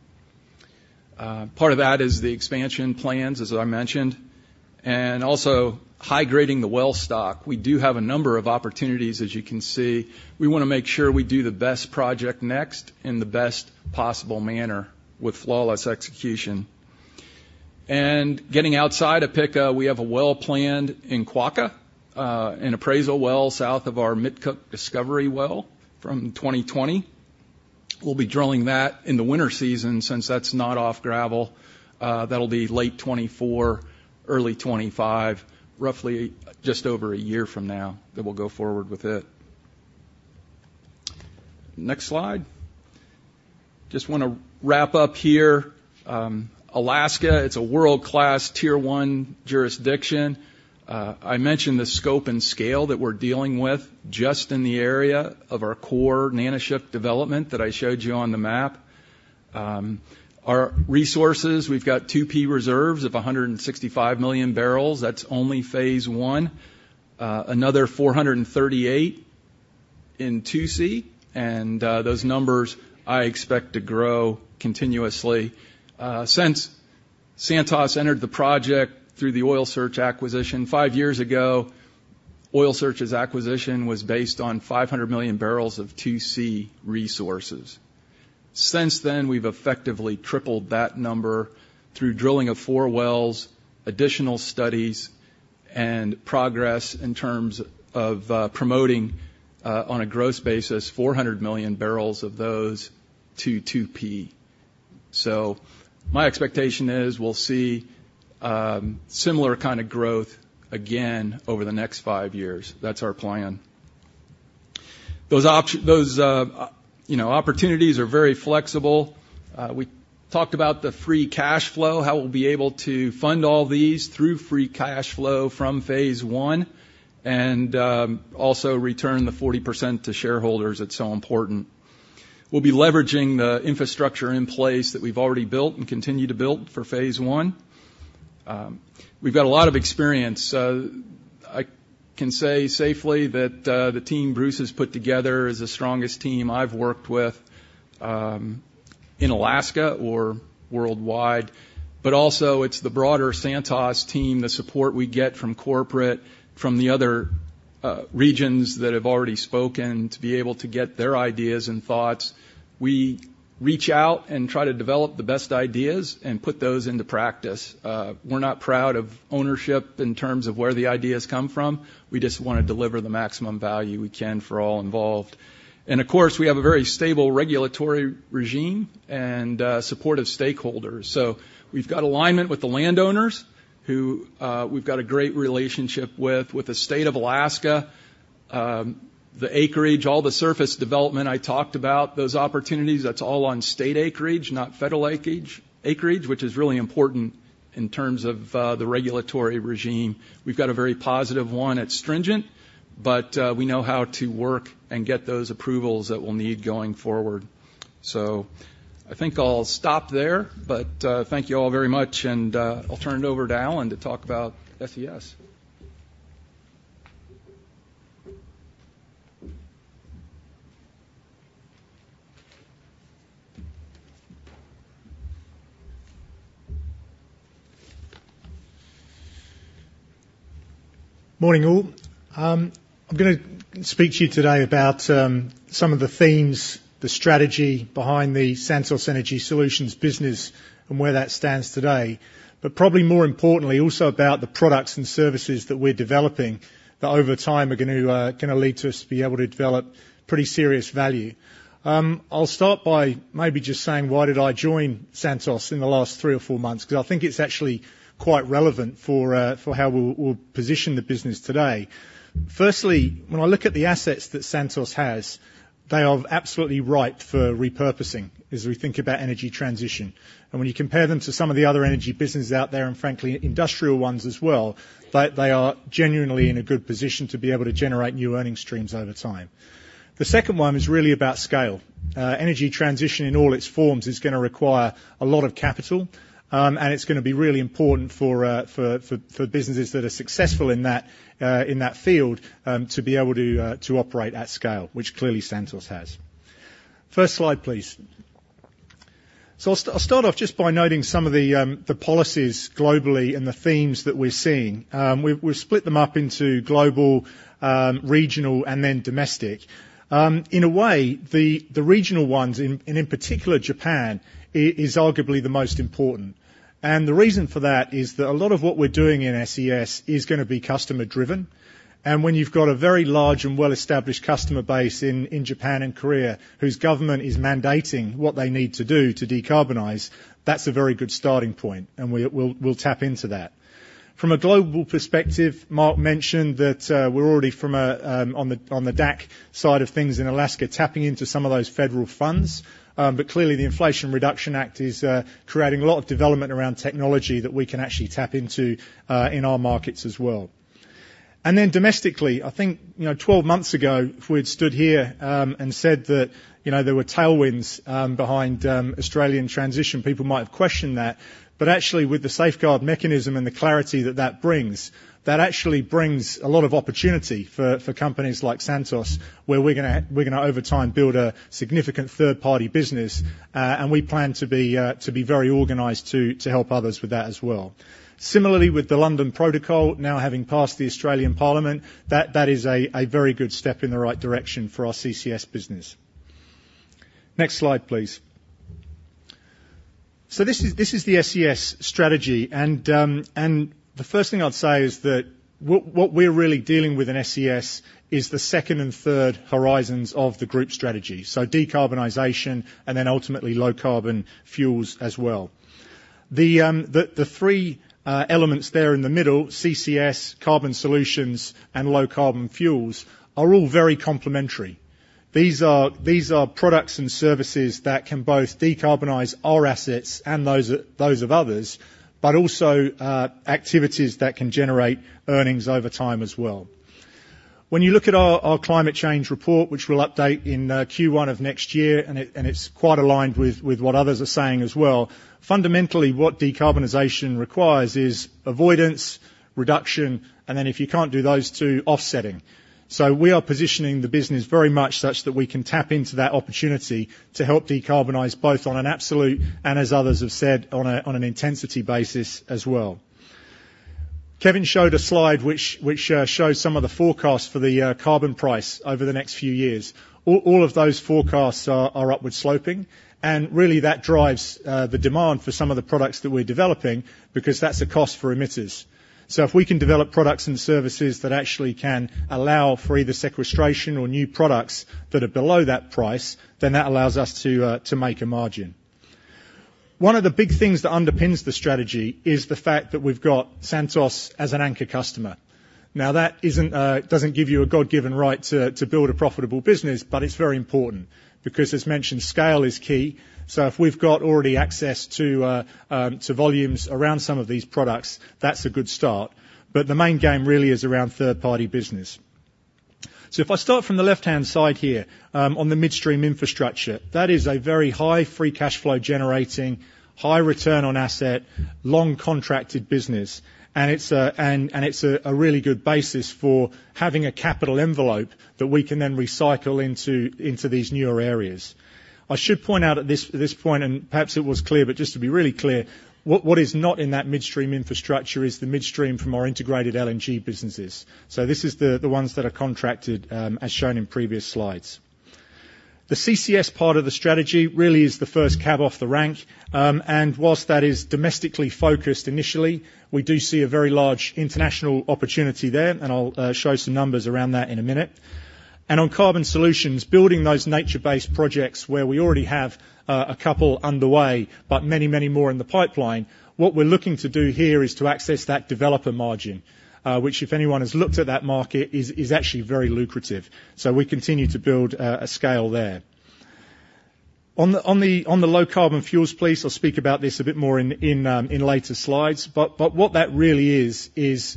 F: Part of that is the expansion plans, as I mentioned, and also high-grading the well stock. We do have a number of opportunities, as you can see. We wanna make sure we do the best project next in the best possible manner with flawless execution. And getting outside of Pikka, we have a well planned in Quokka, an appraisal well south of our Mitquq discovery well from 2020. We'll be drilling that in the winter season, since that's not off gravel. That'll be late 2024, early 2025, roughly just over a year from now, that we'll go forward with it. Next slide. Just wanna wrap up here. Alaska, it's a world-class, Tier 1 jurisdiction. I mentioned the scope and scale that we're dealing with just in the area of our core Nanushuk development that I showed you on the map. Our resources, we've got 2P reserves of 165 million barrels. That's only Phase I. Another 438 in 2C, and those numbers I expect to grow continuously. Since Santos entered the project through the Oil Search acquisition five years ago, Oil Search's acquisition was based on 500 million barrels of 2C resources. Since then, we've effectively tripled that number through drilling of four wells, additional studies, and progress in terms of promoting on a gross basis, 400 million barrels of those to 2P. So my expectation is we'll see similar kind of growth again over the next five years. That's our plan. Those, you know, opportunities are very flexible. We talked about the free cash flow, how we'll be able to fund all these through free cash flow from Phase I and also return the 40% to shareholders that's so important. We'll be leveraging the infrastructure in place that we've already built and continue to build for Phase I. We've got a lot of experience, so I can say safely that the team Bruce has put together is the strongest team I've worked with in Alaska or worldwide, but also it's the broader Santos team, the support we get from corporate, from the other regions that have already spoken, to be able to get their ideas and thoughts. We reach out and try to develop the best ideas and put those into practice. We're not proud of ownership in terms of where the ideas come from, we just wanna deliver the maximum value we can for all involved. Of course, we have a very stable regulatory regime and supportive stakeholders. So we've got alignment with the landowners, who, we've got a great relationship with. With the State of Alaska, the acreage, all the surface development I talked about, those opportunities, that's all on state acreage, not federal acreage, which is really important in terms of, the regulatory regime. We've got a very positive one. It's stringent, but, we know how to work and get those approvals that we'll need going forward. So I think I'll stop there, but, thank you all very much, and, I'll turn it over to Alan to talk about SES.
G: Morning, all. I'm gonna speak to you today about some of the themes, the strategy behind the Santos Energy Solutions business and where that stands today. But probably more importantly, also about the products and services that we're developing, that over time are going to gonna lead to us to be able to develop pretty serious value. I'll start by maybe just saying, why did I join Santos in the last three or four months? Because I think it's actually quite relevant for for how we'll position the business today. Firstly, when I look at the assets that Santos has, they are absolutely right for repurposing as we think about energy transition. When you compare them to some of the other energy businesses out there, and frankly, industrial ones as well, they are genuinely in a good position to be able to generate new earning streams over time. The second one is really about scale. Energy transition in all its forms is gonna require a lot of capital, and it's gonna be really important for businesses that are successful in that field to be able to operate at scale, which clearly Santos has. SlideFirst slide, please. So I'll start off just by noting some of the policies globally and the themes that we're seeing. We've split them up into global, regional, and then domestic. In a way, the regional ones, and in particular, Japan, is arguably the most important. And the reason for that is that a lot of what we're doing in SES is gonna be customer driven. And when you've got a very large and well-established customer base in Japan and Korea, whose government is mandating what they need to do to decarbonize, that's a very good starting point, and we'll tap into that. From a global perspective, Mark mentioned that we're already on the DAC side of things in Alaska, tapping into some of those federal funds. But clearly, the Inflation Reduction Act is creating a lot of development around technology that we can actually tap into in our markets as well. And then domestically, I think, you know, 12 months ago, if we had stood here, and said that, you know, there were tailwinds behind Australian transition, people might have questioned that. But actually, with the Safeguard Mechanism and the clarity that that brings, that actually brings a lot of opportunity for companies like Santos, where we're gonna, we're gonna, over time, build a significant third-party business, and we plan to be, to be very organized to help others with that as well. Similarly, with the London Protocol now having passed the Australian Parliament, that is a very good step in the right direction for our CCS business. Next slide, please. So this is the SES strategy, and the first thing I'd say is that what we're really dealing with in SES is the second and third horizons of the group strategy. So decarbonization, and then ultimately, low carbon fuels as well. The three elements there in the middle, CCS, carbon solutions, and low carbon fuels, are all very complementary. These are products and services that can both decarbonize our assets and those of others, but also activities that can generate earnings over time as well. When you look at our climate change report, which we'll update in Q1 of next year, and it's quite aligned with what others are saying as well. Fundamentally, what decarbonization requires is avoidance, reduction, and then if you can't do those two, offsetting. So we are positioning the business very much such that we can tap into that opportunity to help decarbonize, both on an absolute, and as others have said, on an intensity basis as well. Kevin showed a slide which shows some of the forecasts for the carbon price over the next few years. All of those forecasts are upward sloping, and really that drives the demand for some of the products that we're developing, because that's a cost for emitters. So if we can develop products and services that actually can allow for either sequestration or new products that are below that price, then that allows us to make a margin. One of the big things that underpins the strategy is the fact that we've got Santos as an anchor customer. Now, that isn't. Doesn't give you a God-given right to build a profitable business, but it's very important because, as mentioned, scale is key. So if we've got already access to volumes around some of these products, that's a good start. But the main game really is around third-party business. So if I start from the left-hand side here, on the midstream infrastructure, that is a very high free cash flow generating, high return on asset, long contracted business, and it's a really good basis for having a capital envelope that we can then recycle into these newer areas. I should point out at this point, and perhaps it was clear, but just to be really clear, what is not in that midstream infrastructure is the midstream from our integrated LNG businesses. So this is the ones that are contracted, as shown in previous slides. The CCS part of the strategy really is the first cab off the rank. And whilst that is domestically focused initially, we do see a very large international opportunity there, and I'll show some numbers around that in a minute. And on carbon solutions, building those nature-based projects where we already have a couple underway, but many, many more in the pipeline, what we're looking to do here is to access that developer margin, which, if anyone has looked at that market, is actually very lucrative. So we continue to build a scale there. On the low carbon fuels piece, I'll speak about this a bit more in later slides, but what that really is, is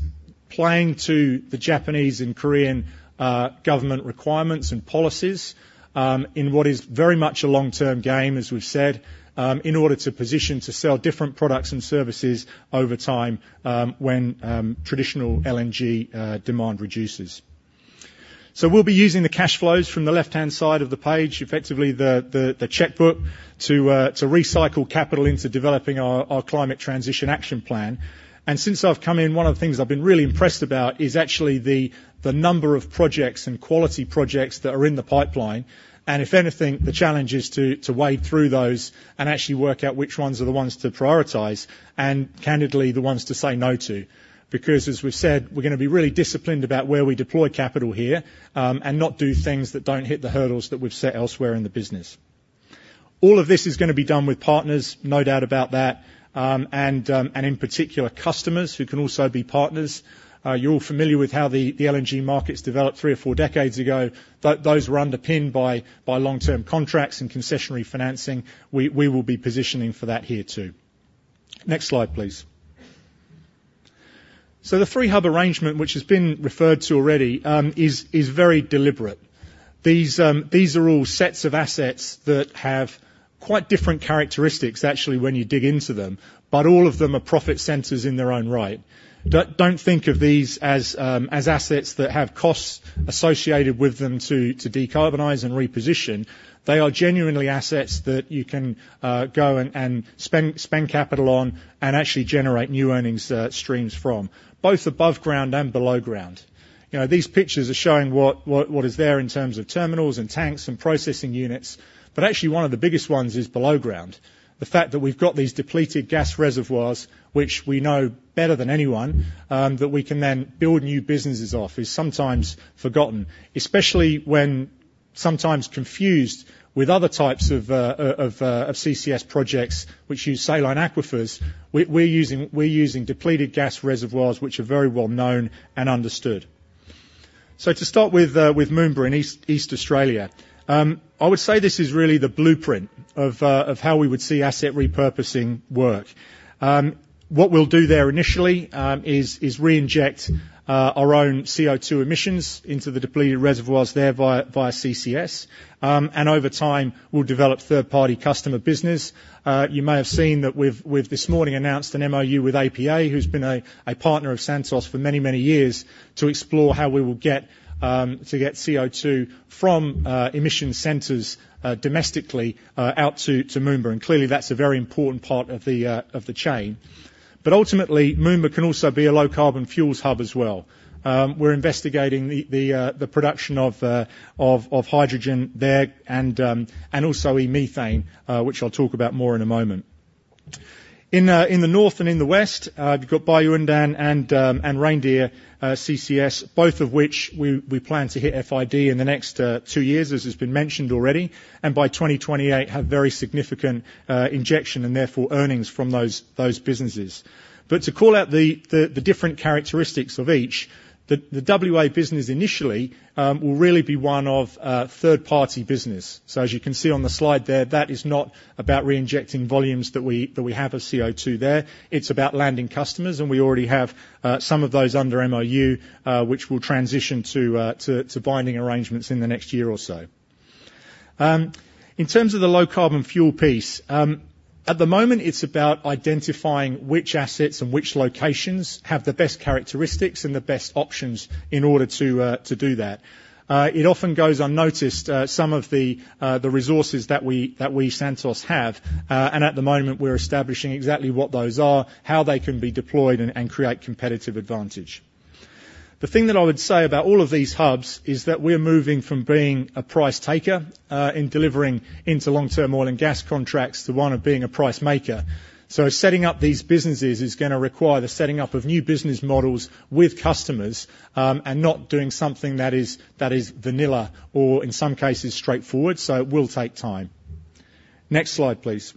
G: playing to the Japanese and Korean government requirements and policies, in what is very much a long-term game, as we've said, in order to position to sell different products and services over time, when traditional LNG demand reduces. So we'll be using the cash flows from the left-hand side of the page, effectively the checkbook, to recycle capital into developing our Climate Transition Action Plan. And since I've come in, one of the things I've been really impressed about is actually the number of projects and quality projects that are in the pipeline. And if anything, the challenge is to wade through those and actually work out which ones are the ones to prioritize and, candidly, the ones to say no to. Because, as we've said, we're gonna be really disciplined about where we deploy capital here, and not do things that don't hit the hurdles that we've set elsewhere in the business. All of this is gonna be done with partners, no doubt about that, and in particular, customers, who can also be partners. You're all familiar with how the LNG markets developed three or four decades ago. Those were underpinned by long-term contracts and concessionary financing. We will be positioning for that here, too. Next slide, please. So the three hub arrangement, which has been referred to already, is very deliberate. These are all sets of assets that have quite different characteristics, actually, when you dig into them, but all of them are profit centers in their own right. Don't think of these as assets that have costs associated with them to decarbonize and reposition. They are genuinely assets that you can go and spend capital on and actually generate new earnings streams from, both above ground and below ground. You know, these pictures are showing what is there in terms of terminals and tanks and processing units, but actually, one of the biggest ones is below ground. The fact that we've got these depleted gas reservoirs, which we know better than anyone, that we can then build new businesses off, is sometimes forgotten. Especially when sometimes confused with other types of CCS projects, which use saline aquifers, we're using depleted gas reservoirs, which are very well known and understood. So to start with, with Moomba in East Australia, I would say this is really the blueprint of how we would see asset repurposing work. What we'll do there initially is reinject our own CO2 emissions into the depleted reservoirs there via CCS. And over time, we'll develop third-party customer business. You may have seen that we've this morning announced an MOU with APA, who's been a partner of Santos for many, many years, to explore how we will get CO2 from emission centers domestically out to Moomba, and clearly, that's a very important part of the chain. But ultimately, Moomba can also be a low-carbon fuels hub as well. We're investigating the production of hydrogen there and also e-methane, which I'll talk about more in a moment. In the north and in the west, we've got Bayu-Undan and Reindeer CCS, both of which we plan to hit FID in the next two years, as has been mentioned already, and by 2028, have very significant injection and therefore earnings from those businesses. But to call out the different characteristics of each, the WA business initially will really be one of third-party business. So as you can see on the slide there, that is not about reinjecting volumes that we have of CO2 there. It's about landing customers, and we already have some of those under MOU, which will transition to binding arrangements in the next year or so. In terms of the low-carbon fuel piece, at the moment, it's about identifying which assets and which locations have the best characteristics and the best options in order to do that. It often goes unnoticed, some of the resources that we, Santos, have, and at the moment, we're establishing exactly what those are, how they can be deployed, and create competitive advantage. The thing that I would say about all of these hubs is that we're moving from being a price taker in delivering into long-term oil and gas contracts, to one of being a price maker. So setting up these businesses is gonna require the setting up of new business models with customers, and not doing something that is vanilla or, in some cases, straightforward, so it will take time. Next slide, please.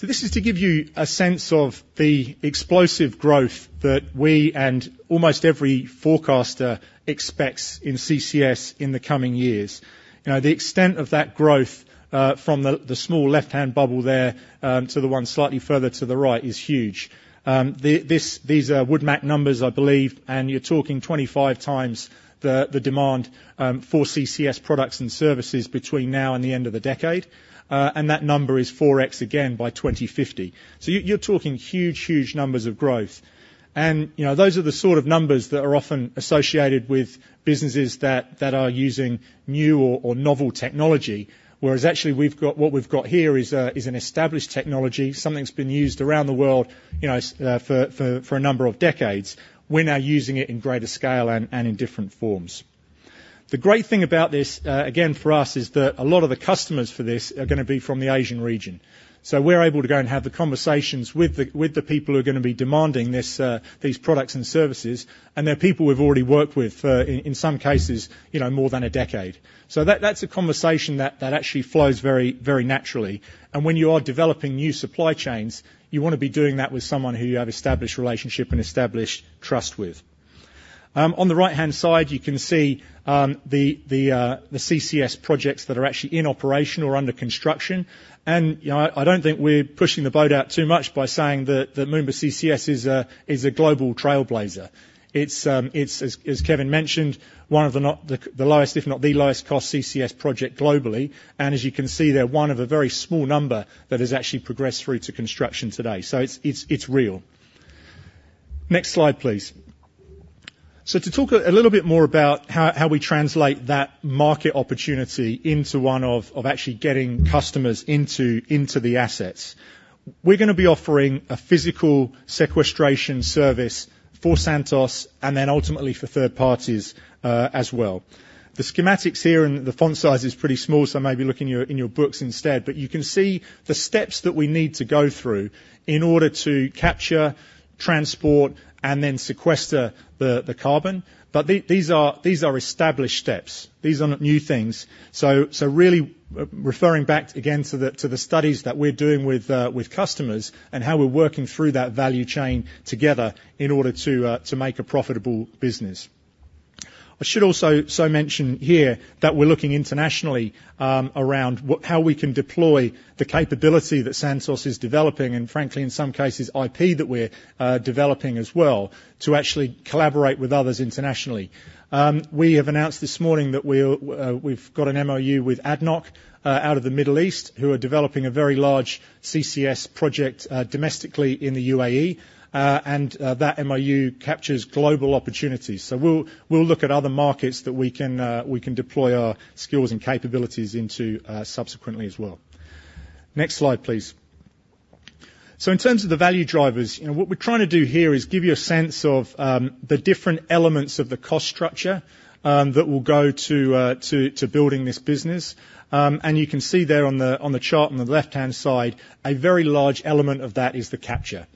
G: So this is to give you a sense of the explosive growth that we and almost every forecaster expects in CCS in the coming years. You know, the extent of that growth, from the small left-hand bubble there, to the one slightly further to the right, is huge. These are WoodMac numbers, I believe, and you're talking 25 times the demand for CCS products and services between now and the end of the decade, and that number is 4x again by 2050. So you're talking huge, huge numbers of growth. You know, those are the sort of numbers that are often associated with businesses that are using new or novel technology, whereas actually, we've got, what we've got here is an established technology, something that's been used around the world, you know, for a number of decades. We're now using it in greater scale and in different forms. The great thing about this, again, for us, is that a lot of the customers for this are gonna be from the Asian region. So we're able to go and have the conversations with the people who are gonna be demanding this, these products and services, and they're people we've already worked with, in some cases, you know, more than a decade. So that's a conversation that actually flows very, very naturally. When you are developing new supply chains, you wanna be doing that with someone who you have established relationship and established trust with. On the right-hand side, you can see the CCS projects that are actually in operation or under construction. And, you know, I don't think we're pushing the boat out too much by saying that Moomba CCS is a global trailblazer. It's as Kevin mentioned, one of the lowest, if not the lowest cost CCS project globally. And as you can see there, one of a very small number that has actually progressed through to construction today. So it's real. Next slide, please. So to talk a little bit more about how we translate that market opportunity into one of actually getting customers into the assets. We're gonna be offering a physical sequestration service for Santos and then ultimately for third parties, as well. The schematics here and the font size is pretty small, so maybe look in your books instead. But you can see the steps that we need to go through in order to capture, transport, and then sequester the, the carbon. But these are, these are established steps. These are not new things. So, really, referring back again to the studies that we're doing with, with customers and how we're working through that value chain together in order to, to make a profitable business. I should also mention here that we're looking internationally, around how we can deploy the capability that Santos is developing, and frankly, in some cases, IP that we're developing as well, to actually collaborate with others internationally. We have announced this morning that we're, we've got an MOU with ADNOC, out of the Middle East, who are developing a very large CCS project, domestically in the UAE, and that MOU captures global opportunities. So we'll look at other markets that we can deploy our skills and capabilities into, subsequently as well. Next slide, please. So in terms of the value drivers, you know, what we're trying to do here is give you a sense of the different elements of the cost structure that will go to building this business. And you can see there on the chart on the left-hand side, a very large element of that is the capture.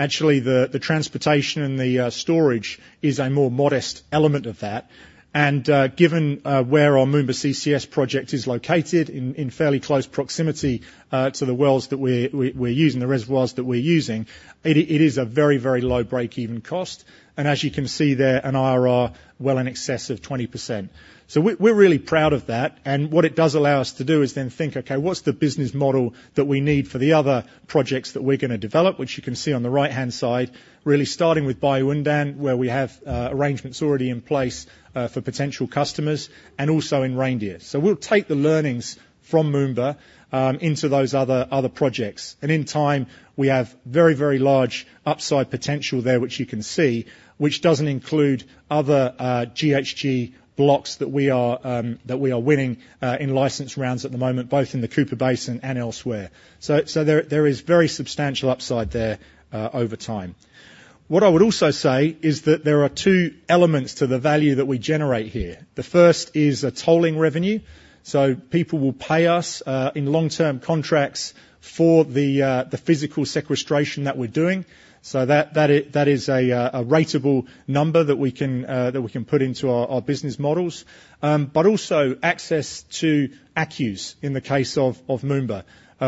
G: Actually, the transportation and the storage is a more modest element of that, and given where our Moomba CCS project is located, in fairly close proximity to the wells that we're using, the reservoirs that we're using, it is a very, very low breakeven cost, and as you can see there, an IRR well in excess of 20%. So we're really proud of that, and what it does allow us to do is then think, "Okay, what's the business model that we need for the other projects that we're gonna develop?" Which you can see on the right-hand side, really starting with Bayu-Undan, where we have arrangements already in place for potential customers, and also in Reindeer. So we'll take the learnings from Moomba into those other projects. And in time, we have very, very large upside potential there, which you can see, which doesn't include other GHG blocks that we are winning in license rounds at the moment, both in the Cooper Basin and elsewhere. So there is very substantial upside there over time. What I would also say is that there are two elements to the value that we generate here. The first is a tolling revenue. So people will pay us in long-term contracts for the physical sequestration that we're doing. So that, that is a ratable number that we can that we can put into our business models. But also access to ACCUs in the case of Moomba,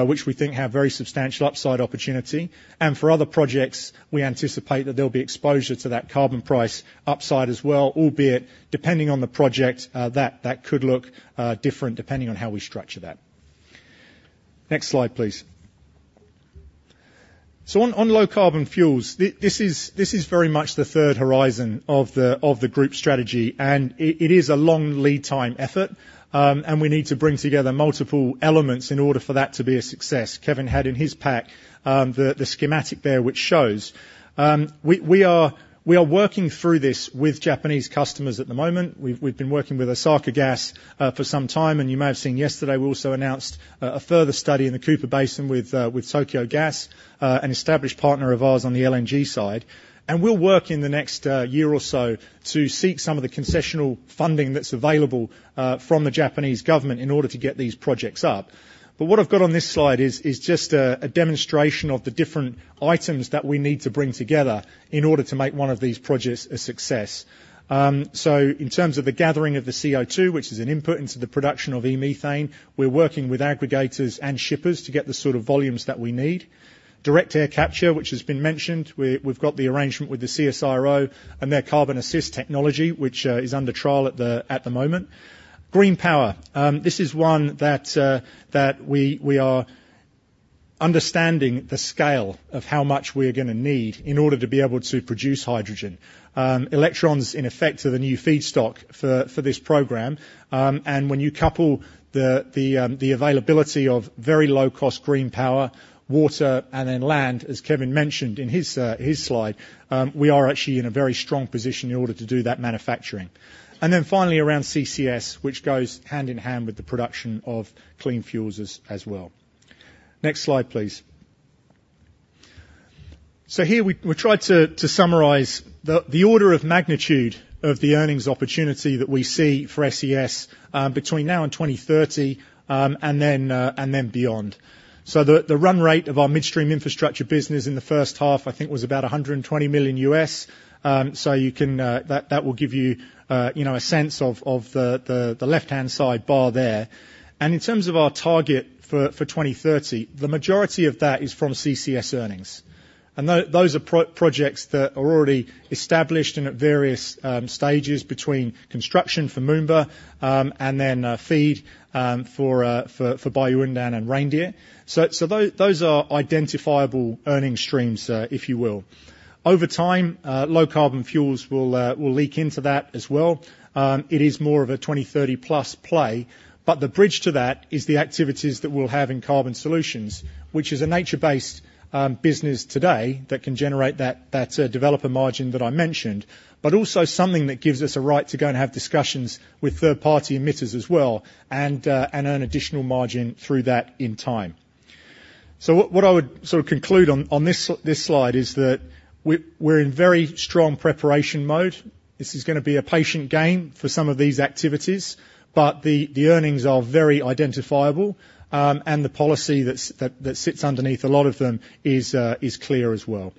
G: which we think have very substantial upside opportunity. And for other projects, we anticipate that there'll be exposure to that carbon price upside as well, albeit depending on the project, that could look different depending on how we structure that. Next slide, please. So on low-carbon fuels, this is very much the third horizon of the group's strategy, and it is a long lead time effort. We need to bring together multiple elements in order for that to be a success. Kevin had in his pack the schematic there, which shows. We are working through this with Japanese customers at the moment. We've been working with Osaka Gas for some time, and you may have seen yesterday, we also announced a further study in the Cooper Basin with Tokyo Gas, an established partner of ours on the LNG side. And we'll work in the next year or so to seek some of the concessional funding that's available from the Japanese government in order to get these projects up. But what I've got on this slide is just a demonstration of the different items that we need to bring together in order to make one of these projects a success. So in terms of the gathering of the CO2, which is an input into the production of e-methane, we're working with aggregators and shippers to get the sort of volumes that we need. Direct air capture, which has been mentioned, we've got the arrangement with the CSIRO and their CarbonAssist technology, which is under trial at the moment. Green power, this is one that we are understanding the scale of how much we are gonna need in order to be able to produce hydrogen. Electrons, in effect, are the new feedstock for this program. And when you couple the availability of very low-cost green power, water, and then land, as Kevin mentioned in his slide, we are actually in a very strong position in order to do that manufacturing. And then finally, around CCS, which goes hand in hand with the production of clean fuels as well. Next slide, please. So here we tried to summarize the order of magnitude of the earnings opportunity that we see for SES, between now and 2030, and then beyond. So the run rate of our midstream infrastructure business in the first half, I think, was about $120 million. So you can, that will give you, you know, a sense of the left-hand side bar there. In terms of our target for 2030, the majority of that is from CCS earnings. Those are projects that are already established and at various stages between construction for Moomba and then FEED for Bayu-Undan and Reindeer. So those are identifiable earning streams, if you will. Over time, low carbon fuels will leak into that as well. It is more of a 2030+ play, but the bridge to that is the activities that we'll have in carbon solutions, which is a nature-based business today that can generate that developer margin that I mentioned, but also something that gives us a right to go and have discussions with third-party emitters as well, and earn additional margin through that in time. So what I would sort of conclude on this slide is that we're in very strong preparation mode. This is gonna be a patient game for some of these activities, but the earnings are very identifiable, and the policy that sits underneath a lot of them is clear as well.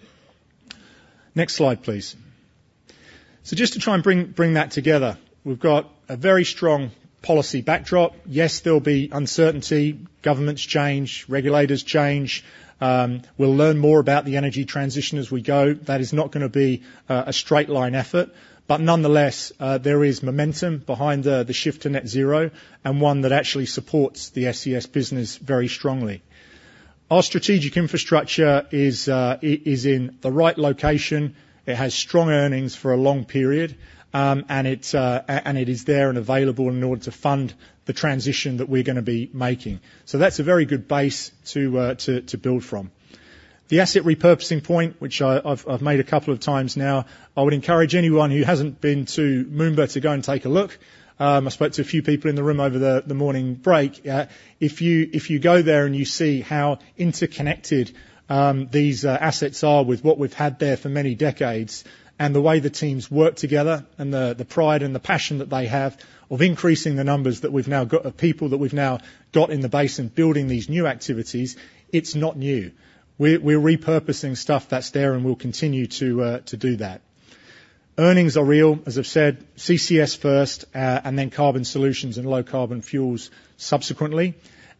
G: Next slide, please. So just to try and bring that together, we've got a very strong policy backdrop. Yes, there'll be uncertainty. Governments change, regulators change. We'll learn more about the energy transition as we go. That is not gonna be a straight line effort. But nonetheless, there is momentum behind the shift to net zero, and one that actually supports the SES business very strongly. Our strategic infrastructure is in the right location. It has strong earnings for a long period, and it is there and available in order to fund the transition that we're gonna be making. So that's a very good base to build from. The asset repurposing point, which I've made a couple of times now, I would encourage anyone who hasn't been to Moomba to go and take a look. I spoke to a few people in the room over the morning break. If you go there and you see how interconnected these assets are with what we've had there for many decades, and the way the teams work together, and the pride and the passion that they have of increasing the numbers that we've now got, of people that we've now got in the base and building these new activities, it's not new. We're repurposing stuff that's there and will continue to do that. Earnings are real, as I've said, CCS first, and then carbon solutions and low carbon fuels subsequently.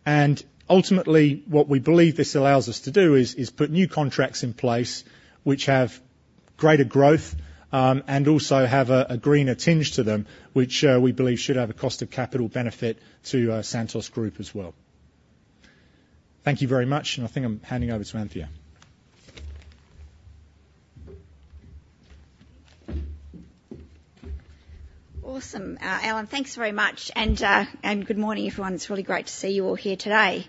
G: And ultimately, what we believe this allows us to do is put new contracts in place which have greater growth, and also have a greener tinge to them, which we believe should have a cost of capital benefit to Santos Group as well. Thank you very much, and I think I'm handing over to Anthea.
H: Awesome, Alan. Thanks very much, and good morning, everyone. It's really great to see you all here today.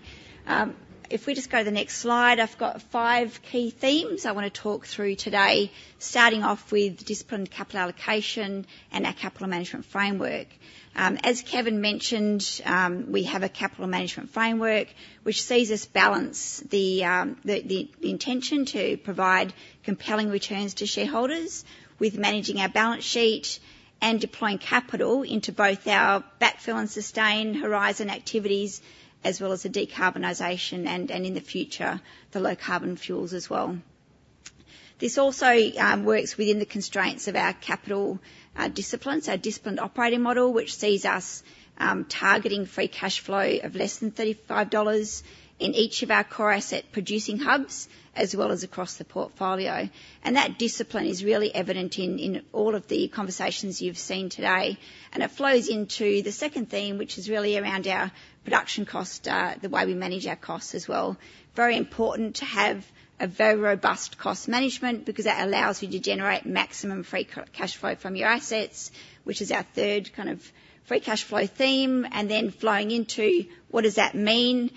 H: If we just go to the next slide, I've got five key themes I want to talk through today, starting off with disciplined capital allocation and our capital management framework. As Kevin mentioned, we have a capital management framework, which sees us balance the intention to provide compelling returns to shareholders with managing our balance sheet and deploying capital into both our backfill and sustain horizon activities, as well as the decarbonization and in the future, the low carbon fuels as well. This also works within the constraints of our capital disciplines, our disciplined operating model, which sees us targeting free cash flow of less than $35 in each of our core asset producing hubs, as well as across the portfolio. That discipline is really evident in all of the conversations you've seen today. It flows into the second theme, which is really around our production cost, the way we manage our costs as well. Very important to have a very robust cost management because that allows you to generate maximum free cash flow from your assets, which is our third kind of free cash flow theme, and then flowing into what does that mean,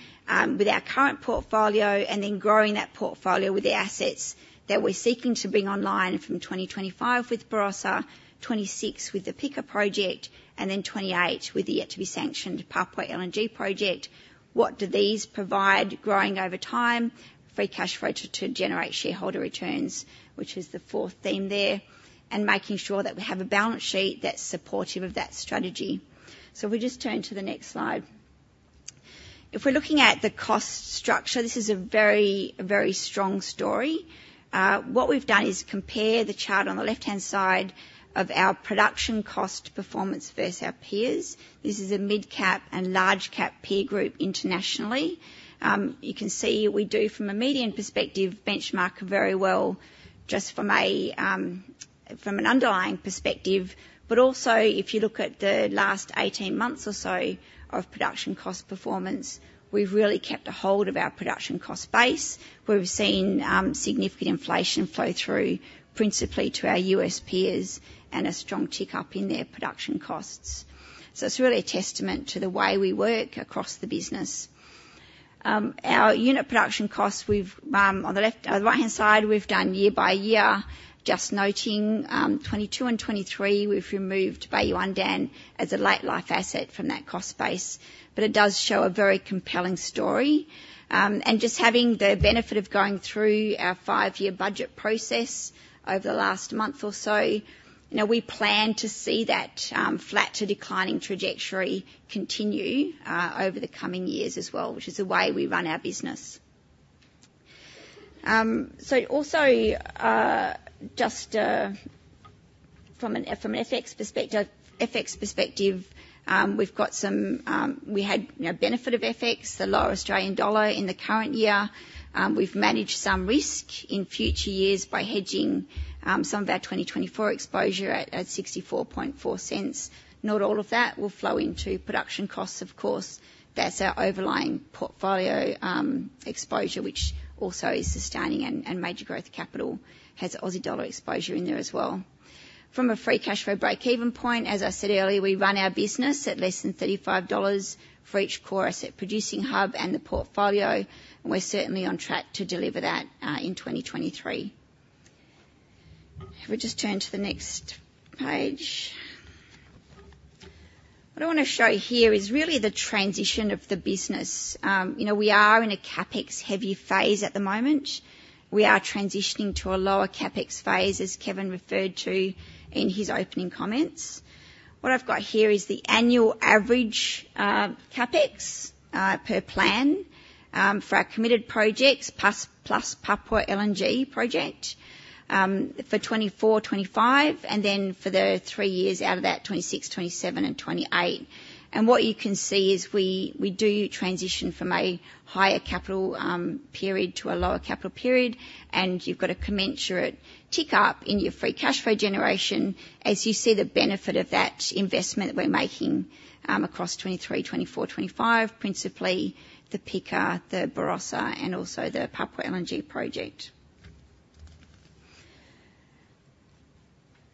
H: with our current portfolio, and then growing that portfolio with the assets that we're seeking to bring online from 2025 with Barossa, 2026 with the Pikka Project, and then 2028 with the yet to be sanctioned Papua LNG project. What do these provide growing over time? Free cash flow to generate shareholder returns, which is the fourth theme there, and making sure that we have a balance sheet that's supportive of that strategy. So if we just turn to the next slide. If we're looking at the cost structure, this is a very strong story. What we've done is compare the chart on the left-hand side of our production cost performance versus our peers. This is a mid-cap and large-cap peer group internationally. You can see we do, from a median perspective, benchmark very well just from a, from an underlying perspective. But also, if you look at the last 18 months or so of production cost performance, we've really kept a hold of our production cost base. We've seen, significant inflation flow through, principally to our U.S. peers, and a strong tick up in their production costs. So it's really a testament to the way we work across the business. Our unit production costs, we've, on the left, on the right-hand side, we've done year by year, just noting, 2022 and 2023, we've removed Bayu-Undan as a late life asset from that cost base. But it does show a very compelling story. And just having the benefit of going through our five-year budget process over the last month or so, you know, we plan to see that flat to declining trajectory continue over the coming years as well, which is the way we run our business. Also, just from an FX perspective, we had, you know, benefit of FX, the lower Australian dollar in the current year. We've managed some risk in future years by hedging some of our 2024 exposure at 0.644. Not all of that will flow into production costs, of course. That's our overall portfolio exposure, which also is sustaining, and major growth capital has Aussie dollar exposure in there as well. From a free cash flow breakeven point, as I said earlier, we run our business at less than $35 for each core asset-producing hub and the portfolio, and we're certainly on track to deliver that in 2023. If we just turn to the next page. What I want to show here is really the transition of the business. You know, we are in a CapEx-heavy phase at the moment. We are transitioning to a lower CapEx phase, as Kevin referred to in his opening comments. What I've got here is the annual average CapEx per plan for our committed projects, plus, plus Papua LNG project, for 2024, 2025, and then for the three years out of that, 2026, 2027 and 2028. What you can see is we do transition from a higher capital period to a lower capital period, and you've got a commensurate tick-up in your free cash flow generation as you see the benefit of that investment we're making across 2023, 2024, 2025, principally the Pikka, the Barossa, and also the Papua LNG project.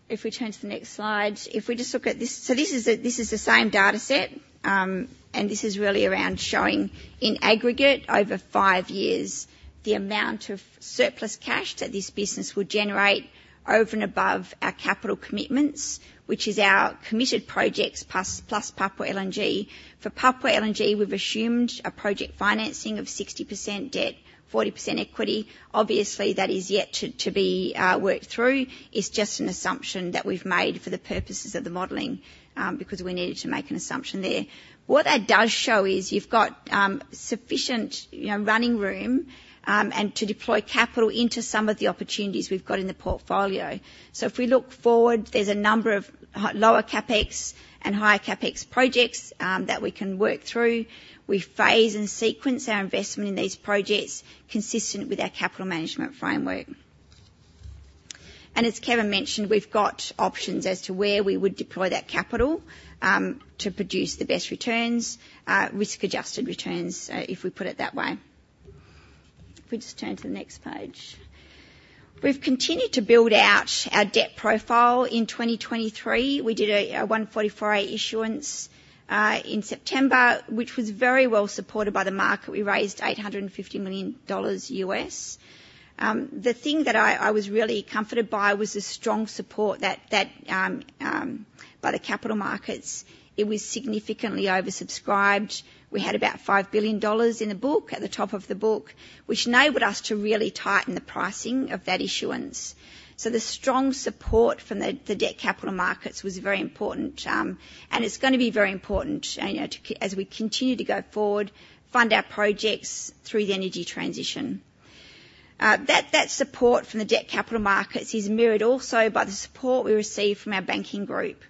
H: If we turn to the next slide. If we just look at this. So this is the same data set, and this is really around showing, in aggregate over five years, the amount of surplus cash that this business will generate over and above our capital commitments, which is our committed projects, plus Papua LNG. For Papua LNG, we've assumed a project financing of 60% debt, 40% equity. Obviously, that is yet to be worked through. It's just an assumption that we've made for the purposes of the modeling, because we needed to make an assumption there. What that does show is you've got, sufficient, you know, running room, and to deploy capital into some of the opportunities we've got in the portfolio. So if we look forward, there's a number of lower CapEx and higher CapEx projects, that we can work through. We phase and sequence our investment in these projects consistent with our capital management framework. And as Kevin mentioned, we've got options as to where we would deploy that capital, to produce the best returns, risk-adjusted returns, if we put it that way. If we just turn to the next page. We've continued to build out our debt profile. In 2023, we did a 144A issuance in September, which was very well supported by the market. We raised $850 million. The thing that I was really comforted by was the strong support by the capital markets. It was significantly oversubscribed. We had about $5 billion in the book, at the top of the book, which enabled us to really tighten the pricing of that issuance. So the strong support from the debt capital markets was very important, and it's going to be very important, you know, as we continue to go forward, fund our projects through the energy transition. That support from the debt capital markets is mirrored also by the support we receive from our banking group.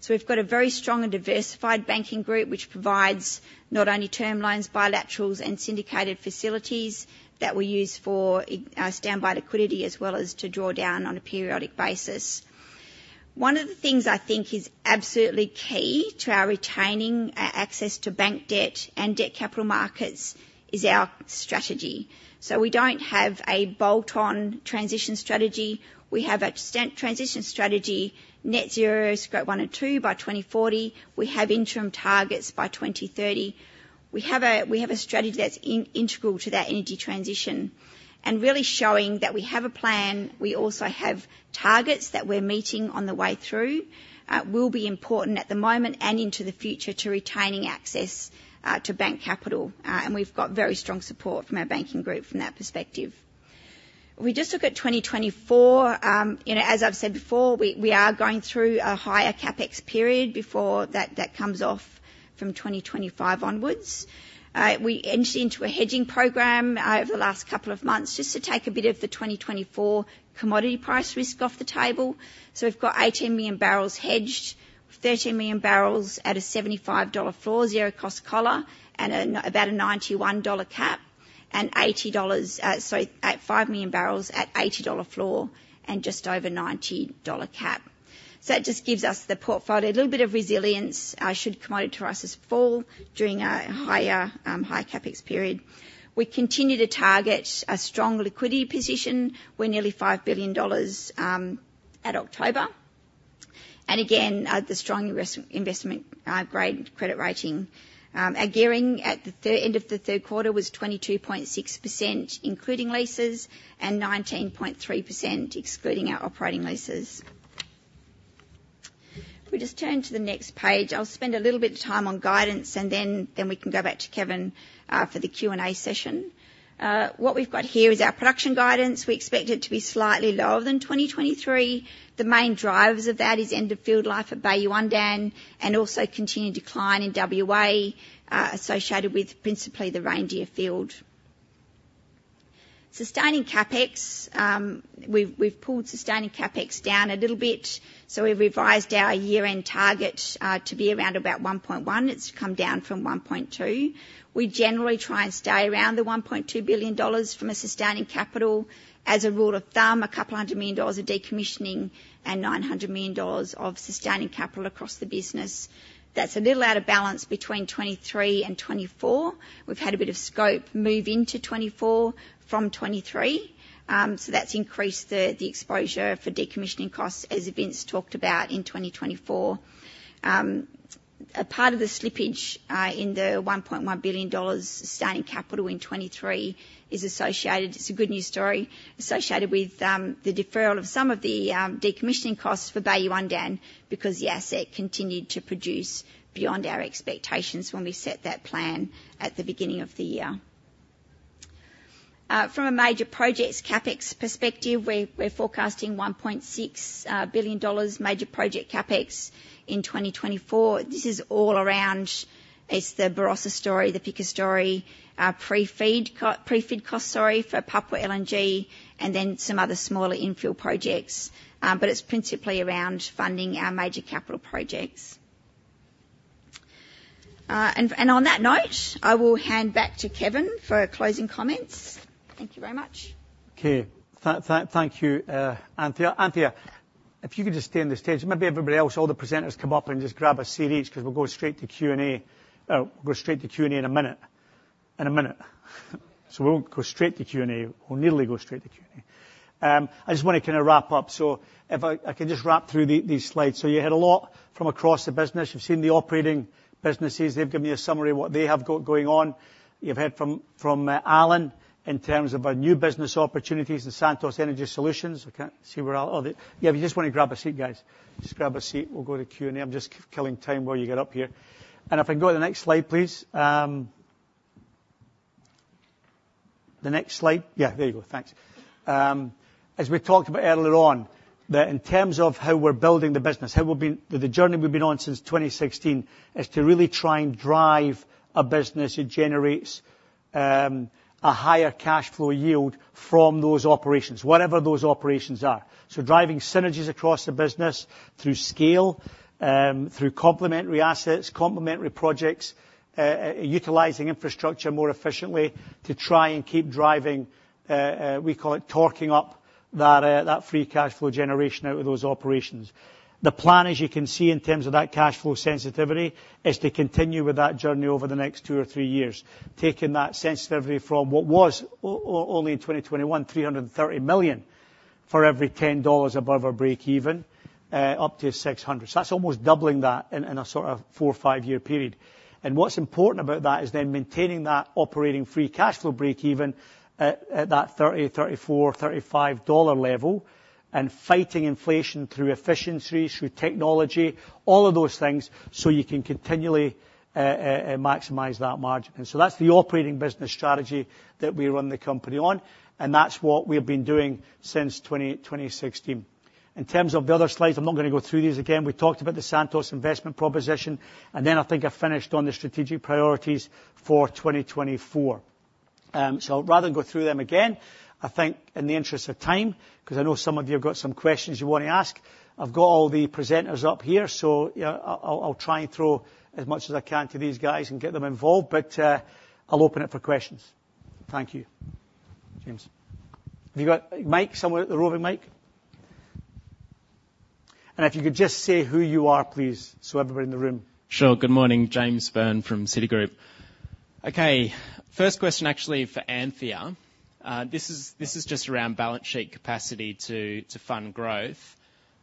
H: So we've got a very strong and diversified banking group, which provides not only term loans, bilaterals, and syndicated facilities that we use for, standby liquidity, as well as to draw down on a periodic basis. One of the things I think is absolutely key to our retaining, access to bank debt and debt capital markets is our strategy. So we don't have a bolt-on transition strategy. We have a extent transition strategy, net zero Scope 1 and 2 by 2040. We have interim targets by 2030. We have a, we have a strategy that's in-integral to that energy transition, and really showing that we have a plan. We also have targets that we're meeting on the way through. Will be important at the moment and into the future to retaining access, to bank capital. We've got very strong support from our banking group from that perspective. If we just look at 2024, you know, as I've said before, we are going through a higher CapEx period before that comes off from 2025 onwards. We entered into a hedging program over the last couple of months, just to take a bit of the 2024 commodity price risk off the table. So we've got 18 million barrels hedged, 13 million barrels at a $75 floor, zero cost collar, and about a $91 cap, and $80, sorry, 5 million barrels at $80 floor and just over $90 cap. So that just gives us the portfolio a little bit of resilience should commodity prices fall during a higher high CapEx period. We continue to target a strong liquidity position. We're nearly $5 billion at October and again, the strong investment grade credit rating. Our gearing at the end of the third quarter was 22.6%, including leases, and 19.3%, excluding our operating leases. If we just turn to the next page, I'll spend a little bit of time on guidance, and then we can go back to Kevin for the Q&A session. What we've got here is our production guidance. We expect it to be slightly lower than 2023. The main drivers of that is end of field life at Bayu-Undan, and also continued decline in WA, associated with principally the Reindeer field. Sustaining CapEx, we've pulled sustaining CapEx down a little bit, so we've revised our year-end target to be around about 1.1. It's come down from 1.2. We generally try and stay around the $1.2 billion from a sustaining capital. As a rule of thumb, $200 million of decommissioning and $900 million of sustaining capital across the business. That's a little out of balance between 2023 and 2024. We've had a bit of scope move into 2024 from 2023. So that's increased the exposure for decommissioning costs, as Vince talked about in 2024. A part of the slippage in the 1.1 billion dollars sustaining capital in 2023 is associated; it's a good news story, associated with the deferral of some of the decommissioning costs for Bayu-Undan because the asset continued to produce beyond our expectations when we set that plan at the beginning of the year. From a major projects CapEx perspective, we're forecasting 1.6 billion dollars major project CapEx in 2024. This is all around; it's the Barossa story, the Pikka story, pre-FEED costs, sorry, for Papua LNG, and then some other smaller infill projects. But it's principally around funding our major capital projects. And on that note, I will hand back to Kevin for closing comments. Thank you very much.
A: Okay. Thank you, Anthea. Anthea, if you could just stay on the stage, and maybe everybody else, all the presenters come up and just grab a seat each, 'cause we'll go straight to Q&A. We'll go straight to Q&A in a minute. In a minute. So we won't go straight to Q&A, we'll nearly go straight to Q&A. I just wanna kinda wrap up. So if I can just wrap through these slides. So you heard a lot from across the business. You've seen the operating businesses. They've given you a summary of what they have going on. You've heard from Alan, in terms of our new business opportunities and Santos Energy Solutions. I can't see where all of the. Yeah, if you just wanna grab a seat, guys. Just grab a seat, we'll go to Q&A. I'm just killing time while you get up here. If I can go to the next slide, please. The next slide. Yeah, there you go. Thanks. As we talked about earlier on, that in terms of how we're building the business, how we've been, the journey we've been on since 2016, is to really try and drive a business that generates a higher cash flow yield from those operations, whatever those operations are. So driving synergies across the business through scale, through complementary assets, complementary projects, utilizing infrastructure more efficiently to try and keep driving, we call it torquing up that, that free cash flow generation out of those operations. The plan, as you can see in terms of that cash flow sensitivity, is to continue with that journey over the next two or three years. Taking that sensitivity from what was only in 2021, $330 million, for every $10 above our breakeven, up to $600. So that's almost doubling that in a four- or five-year period. And what's important about that is then maintaining that operating free cash flow breakeven at that $30-$35 level, and fighting inflation through efficiencies, through technology, all of those things, so you can continually maximize that margin. And so that's the operating business strategy that we run the company on, and that's what we've been doing since 2016. In terms of the other slides, I'm not gonna go through these again. We talked about the Santos investment proposition, and then I think I finished on the strategic priorities for 2024. So I'd rather go through them again, I think, in the interest of time, 'cause I know some of you have got some questions you wanna ask. I've got all the presenters up here, so, yeah, I'll, I'll try and throw as much as I can to these guys and get them involved, but, I'll open it for questions. Thank you. James. Have you got a mic somewhere, the roving mic? And if you could just say who you are, please, so everybody in the room.
I: Sure. Good morning, James Byrne from Citigroup. Okay, first question actually for Anthea. This is just around balance sheet capacity to fund growth.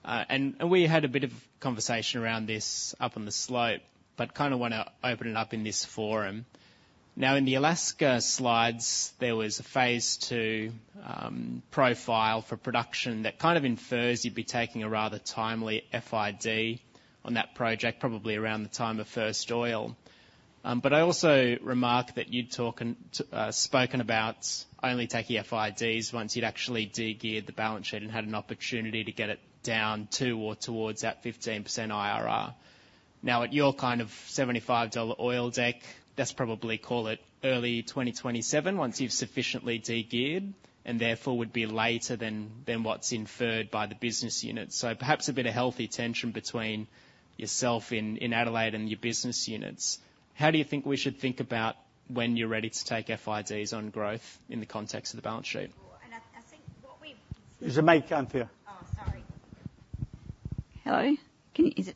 I: And we had a bit of conversation around this up on the Slope, but kind of wanna open it up in this forum. Now, in the Alaska slides, there was a Phase II profile for production that kind of infers you'd be taking a rather timely FID on that project, probably around the time of first oil. But I also remark that you'd spoken about only taking FIDs once you'd actually de-geared the balance sheet and had an opportunity to get it down to or towards that 15% IRR. Now, at your kind of $75 oil deck, let's probably call it early 2027, once you've sufficiently de-geared, and therefore would be later than what's inferred by the business unit. So perhaps a bit of healthy tension between yourself in Adelaide and your business units. How do you think we should think about when you're ready to take FIDs on growth in the context of the balance sheet?
H: I think what we.
A: There's a mic, Anthea.
H: Oh, sorry. Hello? Can you. Is it?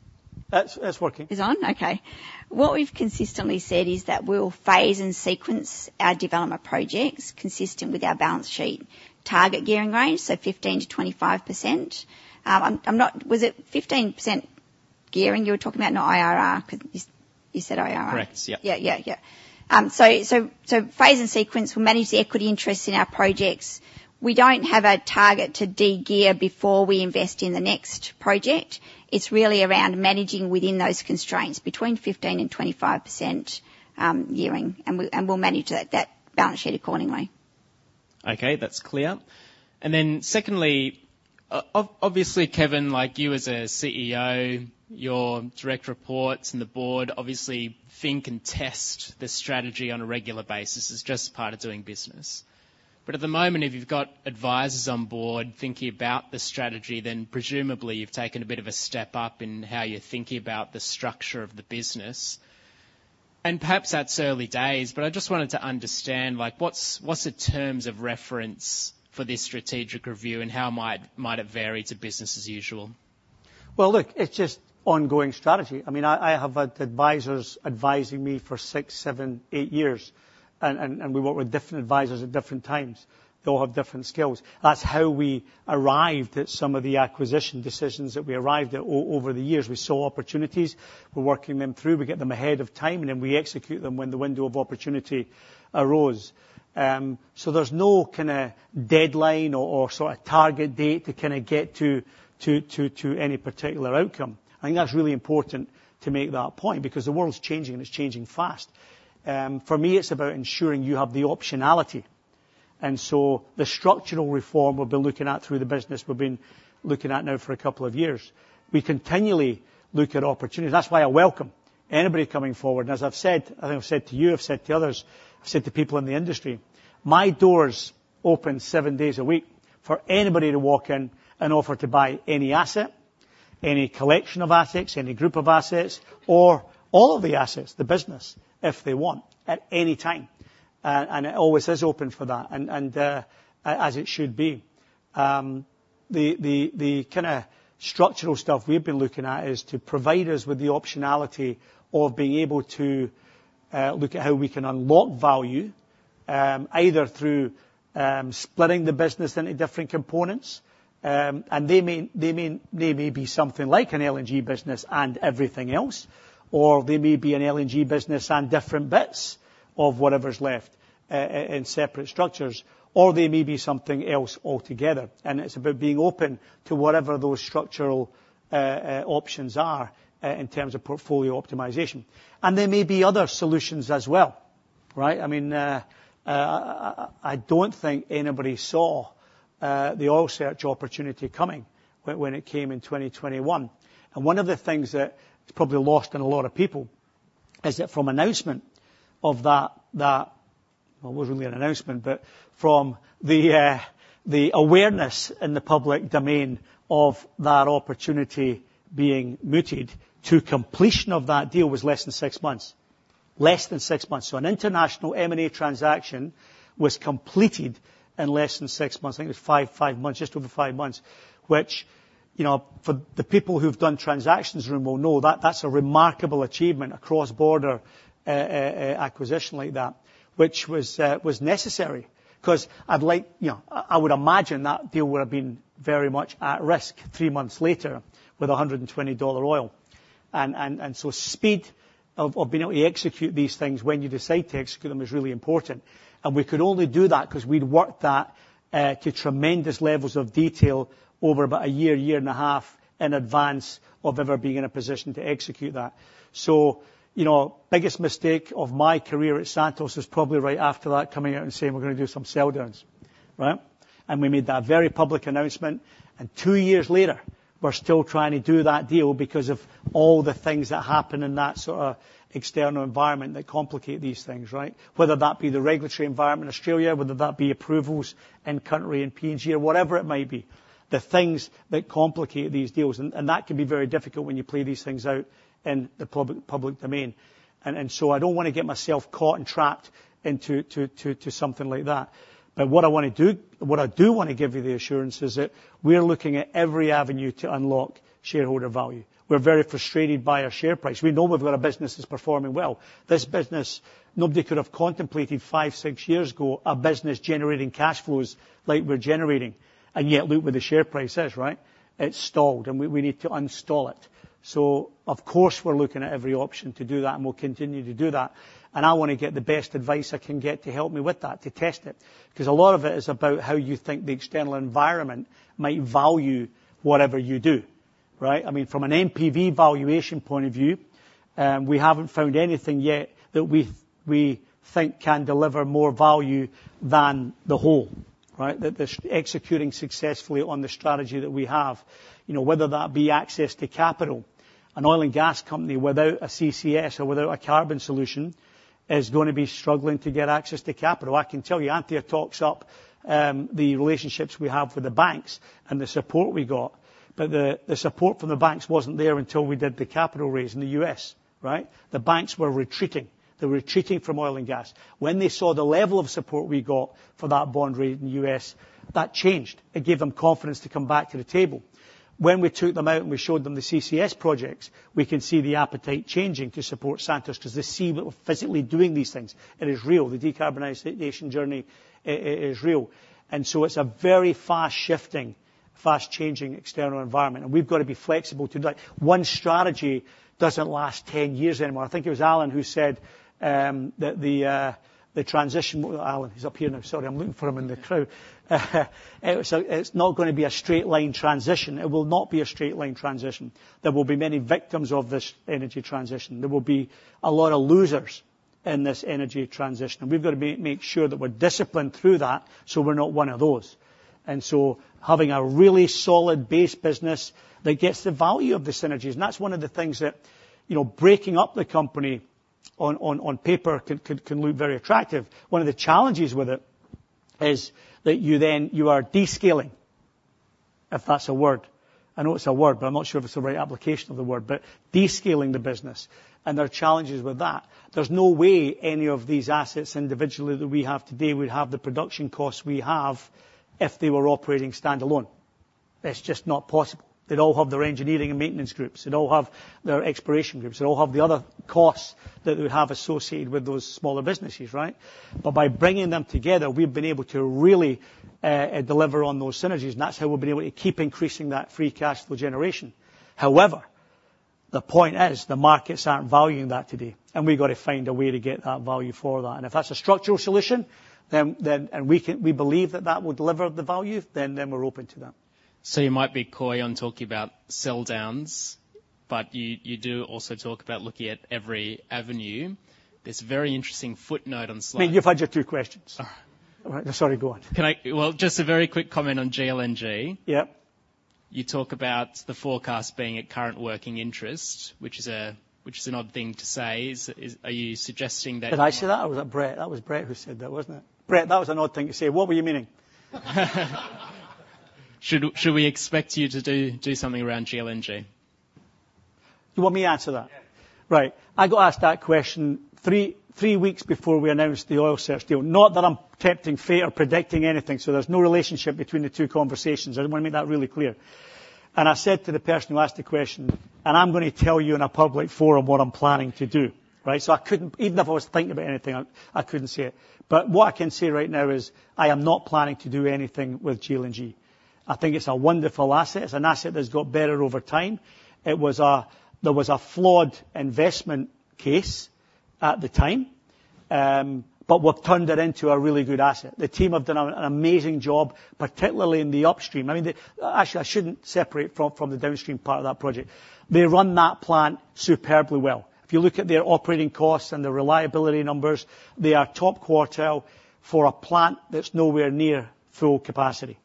I: That's, that's working.
H: It's on? Okay. What we've consistently said is that we'll phase and sequence our development projects consistent with our balance sheet target gearing range, so 15%-25%. I'm not. Was it 15% gearing you were talking about, not IRR? 'Cause you said IRR.
I: Correct. Yeah.
H: Yeah, yeah, yeah. So phase and sequence, we manage the equity interest in our projects. We don't have a target to de-gear before we invest in the next project. It's really around managing within those constraints between 15% and 25%, gearing, and we'll manage that balance sheet accordingly.
I: Okay, that's clear. Then secondly, obviously, Kevin, like you as a CEO, your direct reports and the board obviously think and test the strategy on a regular basis. It's just part of doing business. But at the moment, if you've got advisors on board thinking about the strategy, then presumably you've taken a bit of a step up in how you're thinking about the structure of the business. And perhaps that's early days, but I just wanted to understand, like, what's the terms of reference for this strategic review, and how might it vary to business as usual?
A: Well, look, it's just ongoing strategy. I mean, I have had advisors advising me for six, seven, eight years, and we work with different advisors at different times. They all have different skills. That's how we arrived at some of the acquisition decisions that we arrived at over the years. We saw opportunities. We're working them through, we get them ahead of time, and then we execute them when the window of opportunity arose. So there's no kinda deadline or sort of target date to kinda get to any particular outcome. I think that's really important to make that point, because the world's changing, and it's changing fast. For me, it's about ensuring you have the optionality. So the structural reform we've been looking at through the business, we've been looking at now for a couple of years, we continually look at opportunities. That's why I welcome anybody coming forward. And as I've said, I think I've said to you, I've said to others, I've said to people in the industry, my door is open seven days a week for anybody to walk in and offer to buy any asset, any collection of assets, any group of assets, or all of the assets, the business, if they want, at any time. And it always is open for that, and as it should be. The kinda structural stuff we've been looking at is to provide us with the optionality of being able to look at how we can unlock value, either through splitting the business into different components, and they may be something like an LNG business and everything else, or they may be an LNG business and different bits of whatever's left in separate structures, or they may be something else altogether, and it's about being open to whatever those structural options are in terms of portfolio optimization. There may be other solutions as well, right? I mean, I don't think anybody saw the Oil Search opportunity coming when it came in 2021. One of the things that is probably lost on a lot of people is that from announcement of that. Well, it wasn't really an announcement, but from the awareness in the public domain of that opportunity being mooted to completion of that deal was less than six months. Less than six months. So an international M&A transaction was completed in less than six months. I think it was five, five months, just over five months, which, you know, for the people who've done transactions, they'll know that that's a remarkable achievement, a cross-border acquisition like that, which was necessary. 'Cause I'd like, you know, I, I would imagine that deal would have been very much at risk three months later with $120 oil. So speed of being able to execute these things when you decide to execute them is really important. And we could only do that 'cause we'd worked that to tremendous levels of detail over about a year, year and a half, in advance of ever being in a position to execute that. So, you know, biggest mistake of my career at Santos is probably right after that, coming out and saying, "We're gonna do some sell downs." Right? And we made that very public announcement, and two years later, we're still trying to do that deal because of all the things that happened in that sort of external environment that complicate these things, right? Whether that be the regulatory environment in Australia, whether that be approvals in country, in PNG, or whatever it may be, the things that complicate these deals, and that can be very difficult when you play these things out in the public domain. And so I don't wanna get myself caught and trapped into something like that. But what I wanna do, what I do wanna give you the assurance is that we're looking at every avenue to unlock shareholder value. We're very frustrated by our share price. We know we've got a business that's performing well. This business, nobody could have contemplated five, six years ago, a business generating cash flows like we're generating, and yet look where the share price is, right? It's stalled, and we need to unstall it. So of course, we're looking at every option to do that, and we'll continue to do that. And I wanna get the best advice I can get to help me with that, to test it, 'cause a lot of it is about how you think the external environment might value whatever you do, right? I mean, from an NPV valuation point of view. We haven't found anything yet that we think can deliver more value than the whole, right? That this executing successfully on the strategy that we have, you know, whether that be access to capital. An oil and gas company without a CCS or without a carbon solution, is gonna be struggling to get access to capital. I can tell you, Anthea talks up the relationships we have with the banks and the support we got, but the support from the banks wasn't there until we did the capital raise in the U.S., right? The banks were retreating. They were retreating from oil and gas. When they saw the level of support we got for that bond rate in the U.S., that changed. It gave them confidence to come back to the table. When we took them out and we showed them the CCS projects, we could see the appetite changing to support Santos, 'cause they see that we're physically doing these things. It is real. The decarbonization journey is real. And so it's a very fast-shifting, fast-changing external environment, and we've got to be flexible to that. One strategy doesn't last 10 years anymore. I think it was Alan who said, that the, the transition. Alan, he's up here now. Sorry, I'm looking for him in the crowd. So it's not gonna be a straight line transition. It will not be a straight line transition. There will be many victims of this energy transition. There will be a lot of losers in this energy transition, and we've got to be- make sure that we're disciplined through that, so we're not one of those. And so having a really solid base business that gets the value of the synergies, and that's one of the things that, you know, breaking up the company on paper can look very attractive. One of the challenges with it is that you then. You are descaling, if that's a word. I know it's a word, but I'm not sure if it's the right application of the word, but descaling the business, and there are challenges with that. There's no way any of these assets individually that we have today would have the production costs we have if they were operating standalone. It's just not possible. They'd all have their engineering and maintenance groups. They'd all have their exploration groups. They'd all have the other costs that we have associated with those smaller businesses, right? But by bringing them together, we've been able to really deliver on those synergies, and that's how we've been able to keep increasing that free cash flow generation. However, the point is, the markets aren't valuing that today, and we've got to find a way to get that value for that. And if that's a structural solution, then, then. We believe that that will deliver the value, then, then we're open to that.
I: You might be coy on talking about sell downs, but you, you do also talk about looking at every avenue. There's a very interesting footnote on slide.
A: You've had your two questions.
I: All right.
A: Sorry, go on.
I: Can I. Well, just a very quick comment on GLNG.
A: Yeah.
I: You talk about the forecast being at current working interest, which is an odd thing to say. Are you suggesting that.
A: Did I say that or was that Brett? That was Brett who said that, wasn't it? Brett, that was an odd thing to say. What were you meaning?
I: Should we expect you to do something around GLNG?
A: You want me to answer that?
I: Yes.
A: Right. I got asked that question three weeks before we announced the Oil Search deal. Not that I'm tempting fate or predicting anything, so there's no relationship between the two conversations. I just wanna make that really clear. And I said to the person who asked the question, "And I'm gonna tell you in a public forum what I'm planning to do." Right? So I couldn't, even if I was thinking about anything, I couldn't say it. But what I can say right now is, I am not planning to do anything with GLNG. I think it's a wonderful asset. It's an asset that's got better over time. It was a, there was a flawed investment case at the time, but we've turned it into a really good asset. The team have done an amazing job, particularly in the upstream. I mean, the. Actually, I shouldn't separate from the downstream part of that project. They run that plant superbly well. If you look at their operating costs and the reliability numbers, they are top quartile for a plant that's nowhere near full capacity,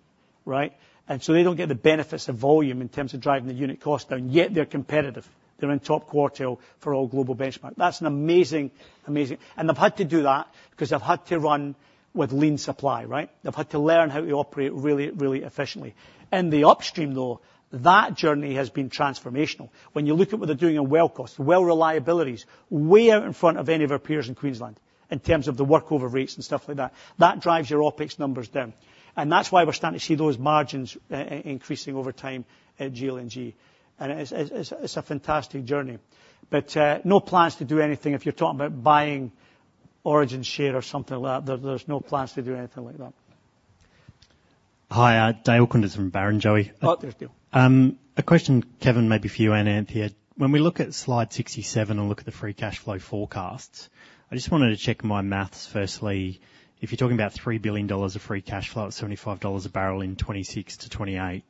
A: right? And so they don't get the benefits of volume in terms of driving the unit cost down, yet they're competitive. They're in top quartile for all global benchmark. That's an amazing, amazing. And they've had to do that because they've had to run with lean supply, right? They've had to learn how to operate really, really efficiently. In the upstream, though, that journey has been transformational. When you look at what they're doing in well costs, well reliabilities, way out in front of any of our peers in Queensland, in terms of the work over rates and stuff like that. That drives your OpEx numbers down, and that's why we're starting to see those margins increasing over time at GLNG. And it's a fantastic journey. But no plans to do anything. If you're talking about buying Origin share or something like that, there's no plans to do anything like that.
J: Hi, Dale Koenders from Barrenjoey.
A: Oh, there's Dale.
J: A question, Kevin, maybe for you and Anthea. When we look at Slide 67 and look at the free cash flow forecasts, I just wanted to check my math firstly. If you're talking about $3 billion of free cash flow at $75 a barrel in 2026-2028,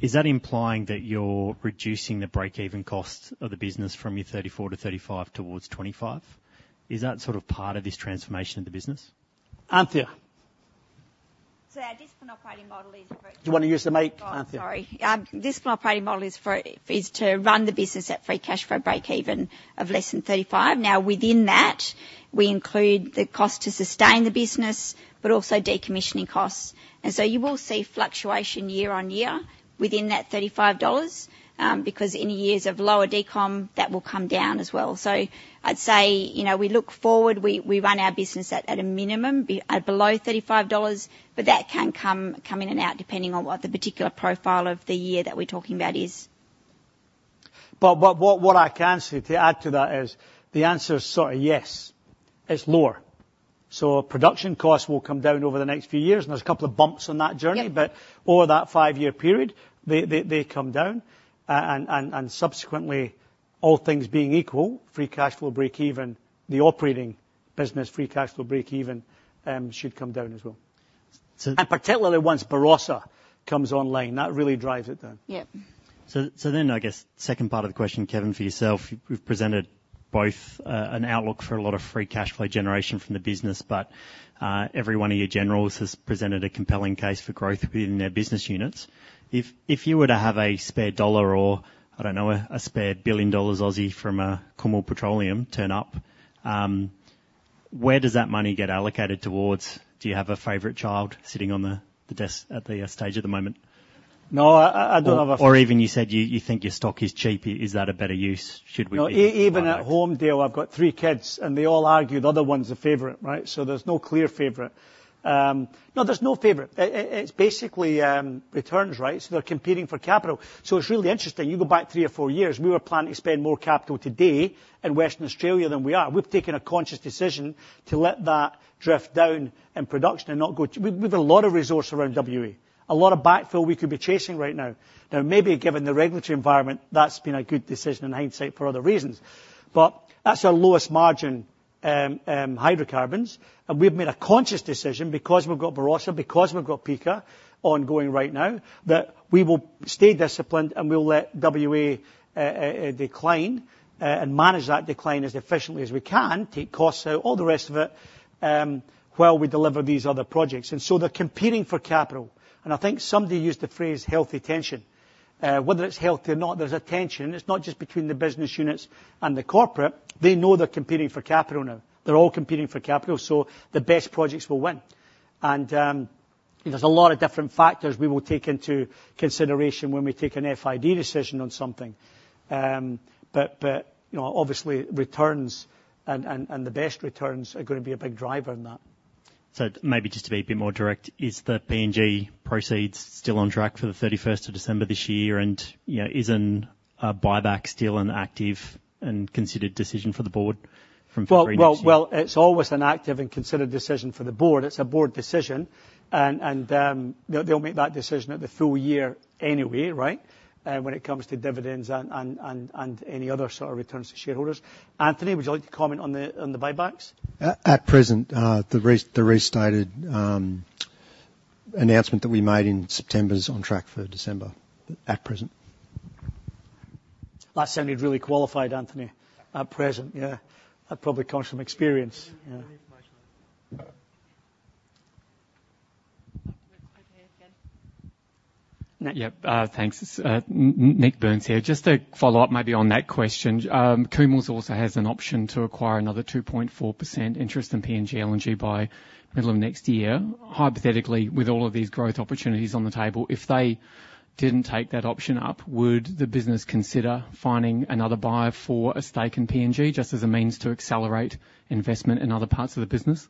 J: is that implying that you're reducing the break-even costs of the business from your 34-35 towards 25? Is that sort of part of this transformation of the business?
A: Anthea?
H: Our discipline operating model is.
A: Do you want to use the mic, Anthea?
H: Oh, sorry. Discipline operating model is to run the business at free cash flow break even of less than $35. Now, within that, we include the cost to sustain the business, but also decommissioning costs. And so you will see fluctuation year-over-year within that $35, because in years of lower decom, that will come down as well. So I'd say, you know, we look forward, we run our business at a minimum, be at below $35, but that can come in and out, depending on what the particular profile of the year that we're talking about is.
A: But what I can say to add to that is, the answer is sort of yes, it's lower. So production costs will come down over the next few years, and there's a couple of bumps on that journey.
H: Yeah.
A: But over that five-year period, they come down, and subsequently, all things being equal, free cash flow breakeven, the operating business free cash flow breakeven, should come down as well.
B: So.
A: Particularly once Barossa comes online, that really drives it down.
K: Yep.
L: So then I guess second part of the question, Kevin, for yourself, you've presented both an outlook for a lot of free cash flow generation from the business, but every one of your generals has presented a compelling case for growth within their business units. If you were to have a spare AUD 1 or, I don't know, a spare 1 billion dollars from Kumul Petroleum turn up, where does that money get allocated towards? Do you have a favorite child sitting on the desk at the stage at the moment?
A: No, I don't have a.
L: Or even you said you think your stock is cheap. Is that a better use? Should we.
A: No, even at home, Dale, I've got three kids, and they all argue the other one's a favorite, right? So there's no clear favorite. No, there's no favorite. It's basically returns, right? So they're competing for capital. So it's really interesting. You go back three or four years, we were planning to spend more capital today in Western Australia than we are. We've taken a conscious decision to let that drift down in production and not go. We've a lot of resource around WA. A lot of backfill we could be chasing right now. Now, maybe given the regulatory environment, that's been a good decision in hindsight for other reasons. But that's our lowest margin, hydrocarbons, and we've made a conscious decision because we've got Barossa, because we've got Pikka ongoing right now, that we will stay disciplined, and we'll let WA, decline, and manage that decline as efficiently as we can, take costs out, all the rest of it, while we deliver these other projects. And so they're competing for capital, and I think somebody used the phrase healthy tension. Whether it's healthy or not, there's a tension. It's not just between the business units and the corporate. They know they're competing for capital now. They're all competing for capital, so the best projects will win. And, there's a lot of different factors we will take into consideration when we take an FID decision on something. But, you know, obviously, returns and the best returns are gonna be a big driver in that.
L: So maybe just to be a bit more direct, is the PNG proceeds still on track for the 31st of December this year? And, you know, is a buyback still an active and considered decision for the board from February next year?
A: Well, well, well, it's always an active and considered decision for the board. It's a board decision, and they'll make that decision at the full year anyway, right? When it comes to dividends and any other sort of returns to shareholders. Anthony, would you like to comment on the buybacks?
B: At present, the restated announcement that we made in September is on track for December, at present.
A: Last time, you'd really qualified, Anthony. At present, yeah. That probably comes from experience. Yeah. Over here, again. Nick Burns here. Just to follow up, maybe on that question, Kumul also has an option to acquire another 2.4% interest in PNG LNG by middle of next year. Hypothetically, with all of these growth opportunities on the table, if they didn't take that option up, would the business consider finding another buyer for a stake in PNG, just as a means to accelerate investment in other parts of the business?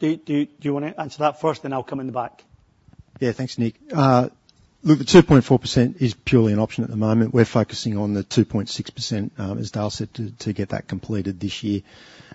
A: Do you wanna answer that first, then I'll come in the back?
B: Yeah. Thanks, Nick. Look, the 2.4% is purely an option at the moment. We're focusing on the 2.6%, as Dale said, to get that completed this year.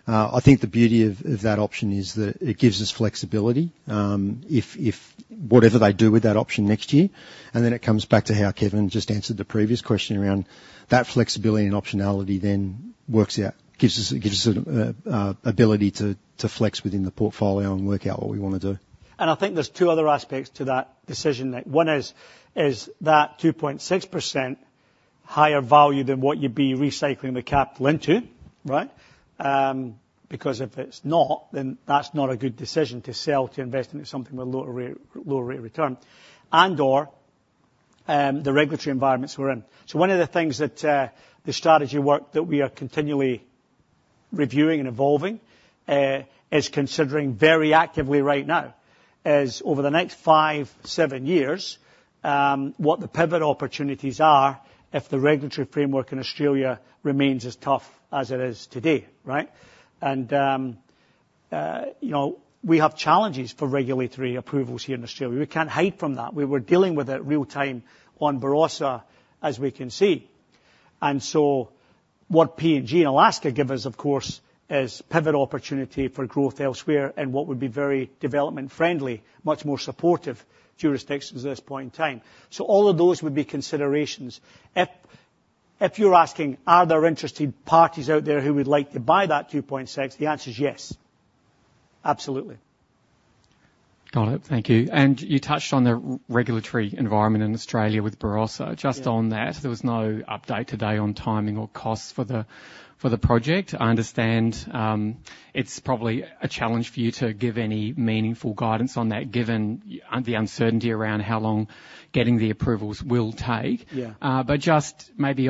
B: I think the beauty of that option is that it gives us flexibility. If whatever they do with that option next year, and then it comes back to how Kevin just answered the previous question around that flexibility and optionality then works out, gives us ability to flex within the portfolio and work out what we want to do.
A: I think there's two other aspects to that decision, Nick. One is, is that 2.6% higher value than what you'd be recycling the capital into, right? Because if it's not, then that's not a good decision to sell, to invest into something with lower rate, lower rate of return, and/or, the regulatory environments we're in. So one of the things that, the strategy work that we are continually reviewing and evolving, is considering very actively right now, is over the next five, seven years, what the pivot opportunities are if the regulatory framework in Australia remains as tough as it is today, right? And, you know, we have challenges for regulatory approvals here in Australia. We can't hide from that. We were dealing with it real time on Barossa, as we can see. So what PNG and Alaska give us, of course, is pivot opportunity for growth elsewhere and what would be very development-friendly, much more supportive jurisdictions at this point in time. So all of those would be considerations. If, if you're asking, are there interested parties out there who would like to buy that 2.6? The answer is yes, absolutely. Got it. Thank you. And you touched on the regulatory environment in Australia with Barossa. Yeah. Just on that, there was no update today on timing or costs for the project. I understand it's probably a challenge for you to give any meaningful guidance on that, given the uncertainty around how long getting the approvals will take. Yeah. But just maybe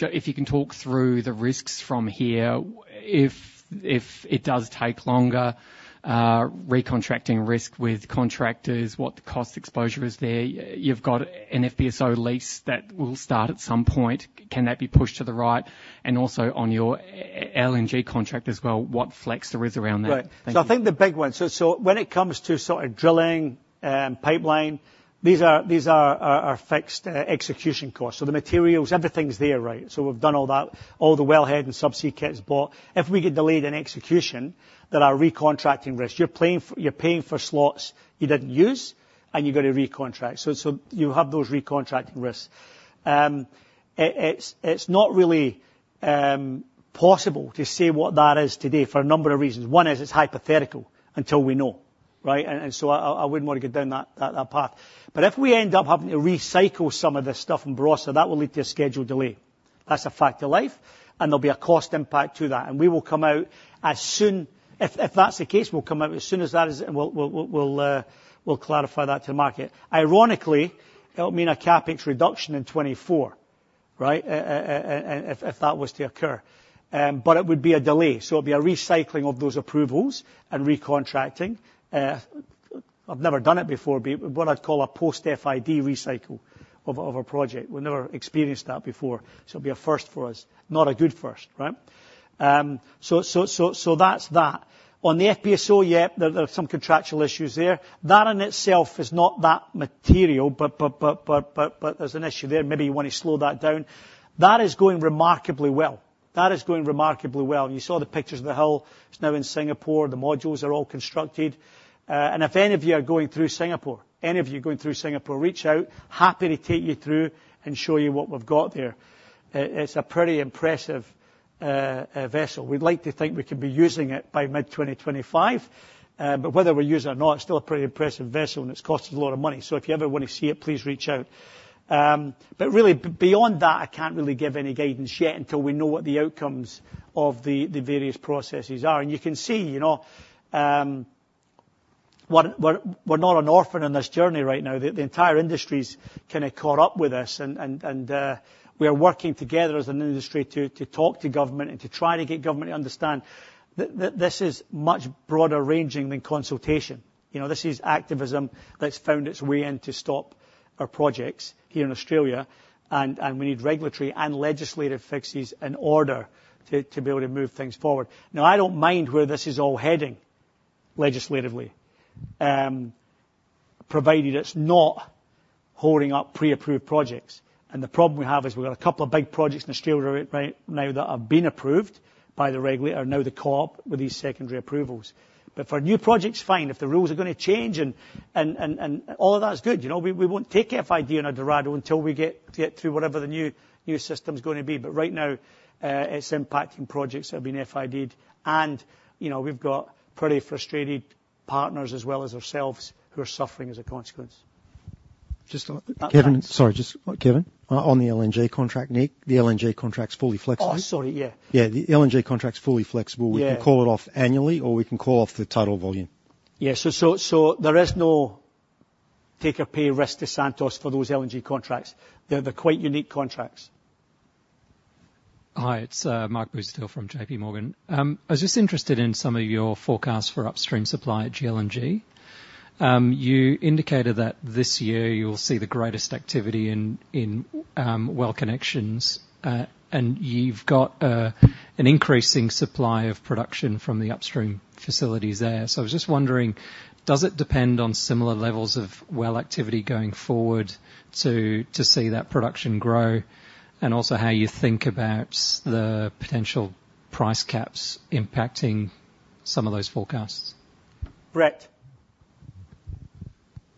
A: if you can talk through the risks from here, if it does take longer, recontracting risk with contractors, what the cost exposure is there. You've got an FPSO lease that will start at some point. Can that be pushed to the right? And also on your LNG contract as well, what flex there is around that? Right. Thank you. So I think the big one. So when it comes to sort of drilling and pipeline, these are fixed execution costs. So the materials, everything's there, right? So we've done all that, all the wellhead and subsea kit is bought. If we get delayed in execution, there are recontracting risks. You're paying for slots you didn't use, and you've got to recontract. So you have those recontracting risks. It's not really possible to say what that is today for a number of reasons. One is it's hypothetical until we know. Right? And so I wouldn't wanna get down that path. But if we end up having to recycle some of this stuff in Barossa, that will lead to a scheduled delay. That's a fact of life, and there'll be a cost impact to that, and we will come out as soon, if that's the case, we'll come out as soon as that is, and we'll clarify that to the market. Ironically, it'll mean a CapEx reduction in 2024, right? And if that was to occur. But it would be a delay, so it'd be a recycling of those approvals and recontracting. I've never done it before, but what I'd call a post-FID recycle of a project. We've never experienced that before, so it'll be a first for us. Not a good first, right? So that's that. On the FPSO, yeah, there are some contractual issues there. That in itself is not that material, but there's an issue there, maybe you wanna slow that down. That is going remarkably well. That is going remarkably well. You saw the pictures of the hull. It's now in Singapore, the modules are all constructed. And if any of you are going through Singapore, any of you going through Singapore, reach out, happy to take you through and show you what we've got there. It's a pretty impressive vessel. We'd like to think we could be using it by mid-2025, but whether we use it or not, it's still a pretty impressive vessel, and it's cost us a lot of money. So if you ever wanna see it, please reach out. But really, beyond that, I can't really give any guidance yet until we know what the outcomes of the various processes are. And you can see, you know, what we're, we're not an orphan in this journey right now. The entire industry's kinda caught up with us, and we are working together as an industry to talk to government and to try to get government to understand that this is much broader ranging than consultation. You know, this is activism that's found its way in to stop our projects here in Australia, and we need regulatory and legislative fixes in order to be able to move things forward. Now, I don't mind where this is all heading legislatively, provided it's not holding up pre-approved projects. The problem we have is we've got a couple of big projects in Australia right now that have been approved by the regulator; now they're caught up with these secondary approvals. But for new projects, fine. If the rules are gonna change and all of that is good, you know? We won't take FID on Dorado until we get through whatever the new system's gonna be. But right now, it's impacting projects that have been FIDed, and, you know, we've got pretty frustrated partners as well as ourselves, who are suffering as a consequence. Just on that. Kevin? Sorry, just Kevin. On the LNG contract, Nick, the LNG contract's fully flexible. Oh, sorry, yeah. Yeah, the LNG contract's fully flexible. Yeah. We can call it off annually, or we can call off the total volume. Yeah, so there is no take or pay risk to Santos for those LNG contracts. They're quite unique contracts.
M: Hi, it's Mark Boudreaux from JPMorgan. I was just interested in some of your forecasts for upstream supply at GLNG. You indicated that this year you'll see the greatest activity in well connections, and you've got an increasing supply of production from the upstream facilities there. So I was just wondering, does it depend on similar levels of well activity going forward to see that production grow? And also, how you think about the potential price caps impacting some of those forecasts.
A: Brett?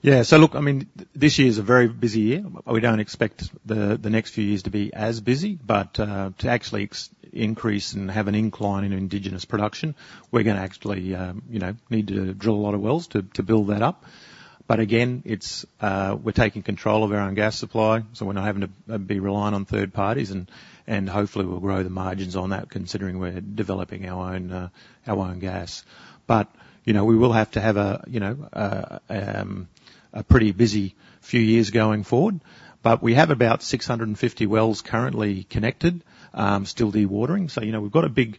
N: Yeah, so look, I mean, this year is a very busy year. We don't expect the next few years to be as busy, but to actually increase and have an incline in indigenous production, we're gonna actually, you know, need to drill a lot of wells to build that up. But again, it's we're taking control of our own gas supply, so we're not having to be reliant on third parties, and hopefully we'll grow the margins on that, considering we're developing our own, our own gas. But, you know, we will have to have a, you know, a pretty busy few years going forward. But we have about 650 wells currently connected, still dewatering. So, you know, we've got a big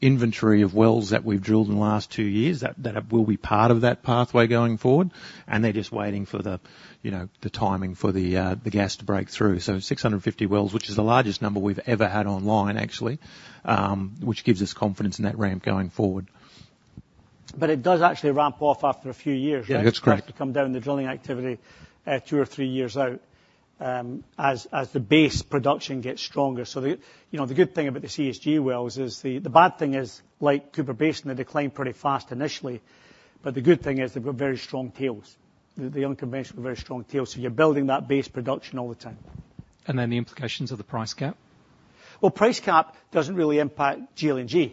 N: inventory of wells that we've drilled in the last two years that will be part of that pathway going forward, and they're just waiting for the, you know, the timing for the gas to break through. So 650 wells, which is the largest number we've ever had online, actually, which gives us confidence in that ramp going forward.
A: But it does actually ramp off after a few years, right?
N: Yeah, that's correct.
A: It has to come down, the drilling activity, two or three years out, as the base production gets stronger. So the, you know, the good thing about the CSG wells is the. The bad thing is, like Cooper Basin, they decline pretty fast initially, but the good thing is they've got very strong tails. The unconventional, very strong tails, so you're building that base production all the time.
M: The implications of the price cap?
A: Well, price cap doesn't really impact GLNG,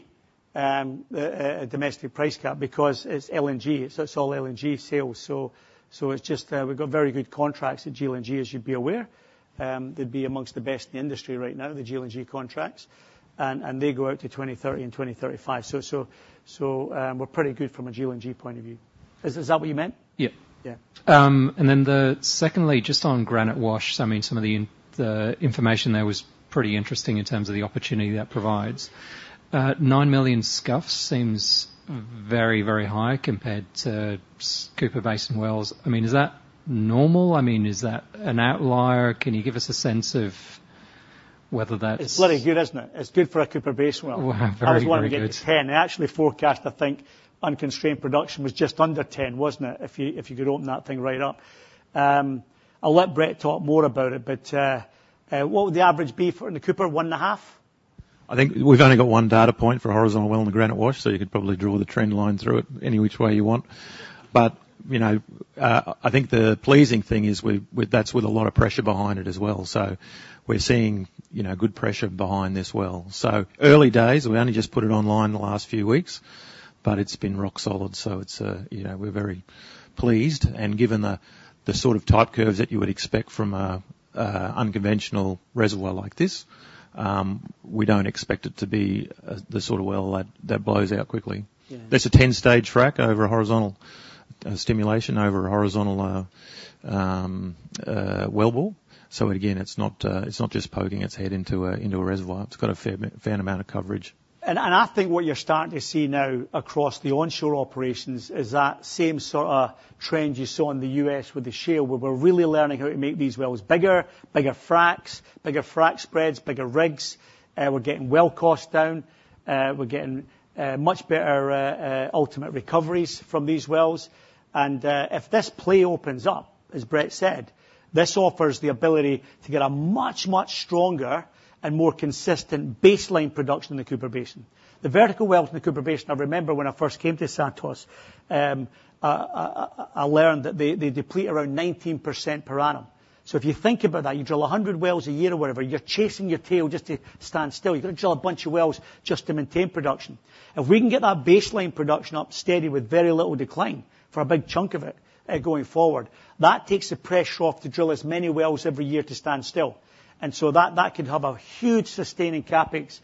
A: domestic price cap, because it's LNG, so it's all LNG sales. So it's just, we've got very good contracts at GLNG, as you'd be aware. They'd be among the best in the industry right now, the GLNG contracts, and they go out to 2030 and 2035. So we're pretty good from a GLNG point of view. Is that what you meant?
M: Yeah.
A: Yeah.
M: Secondly, just on Granite Wash, I mean, some of the information there was pretty interesting in terms of the opportunity that provides. 9 million scf seems very, very high compared to Cooper Basin wells. I mean, is that normal? I mean, is that an outlier? Can you give us a sense of whether that's.
A: It's very good, isn't it? It's good for a Cooper Basin well.
M: Wow, very, very good.
A: I just want to get 10. I actually forecast, I think, unconstrained production was just under 10, wasn't it? If you could open that thing right up. I'll let Brett talk more about it, but what would the average be for in the Cooper? 1.5?
N: I think we've only got one data point for horizontal well in the Granite Wash, so you could probably draw the trend line through it any which way you want. But, you know, I think the pleasing thing is with a lot of pressure behind it as well. So we're seeing, you know, good pressure behind this well. So early days, we only just put it online the last few weeks, but it's been rock solid, so it's, you know, we're very pleased. And given the, the sort of type curves that you would expect from a, unconventional reservoir like this, we don't expect it to be, the sort of well that, that blows out quickly.
A: Yeah.
N: There's a 10-stage frac over a horizontal stimulation over a horizontal wellbore. So again, it's not just poking its head into a reservoir. It's got a fair amount of coverage.
A: I think what you're starting to see now across the onshore operations is that same sort of trend you saw in the U.S. with the shale, where we're really learning how to make these wells bigger. Bigger fracs, bigger frac spreads, bigger rigs. We're getting well costs down. We're getting much better ultimate recoveries from these wells. And if this play opens up, as Brett said, this offers the ability to get a much, much stronger and more consistent baseline production in the Cooper Basin. The vertical wells in the Cooper Basin, I remember when I first came to Santos, I learned that they deplete around 19% per annum. So if you think about that, you drill 100 wells a year or whatever, you're chasing your tail just to stand still. You've got to drill a bunch of wells just to maintain production. If we can get that baseline production up steady with very little decline for a big chunk of it, going forward, that takes the pressure off to drill as many wells every year to stand still. And so that can have a huge sustaining CapEx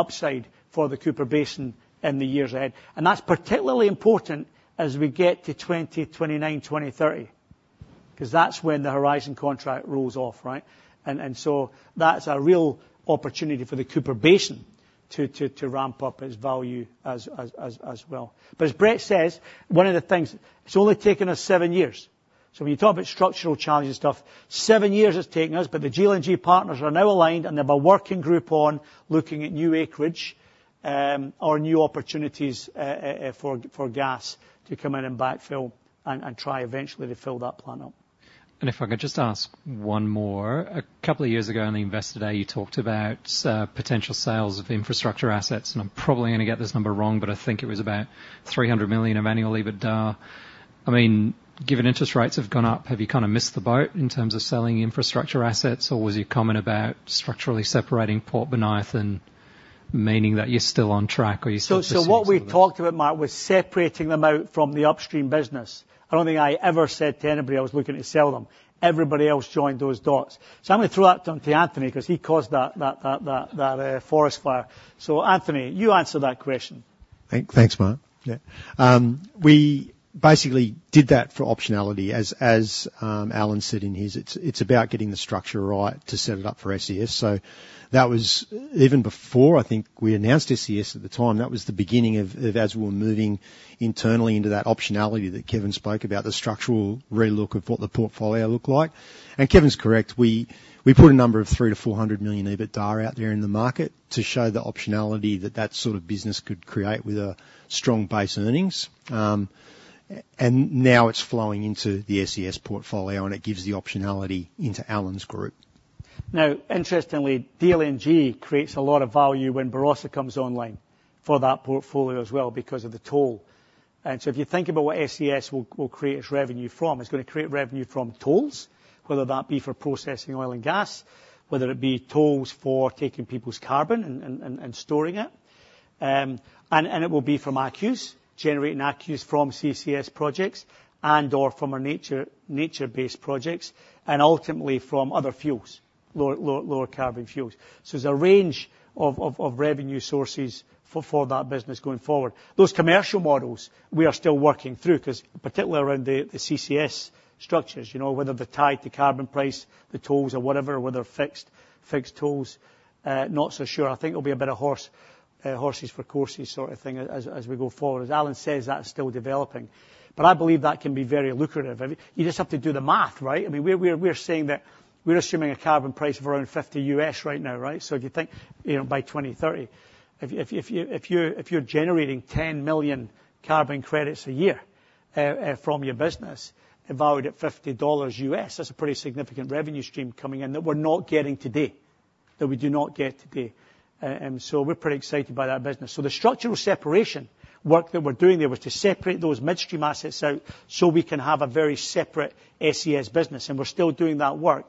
A: upside for the Cooper Basin in the years ahead. And that's particularly important as we get to 2029, 2030, 'cause that's when the Horizon contract rolls off, right? And so that's a real opportunity for the Cooper Basin to ramp up its value as well. But as Brett says, one of the things, it's only taken us seven years. So when you talk about structural challenges and stuff, seven years it's taken us, but the GLNG partners are now aligned, and they have a working group on looking at new acreage, or new opportunities, for gas to come in and backfill and try eventually to fill that plant up.
M: If I could just ask one more. A couple of years ago on the Investor Day, you talked about potential sales of infrastructure assets, and I'm probably gonna get this number wrong, but I think it was about 300 million of annual EBITDA. I mean, given interest rates have gone up, have you kind of missed the boat in terms of terms of selling infrastructure assets, or was your comment about structurally separating Port Bonython, meaning that you're still on track, or you still-
A: So what we talked about, Mark, was separating them out from the upstream business. I don't think I ever said to anybody I was looking to sell them. Everybody else joined those dots. So I'm going to throw that down to Anthony, 'cause he caused that forest fire. So Anthony, you answer that question.
B: Thanks, Mark. Yeah. We basically did that for optionality. As Alan said in his, it's about getting the structure right to set it up for SES. So that was even before I think we announced SES at the time, that was the beginning of as we were moving internally into that optionality that Kevin spoke about, the structural relook of what the portfolio looked like. And Kevin's correct, we put a number of 300 million-400 million EBITDA out there in the market to show the optionality that sort of business could create with a strong base in earnings. And now it's flowing into the SES portfolio, and it gives the optionality into Alan's group.
A: Now, interestingly, DLNG creates a lot of value when Barossa comes online for that portfolio as well, because of the toll. And so if you think about what SES will create its revenue from, it's gonna create revenue from tolls, whether that be for processing oil and gas, whether it be tolls for taking people's carbon and storing it. And it will be from ACCUs, generating ACCUs from CCS projects and/or from our nature-based projects, and ultimately from other fuels, lower carbon fuels. So there's a range of revenue sources for that business going forward. Those commercial models, we are still working through, 'cause particularly around the CCS structures, you know, whether they're tied to carbon price, the tolls or whatever, or whether they're fixed tolls, not so sure. I think it'll be a bit of horses for courses sort of thing as we go forward. As Alan says, that's still developing, but I believe that can be very lucrative. I mean, you just have to do the math, right? I mean, we're saying that we're assuming a carbon price of around $50 right now, right? So if you think, you know, by 2030, if you're generating 10 million carbon credits a year from your business, valued at $50, that's a pretty significant revenue stream coming in that we're not getting today. That we do not get today. And so we're pretty excited by that business. So the structural separation work that we're doing there was to separate those midstream assets out, so we can have a very separate SES business, and we're still doing that work.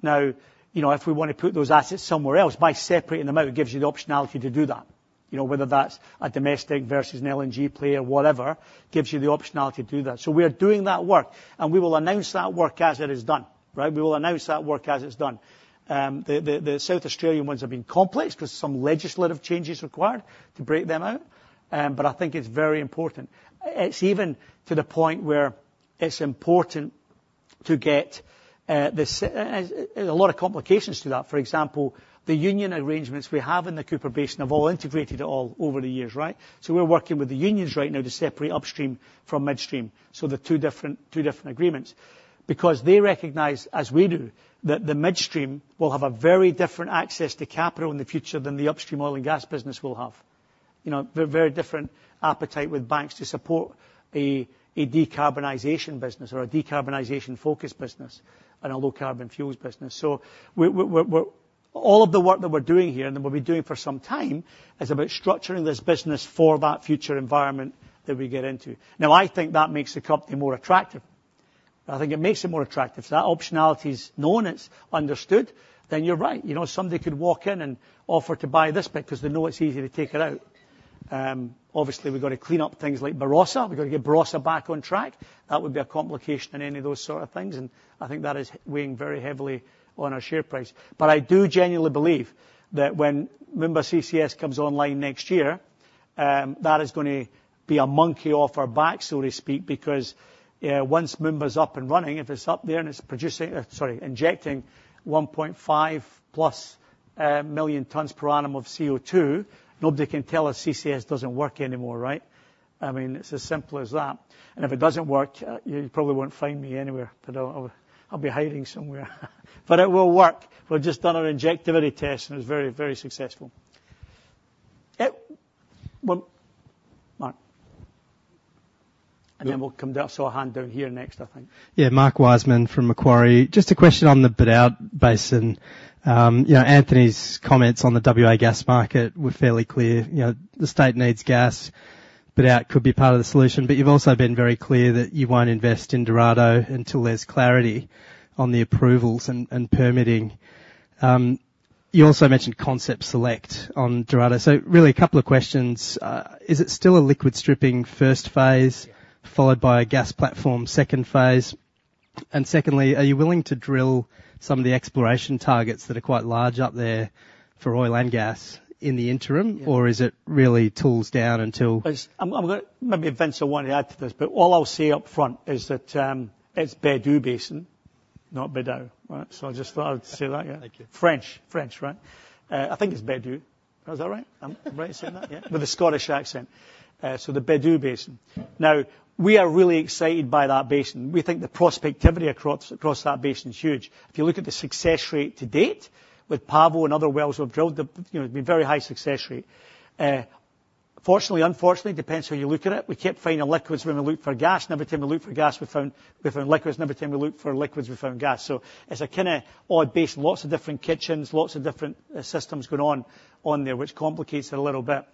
A: Now, you know, if we want to put those assets somewhere else, by separating them out, it gives you the optionality to do that. You know, whether that's a domestic versus an LNG player, whatever, gives you the optionality to do that. So we're doing that work, and we will announce that work as it is done, right? We will announce that work as it's done. The South Australian ones have been complex, 'cause some legislative changes required to break them out. But I think it's very important. It's even to the point where it's important to get a lot of complications to that. For example, the union arrangements we have in the Cooper Basin have all integrated it all over the years, right? So we're working with the unions right now to separate upstream from midstream. So the two different, two different agreements. Because they recognize, as we do, that the midstream will have a very different access to capital in the future than the upstream oil and gas business will have. You know, very different appetite with banks to support a, a decarbonization business or a decarbonization-focused business and a low carbon fuels business. So all of the work that we're doing here, and that we'll be doing for some time, is about structuring this business for that future environment that we get into. Now, I think that makes the company more attractive. I think it makes it more attractive. If that optionality is known, it's understood, then you're right. You know, somebody could walk in and offer to buy this bit because they know it's easy to take it out. Obviously, we've got to clean up things like Barossa. We've got to get Barossa back on track. That would be a complication in any of those sort of things, and I think that is weighing very heavily on our share price. But I do genuinely believe that when Moomba CCS comes online next year, that is gonna be a monkey off our back, so to speak, because, once Moomba's up and running, if it's up there and it's producing, sorry, injecting 1.5+ million tons per annum of CO2, nobody can tell us CCS doesn't work anymore, right? I mean, it's as simple as that. If it doesn't work, you probably won't find me anywhere. But I'll be hiding somewhere. But it will work. We've just done an injectivity test, and it's very, very successful. Well, Mark.
O: Yeah.
A: And then we'll come to. I saw a hand down here next, I think.
O: Yeah, Mark Wiseman from Macquarie. Just a question on the Bedout Basin. You know, Anthony's comments on the WA gas market were fairly clear. You know, the state needs gas, Bedout could be part of the solution, but you've also been very clear that you won't invest in Dorado until there's clarity on the approvals and permitting. You also mentioned Concept Select on Dorado. So really, a couple of questions. Is it still a liquid stripping Phase I.
A: Yeah.
O: Followed by a gas platform, Phase II? And secondly, are you willing to drill some of the exploration targets that are quite large up there for oil and gas in the interim?
A: Yeah.
O: Or is it really tools down until.
A: Maybe Vince will want to add to this, but all I'll say up front is that it's Bedout Basin, not Bedou, right? So I just thought I would say that, yeah.
O: Thank you.
A: French. French, right? I think it's Bedout. Is that right? I'm right saying that, yeah? With a Scottish accent. So the Bedout Basin.
O: Right.
A: Now, we are really excited by that basin. We think the prospectivity across that basin is huge. If you look at the success rate to date, with Pavo and other wells we've drilled, you know, been very high success rate. Fortunately, unfortunately, depends how you look at it, we kept finding the liquids when we look for gas. And every time we look for gas, we found liquids, and every time we looked for liquids, we found gas. So it's a kinda odd basin, lots of different kitchens, lots of different systems going on there, which complicates it a little bit.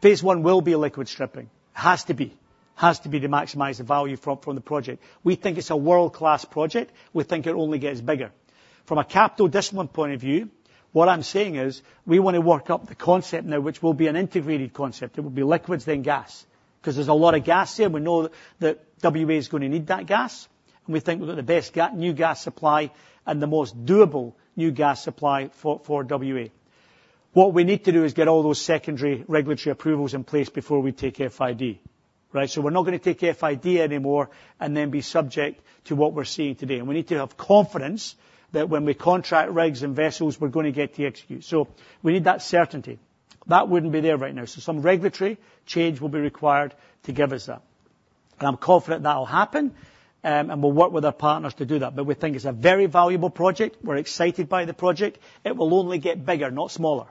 A: Phase I will be a liquid stripping. It has to be. Has to be to maximize the value from the project. We think it's a world-class project. We think it only gets bigger. From a capital discipline point of view, what I'm saying is, we wanna work up the concept now, which will be an integrated concept. It will be liquids, then gas. 'Cause there's a lot of gas there, we know that, that WA is gonna need that gas, and we think we've got the best gas new gas supply and the most doable new gas supply for WA. What we need to do is get all those secondary regulatory approvals in place before we take FID, right? So we're not gonna take FID anymore and then be subject to what we're seeing today. We need to have confidence that when we contract rigs and vessels, we're gonna get to execute. We need that certainty. That wouldn't be there right now. Some regulatory change will be required to give us that. And I'm confident that will happen, and we'll work with our partners to do that. But we think it's a very valuable project. We're excited by the project. It will only get bigger, not smaller.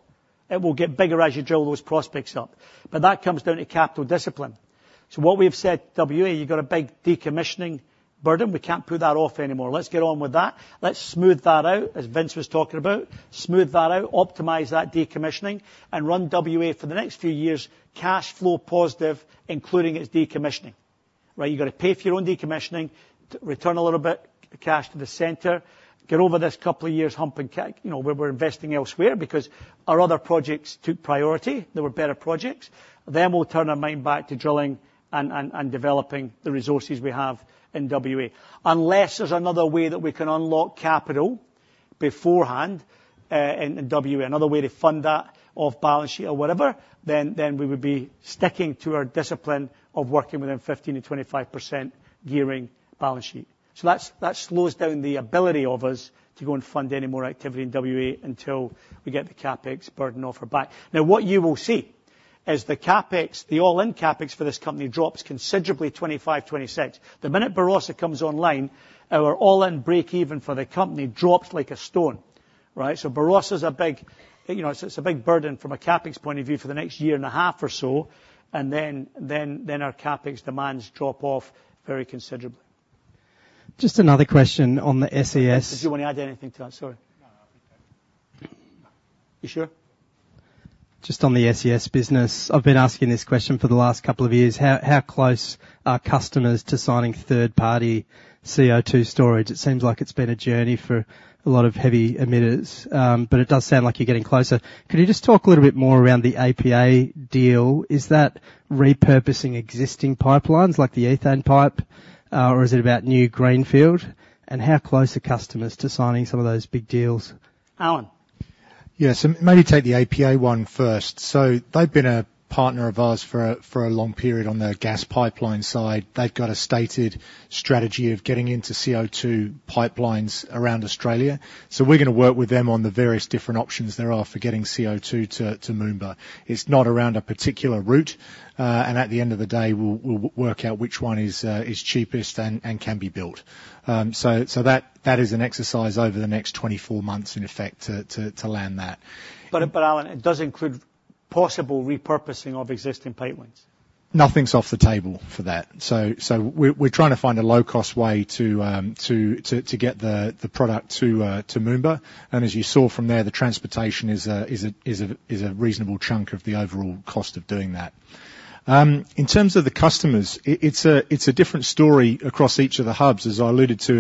A: It will get bigger as you drill those prospects up. But that comes down to capital discipline. So what we've said, WA, you've got a big decommissioning burden. We can't put that off anymore. Let's get on with that. Let's smooth that out, as Vince was talking about. Smooth that out, optimize that decommissioning, and run WA for the next few years, cash flow positive, including its decommissioning. Right? You got to pay for your own decommissioning, return a little bit of cash to the center, get over this couple of years hump and you know, where we're investing elsewhere, because our other projects took priority, they were better projects. Then we'll turn our mind back to drilling and developing the resources we have in WA. Unless there's another way that we can unlock capital beforehand, in WA, another way to fund that off balance sheet or whatever, then we would be sticking to our discipline of working within 15%-25% gearing balance sheet. So that slows down the ability of us to go and fund any more activity in WA until we get the CapEx burden off our back. Now, what you will see is the CapEx, the all-in CapEx for this company drops considerably, 2025, 2026. The minute Barossa comes online, our all-in break even for the company drops like a stone, right? So Barossa is a big. You know, it's a big burden from a CapEx point of view for the next year and a half or so, and then our CapEx demands drop off very considerably.
O: Just another question on the SES.
A: Did you wanna add anything to that? Sorry.
G: No, I think I.
A: You sure?
O: Just on the SES business. I've been asking this question for the last couple of years: How close are customers to signing third-party CO2 storage? It seems like it's been a journey for a lot of heavy emitters, but it does sound like you're getting closer. Could you just talk a little bit more around the APA deal? Is that repurposing existing pipelines, like the ethane pipe, or is it about new greenfield? And how close are customers to signing some of those big deals?
A: Alan?
G: Yes, so maybe take the APA one first. So they've been a partner of ours for a long period on the gas pipeline side. They've got a stated strategy of getting into CO2 pipelines around Australia, so we're gonna work with them on the various different options there are for getting CO2 to Moomba. It's not around a particular route, and at the end of the day, we'll work out which one is cheapest and can be built. So that is an exercise over the next 24 months, in effect, to land that.
A: But, Alan, it does include, possible repurposing of existing pipelines?
G: Nothing's off the table for that. So we're trying to find a low-cost way to get the product to Moomba. And as you saw from there, the transportation is a reasonable chunk of the overall cost of doing that. In terms of the customers, it's a different story across each of the hubs, as I alluded to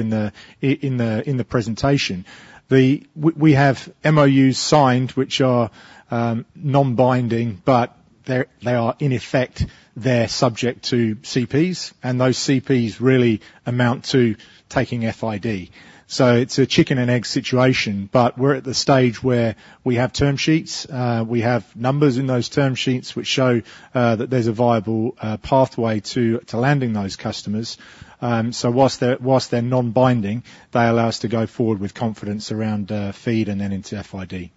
G: in the presentation. We have MOUs signed, which are non-binding, but they are in effect, they're subject to CPs, and those CPs really amount to taking FID. So it's a chicken and egg situation, but we're at the stage where we have term sheets, we have numbers in those term sheets which show that there's a viable pathway to landing those customers. So whilst they're non-binding, they allow us to go forward with confidence around FEED and then into FID.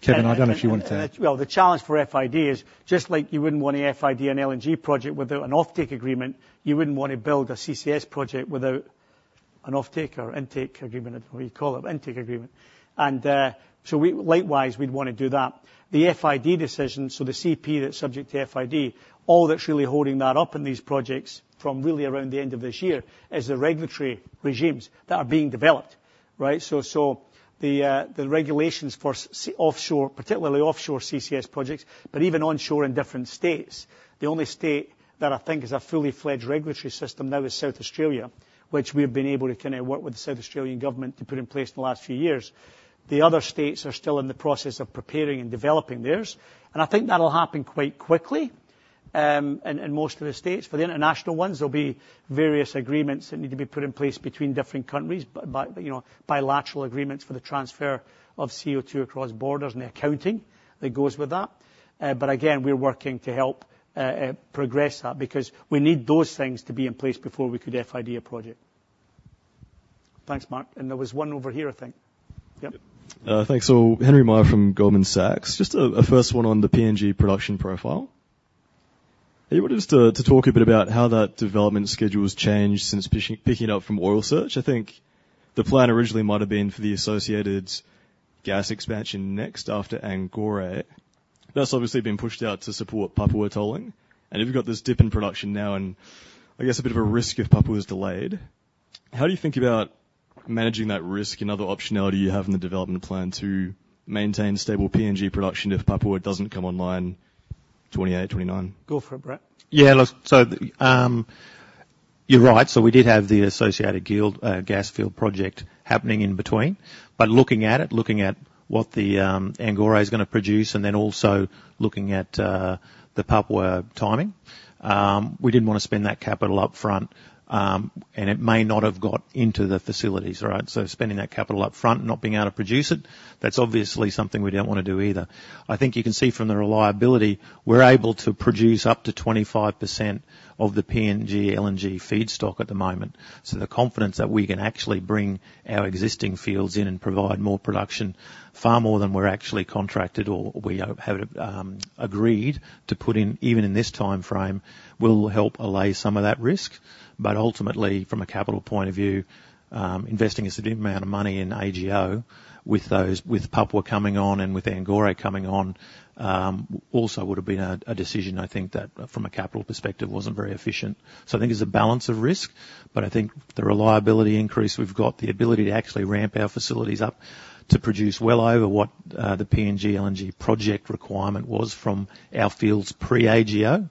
G: Kevin, I don't know if you want to.
A: Well, the challenge for FID is, just like you wouldn't want a FID and LNG project without an offtake agreement, you wouldn't want to build a CCS project without an offtake or intake agreement, what you call it, intake agreement. And, so likewise, we'd want to do that. The FID decision, so the CP that's subject to FID, all that's really holding that up in these projects from really around the end of this year, is the regulatory regimes that are being developed, right? So, so the, the regulations for offshore, particularly offshore CCS projects, but even onshore in different states. The only state that I think is a fully fledged regulatory system now is South Australia, which we've been able to kinda work with the South Australian government to put in place in the last few years. The other states are still in the process of preparing and developing theirs, and I think that'll happen quite quickly in most of the states. For the international ones, there'll be various agreements that need to be put in place between different countries, but you know, bilateral agreements for the transfer of CO2 across borders and the accounting that goes with that. But again, we're working to help progress that because we need those things to be in place before we could FID a project. Thanks, Mark. There was one over here, I think. Yep.
P: Thanks. So Henry Meyer from Goldman Sachs. Just a first one on the PNG production profile. Are you able just to talk a bit about how that development schedule has changed since picking up from Oil Search? I think the plan originally might have been for the associated gas expansion next after Angore. That's obviously been pushed out to support Papua Tolling. And if you've got this dip in production now and I guess a bit of a risk if Papua is delayed, how do you think about managing that risk and other optionality you have in the development plan to maintain stable PNG production if Papua doesn't come online 2028, 2029?
A: Go for it, Brett.
N: Yeah, look, so, you're right. So we did have the Associated Gas, gas field project happening in between. But looking at it, looking at what the Angore is gonna produce, and then also looking at the Papua timing, we didn't want to spend that capital upfront, and it may not have got into the facilities, right? So spending that capital upfront and not being able to produce it, that's obviously something we don't wanna do either. I think you can see from the reliability, we're able to produce up to 25% of the PNG LNG feedstock at the moment. So the confidence that we can actually bring our existing fields in and provide more production, far more than we're actually contracted or we have agreed to put in, even in this time frame, will help allay some of that risk. But ultimately, from a capital point of view, investing a significant amount of money in AGO with Papua coming on and with Angore coming on also would have been a decision, I think, that from a capital perspective, wasn't very efficient. So I think it's a balance of risk, but I think the reliability increase, we've got the ability to actually ramp our facilities up to produce well over what the PNG LNG project requirement was from our fields pre-AGO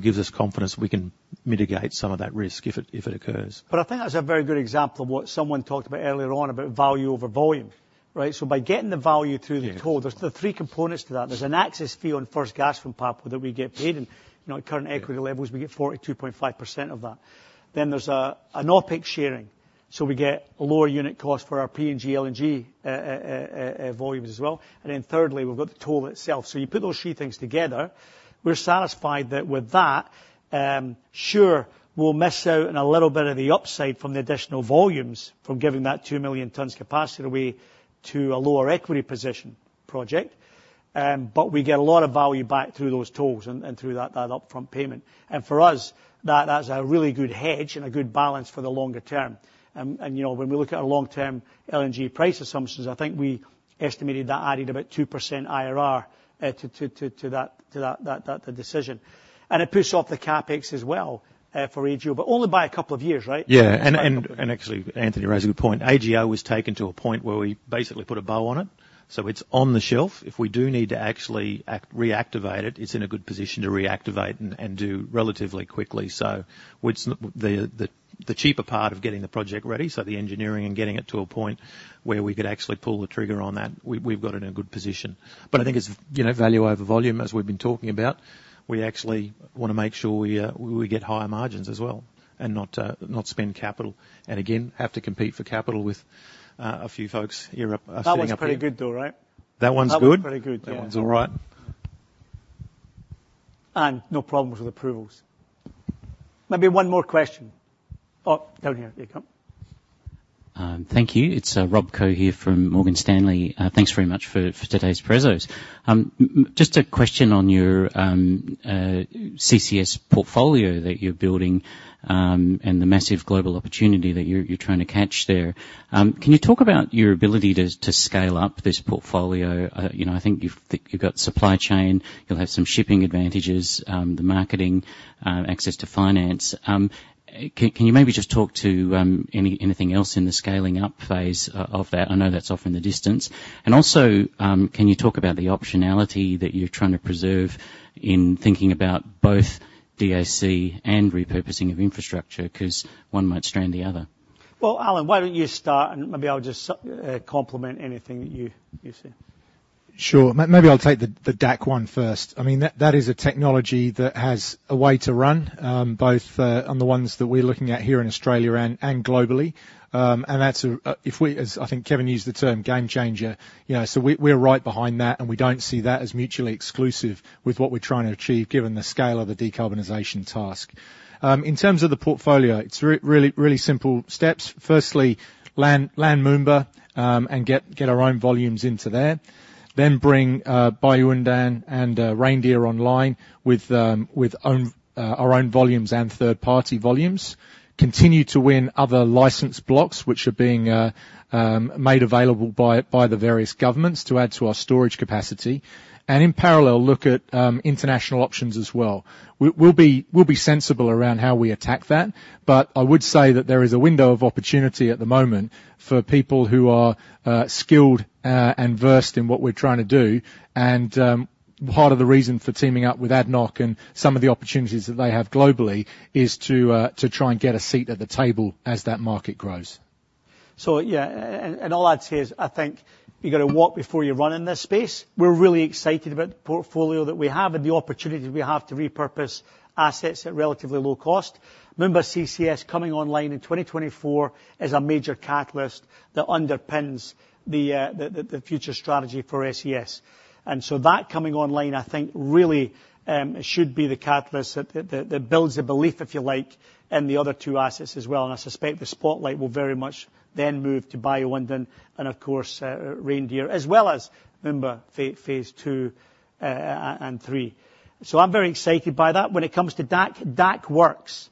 N: gives us confidence we can mitigate some of that risk if it occurs.
A: But I think that's a very good example of what someone talked about earlier on about value over volume, right? So by getting the value through the toll.
N: Yeah.
A: There's the three components to that. There's an access fee on first gas from Papua that we get paid, and, you know, at current equity levels, we get 42.5% of that. Then there's a, an OpEx sharing, so we get a lower unit cost for our PNG, LNG, volumes as well. And then thirdly, we've got the toll itself. So you put those three things together, we're satisfied that with that, sure, we'll miss out on a little bit of the upside from the additional volumes from giving that 2 million tons capacity away to a lower equity position project. But we get a lot of value back through those tolls and, and through that, that upfront payment. And for us, that, that's a really good hedge and a good balance for the longer term. You know, when we look at our long-term LNG price assumptions, I think we estimated that added about 2% IRR to that decision. It puts off the CapEx as well for AGO, but only by a couple of years, right?
N: Yeah. And actually, Anthony raised a good point. AGO was taken to a point where we basically put a bow on it, so it's on the shelf. If we do need to actually reactivate it, it's in a good position to reactivate and do relatively quickly. So with the cheaper part of getting the project ready, so the engineering and getting it to a point where we could actually pull the trigger on that, we've got it in a good position.
A: Mm-hmm.
N: But I think it's, you know, value over volume, as we've been talking about. We actually wanna make sure we get higher margins as well, and not spend capital. And again, have to compete for capital with a few folks here up, standing up here.
A: That one's pretty good, though, right?
N: That one's good?
A: That one's pretty good. Yeah.
P: That one's all right.
A: No problems with approvals. Maybe one more question. Oh, down here. There you go.
Q: Thank you. It's Rob Koh here from Morgan Stanley. Thanks very much for today's presos. Just a question on your CCS portfolio that you're building and the massive global opportunity that you're trying to catch there. Can you talk about your ability to scale up this portfolio? You know, I think you've got supply chain, you'll have some shipping advantages, the marketing, access to finance. Can you maybe just talk to anything else in the scaling up phase of that? I know that's off in the distance. Also, can you talk about the optionality that you're trying to preserve in thinking about both DAC and repurposing of infrastructure? 'Cause one might strand the other.
A: Well, Alan, why don't you start and maybe I'll just complement anything that you, you say.
G: Sure. Maybe I'll take the DAC one first. I mean, that is a technology that has a way to run both on the ones that we're looking at here in Australia and globally. And that's a, if we, as I think Kevin used the term, game changer, you know, so we're right behind that, and we don't see that as mutually exclusive with what we're trying to achieve, given the scale of the decarbonization task. In terms of the portfolio, it's really, really simple steps. Firstly, land Moomba and get our own volumes into there. Then bring Bayu-Undan and Reindeer online with our own volumes and third-party volumes. Continue to win other license blocks, which are being made available by the various governments to add to our storage capacity, and in parallel, look at international options as well. We'll be, we'll be sensible around how we attack that, but I would say that there is a window of opportunity at the moment for people who are skilled and versed in what we're trying to do. And part of the reason for teaming up with ADNOC and some of the opportunities that they have globally is to try and get a seat at the table as that market grows.
A: So, yeah, all I'd say is, I think you've gotta walk before you run in this space. We're really excited about the portfolio that we have and the opportunity we have to repurpose assets at relatively low cost. Moomba CCS coming online in 2024 is a major catalyst that underpins the future strategy for SES. And so that coming online, I think, really should be the catalyst that builds the belief, if you like, in the other two assets as well. And I suspect the spotlight will very much then move to Bayu-Undan and of course, Reindeer, as well as Moomba Phase II and III. So I'm very excited by that. When it comes to DAC, DAC works.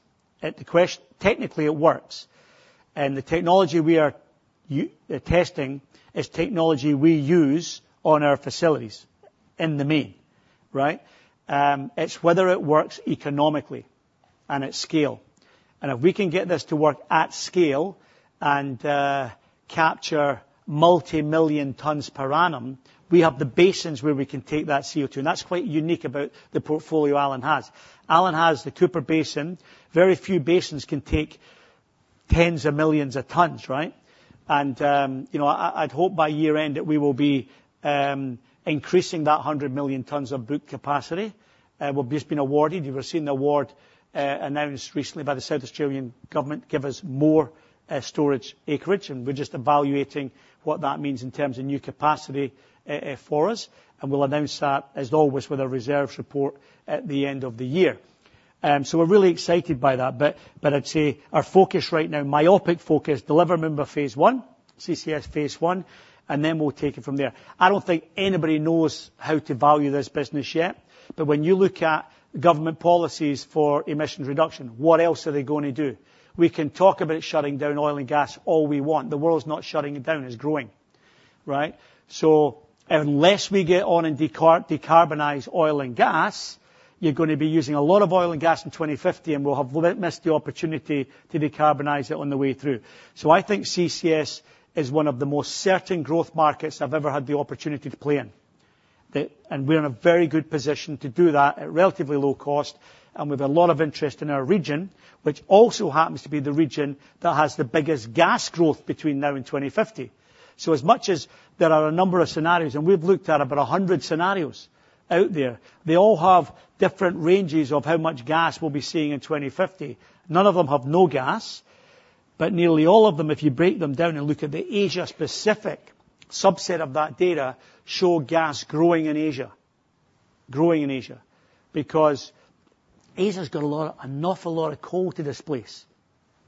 A: Technically, it works. The technology we are testing is technology we use on our facilities in the main, right? It's whether it works economically and at scale. And if we can get this to work at scale and capture multimillion tons per annum, we have the basins where we can take that CO2, and that's quite unique about the portfolio Alan has. Alan has the Cooper Basin. Very few basins can take tens of millions of tons, right? And you know, I'd hope by year end that we will be increasing that 100 million tons of storage capacity. We've just been awarded. You will have seen the award, announced recently by the South Australian Government, give us more storage acreage, and we're just evaluating what that means in terms of new capacity for us, and we'll announce that, as always, with a reserves report at the end of the year. So we're really excited by that. But I'd say our focus right now, myopic focus, deliver Moomba Phase I, CCS Phase I, and then we'll take it from there. I don't think anybody knows how to value this business yet, but when you look at government policies for emissions reduction, what else are they going to do? We can talk about shutting down oil and gas all we want. The world's not shutting it down, it's growing, right? So unless we get on and decarbonize oil and gas, you're gonna be using a lot of oil and gas in 2050, and we'll have missed the opportunity to decarbonize it on the way through. So I think CCS is one of the most certain growth markets I've ever had the opportunity to play in. And we're in a very good position to do that at relatively low cost and with a lot of interest in our region, which also happens to be the region that has the biggest gas growth between now and 2050. So as much as there are a number of scenarios, and we've looked at about 100 scenarios out there, they all have different ranges of how much gas we'll be seeing in 2050. None of them have no gas, but nearly all of them, if you break them down and look at the Asia-Pacific subset of that data, show gas growing in Asia. Growing in Asia. Because Asia's got a lot, an awful lot of coal to displace,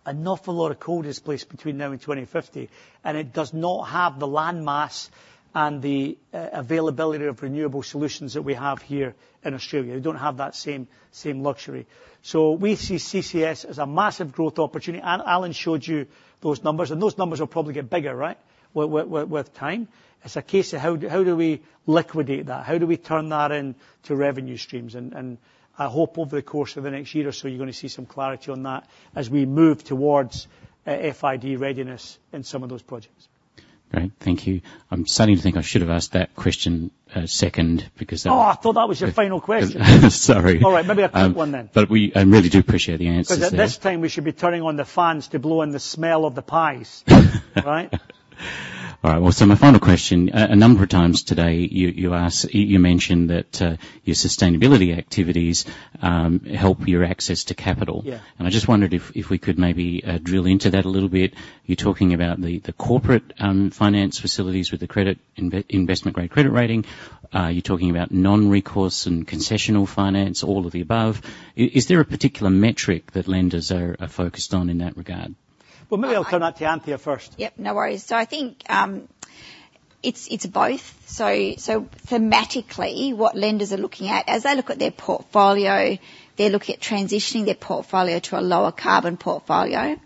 A: an awful lot of coal to displace between now and 2050, and it does not have the land mass and the availability of renewable solutions that we have here in Australia. They don't have that same, same luxury. So we see CCS as a massive growth opportunity. Alan showed you those numbers, and those numbers will probably get bigger, right, with time? It's a case of how do we liquidate that? How do we turn that into revenue streams? I hope over the course of the next year or so, you're gonna see some clarity on that as we move towards FID readiness in some of those projects.
Q: Great, thank you. I'm starting to think I should have asked that question, second, because.
A: Oh, I thought that was your final question.
Q: Sorry.
A: All right, maybe a quick one then.
Q: But we, I really do appreciate the answers there.
A: 'Cause at this time, we should be turning on the fans to blow in the smell of the pies. Right?
Q: All right, well, so my final question. A number of times today, you mentioned that your sustainability activities help your access to capital.
A: Yeah.
Q: I just wondered if we could maybe drill into that a little bit. You're talking about the corporate finance facilities with the credit investment-grade credit rating. You're talking about non-recourse and concessional finance, all of the above. Is there a particular metric that lenders are focused on in that regard?
A: Well, maybe I'll turn that to Anthea first.
H: Yep, no worries. So I think it's both. So thematically, what lenders are looking at, as they look at their portfolio, they're looking at transitioning their portfolio to a lower carbon portfolio.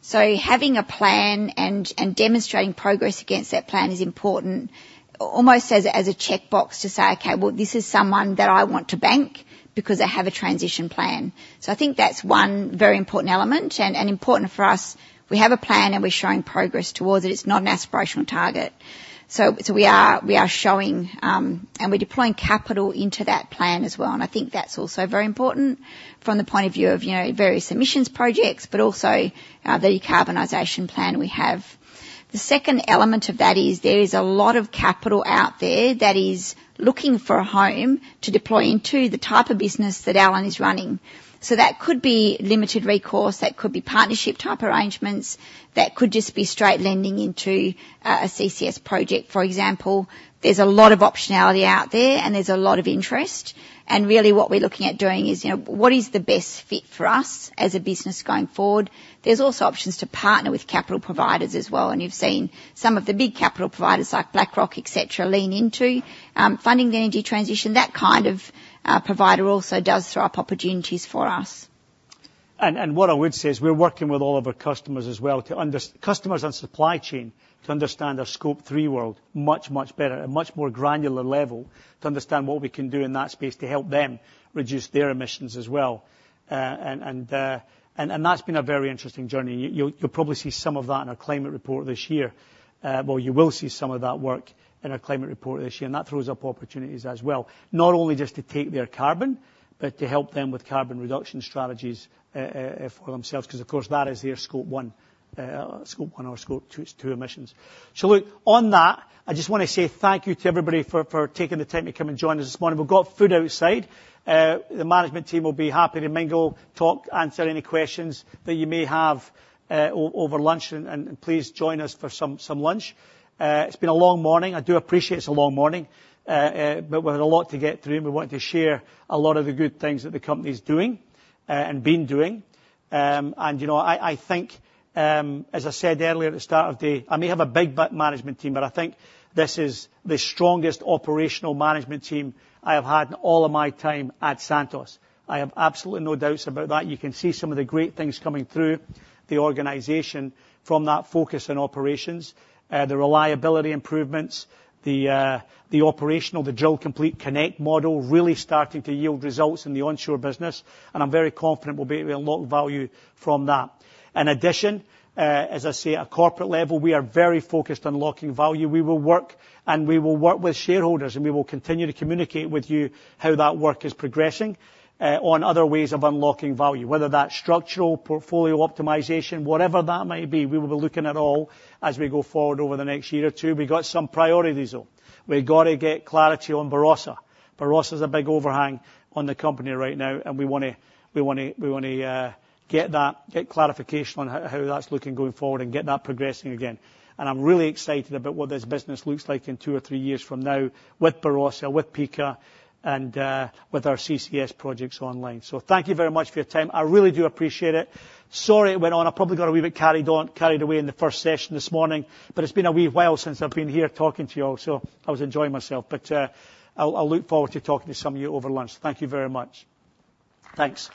H: So having a plan and demonstrating progress against that plan is important, almost as a checkbox to say, "Okay, well, this is someone that I want to bank because they have a transition plan." So I think that's one very important element and important for us. We have a plan, and we're showing progress towards it. It's not an aspirational target. So we are showing, and we're deploying capital into that plan as well, and I think that's also very important from the point of view of, you know, various emissions projects, but also the decarbonization plan we have. The second element of that is there is a lot of capital out there that is looking for a home to deploy into the type of business that Alan is running. So that could be limited recourse, that could be partnership-type arrangements, that could just be straight lending into a CCS project, for example. There's a lot of optionality out there, and there's a lot of interest. And really, what we're looking at doing is, you know, what is the best fit for us as a business going forward? There's also options to partner with capital providers as well, and you've seen some of the big capital providers, like BlackRock, et cetera, lean into funding the energy transition. That kind of provider also does throw up opportunities for us.
A: What I would say is we're working with all of our customers as well to understand customers and supply chain, to understand our Scope 3 world much, much better, at a much more granular level, to understand what we can do in that space to help them reduce their emissions as well. That's been a very interesting journey. You'll probably see some of that in our climate report this year. Well, you will see some of that work in our climate report this year, and that throws up opportunities as well, not only just to take their carbon, but to help them with carbon reduction strategies for themselves, 'cause of course, that is their Scope 1 or Scope 2 emissions. So look, on that, I just want to say thank you to everybody for taking the time to come and join us this morning. We've got food outside. The management team will be happy to mingle, talk, answer any questions that you may have over lunch, and please join us for some lunch. It's been a long morning. I do appreciate it's a long morning. But we had a lot to get through, and we wanted to share a lot of the good things that the company's doing, and been doing. And, you know, I think, as I said earlier at the start of the day, I may have a big management team, but I think this is the strongest operational management team I have had in all of my time at Santos.Secondly, just on Granite Wash, I mean, some of the information there was pretty interesting in terms of the opportunity that provides. 9 million scf seems very, very high compared to Cooper Basin wells. I mean, is that normal? I mean, is that an outlier? Can you give us a sense of whether that's. I have absolutely no doubts about that. You can see some of the great things coming through the organization from that focus on operations, the reliability improvements, the, the operational, the Drill Complete Connect model really starting to yield results in the onshore business, and I'm very confident we'll be able to unlock value from that. In addition, as I say, at a corporate level, we are very focused on unlocking value. We will work, and we will work with shareholders, and we will continue to communicate with you how that work is progressing, on other ways of unlocking value. Whether that's structural, portfolio optimization, whatever that may be, we will be looking at all as we go forward over the next year or two. We've got some priorities, though. We've got to get clarity on Barossa. Barossa is a big overhang on the company right now, and we wanna get that clarification on how that's looking going forward and get that progressing again. And I'm really excited about what this business looks like in two or three years from now with Barossa, with Pikka, and with our CCS projects online. So thank you very much for your time. I really do appreciate it. Sorry, it went on. I probably got a wee bit carried away in the first session this morning, but it's been a wee while since I've been here talking to you all, so I was enjoying myself. But I'll look forward to talking to some of you over lunch. Thank you very much. Thanks.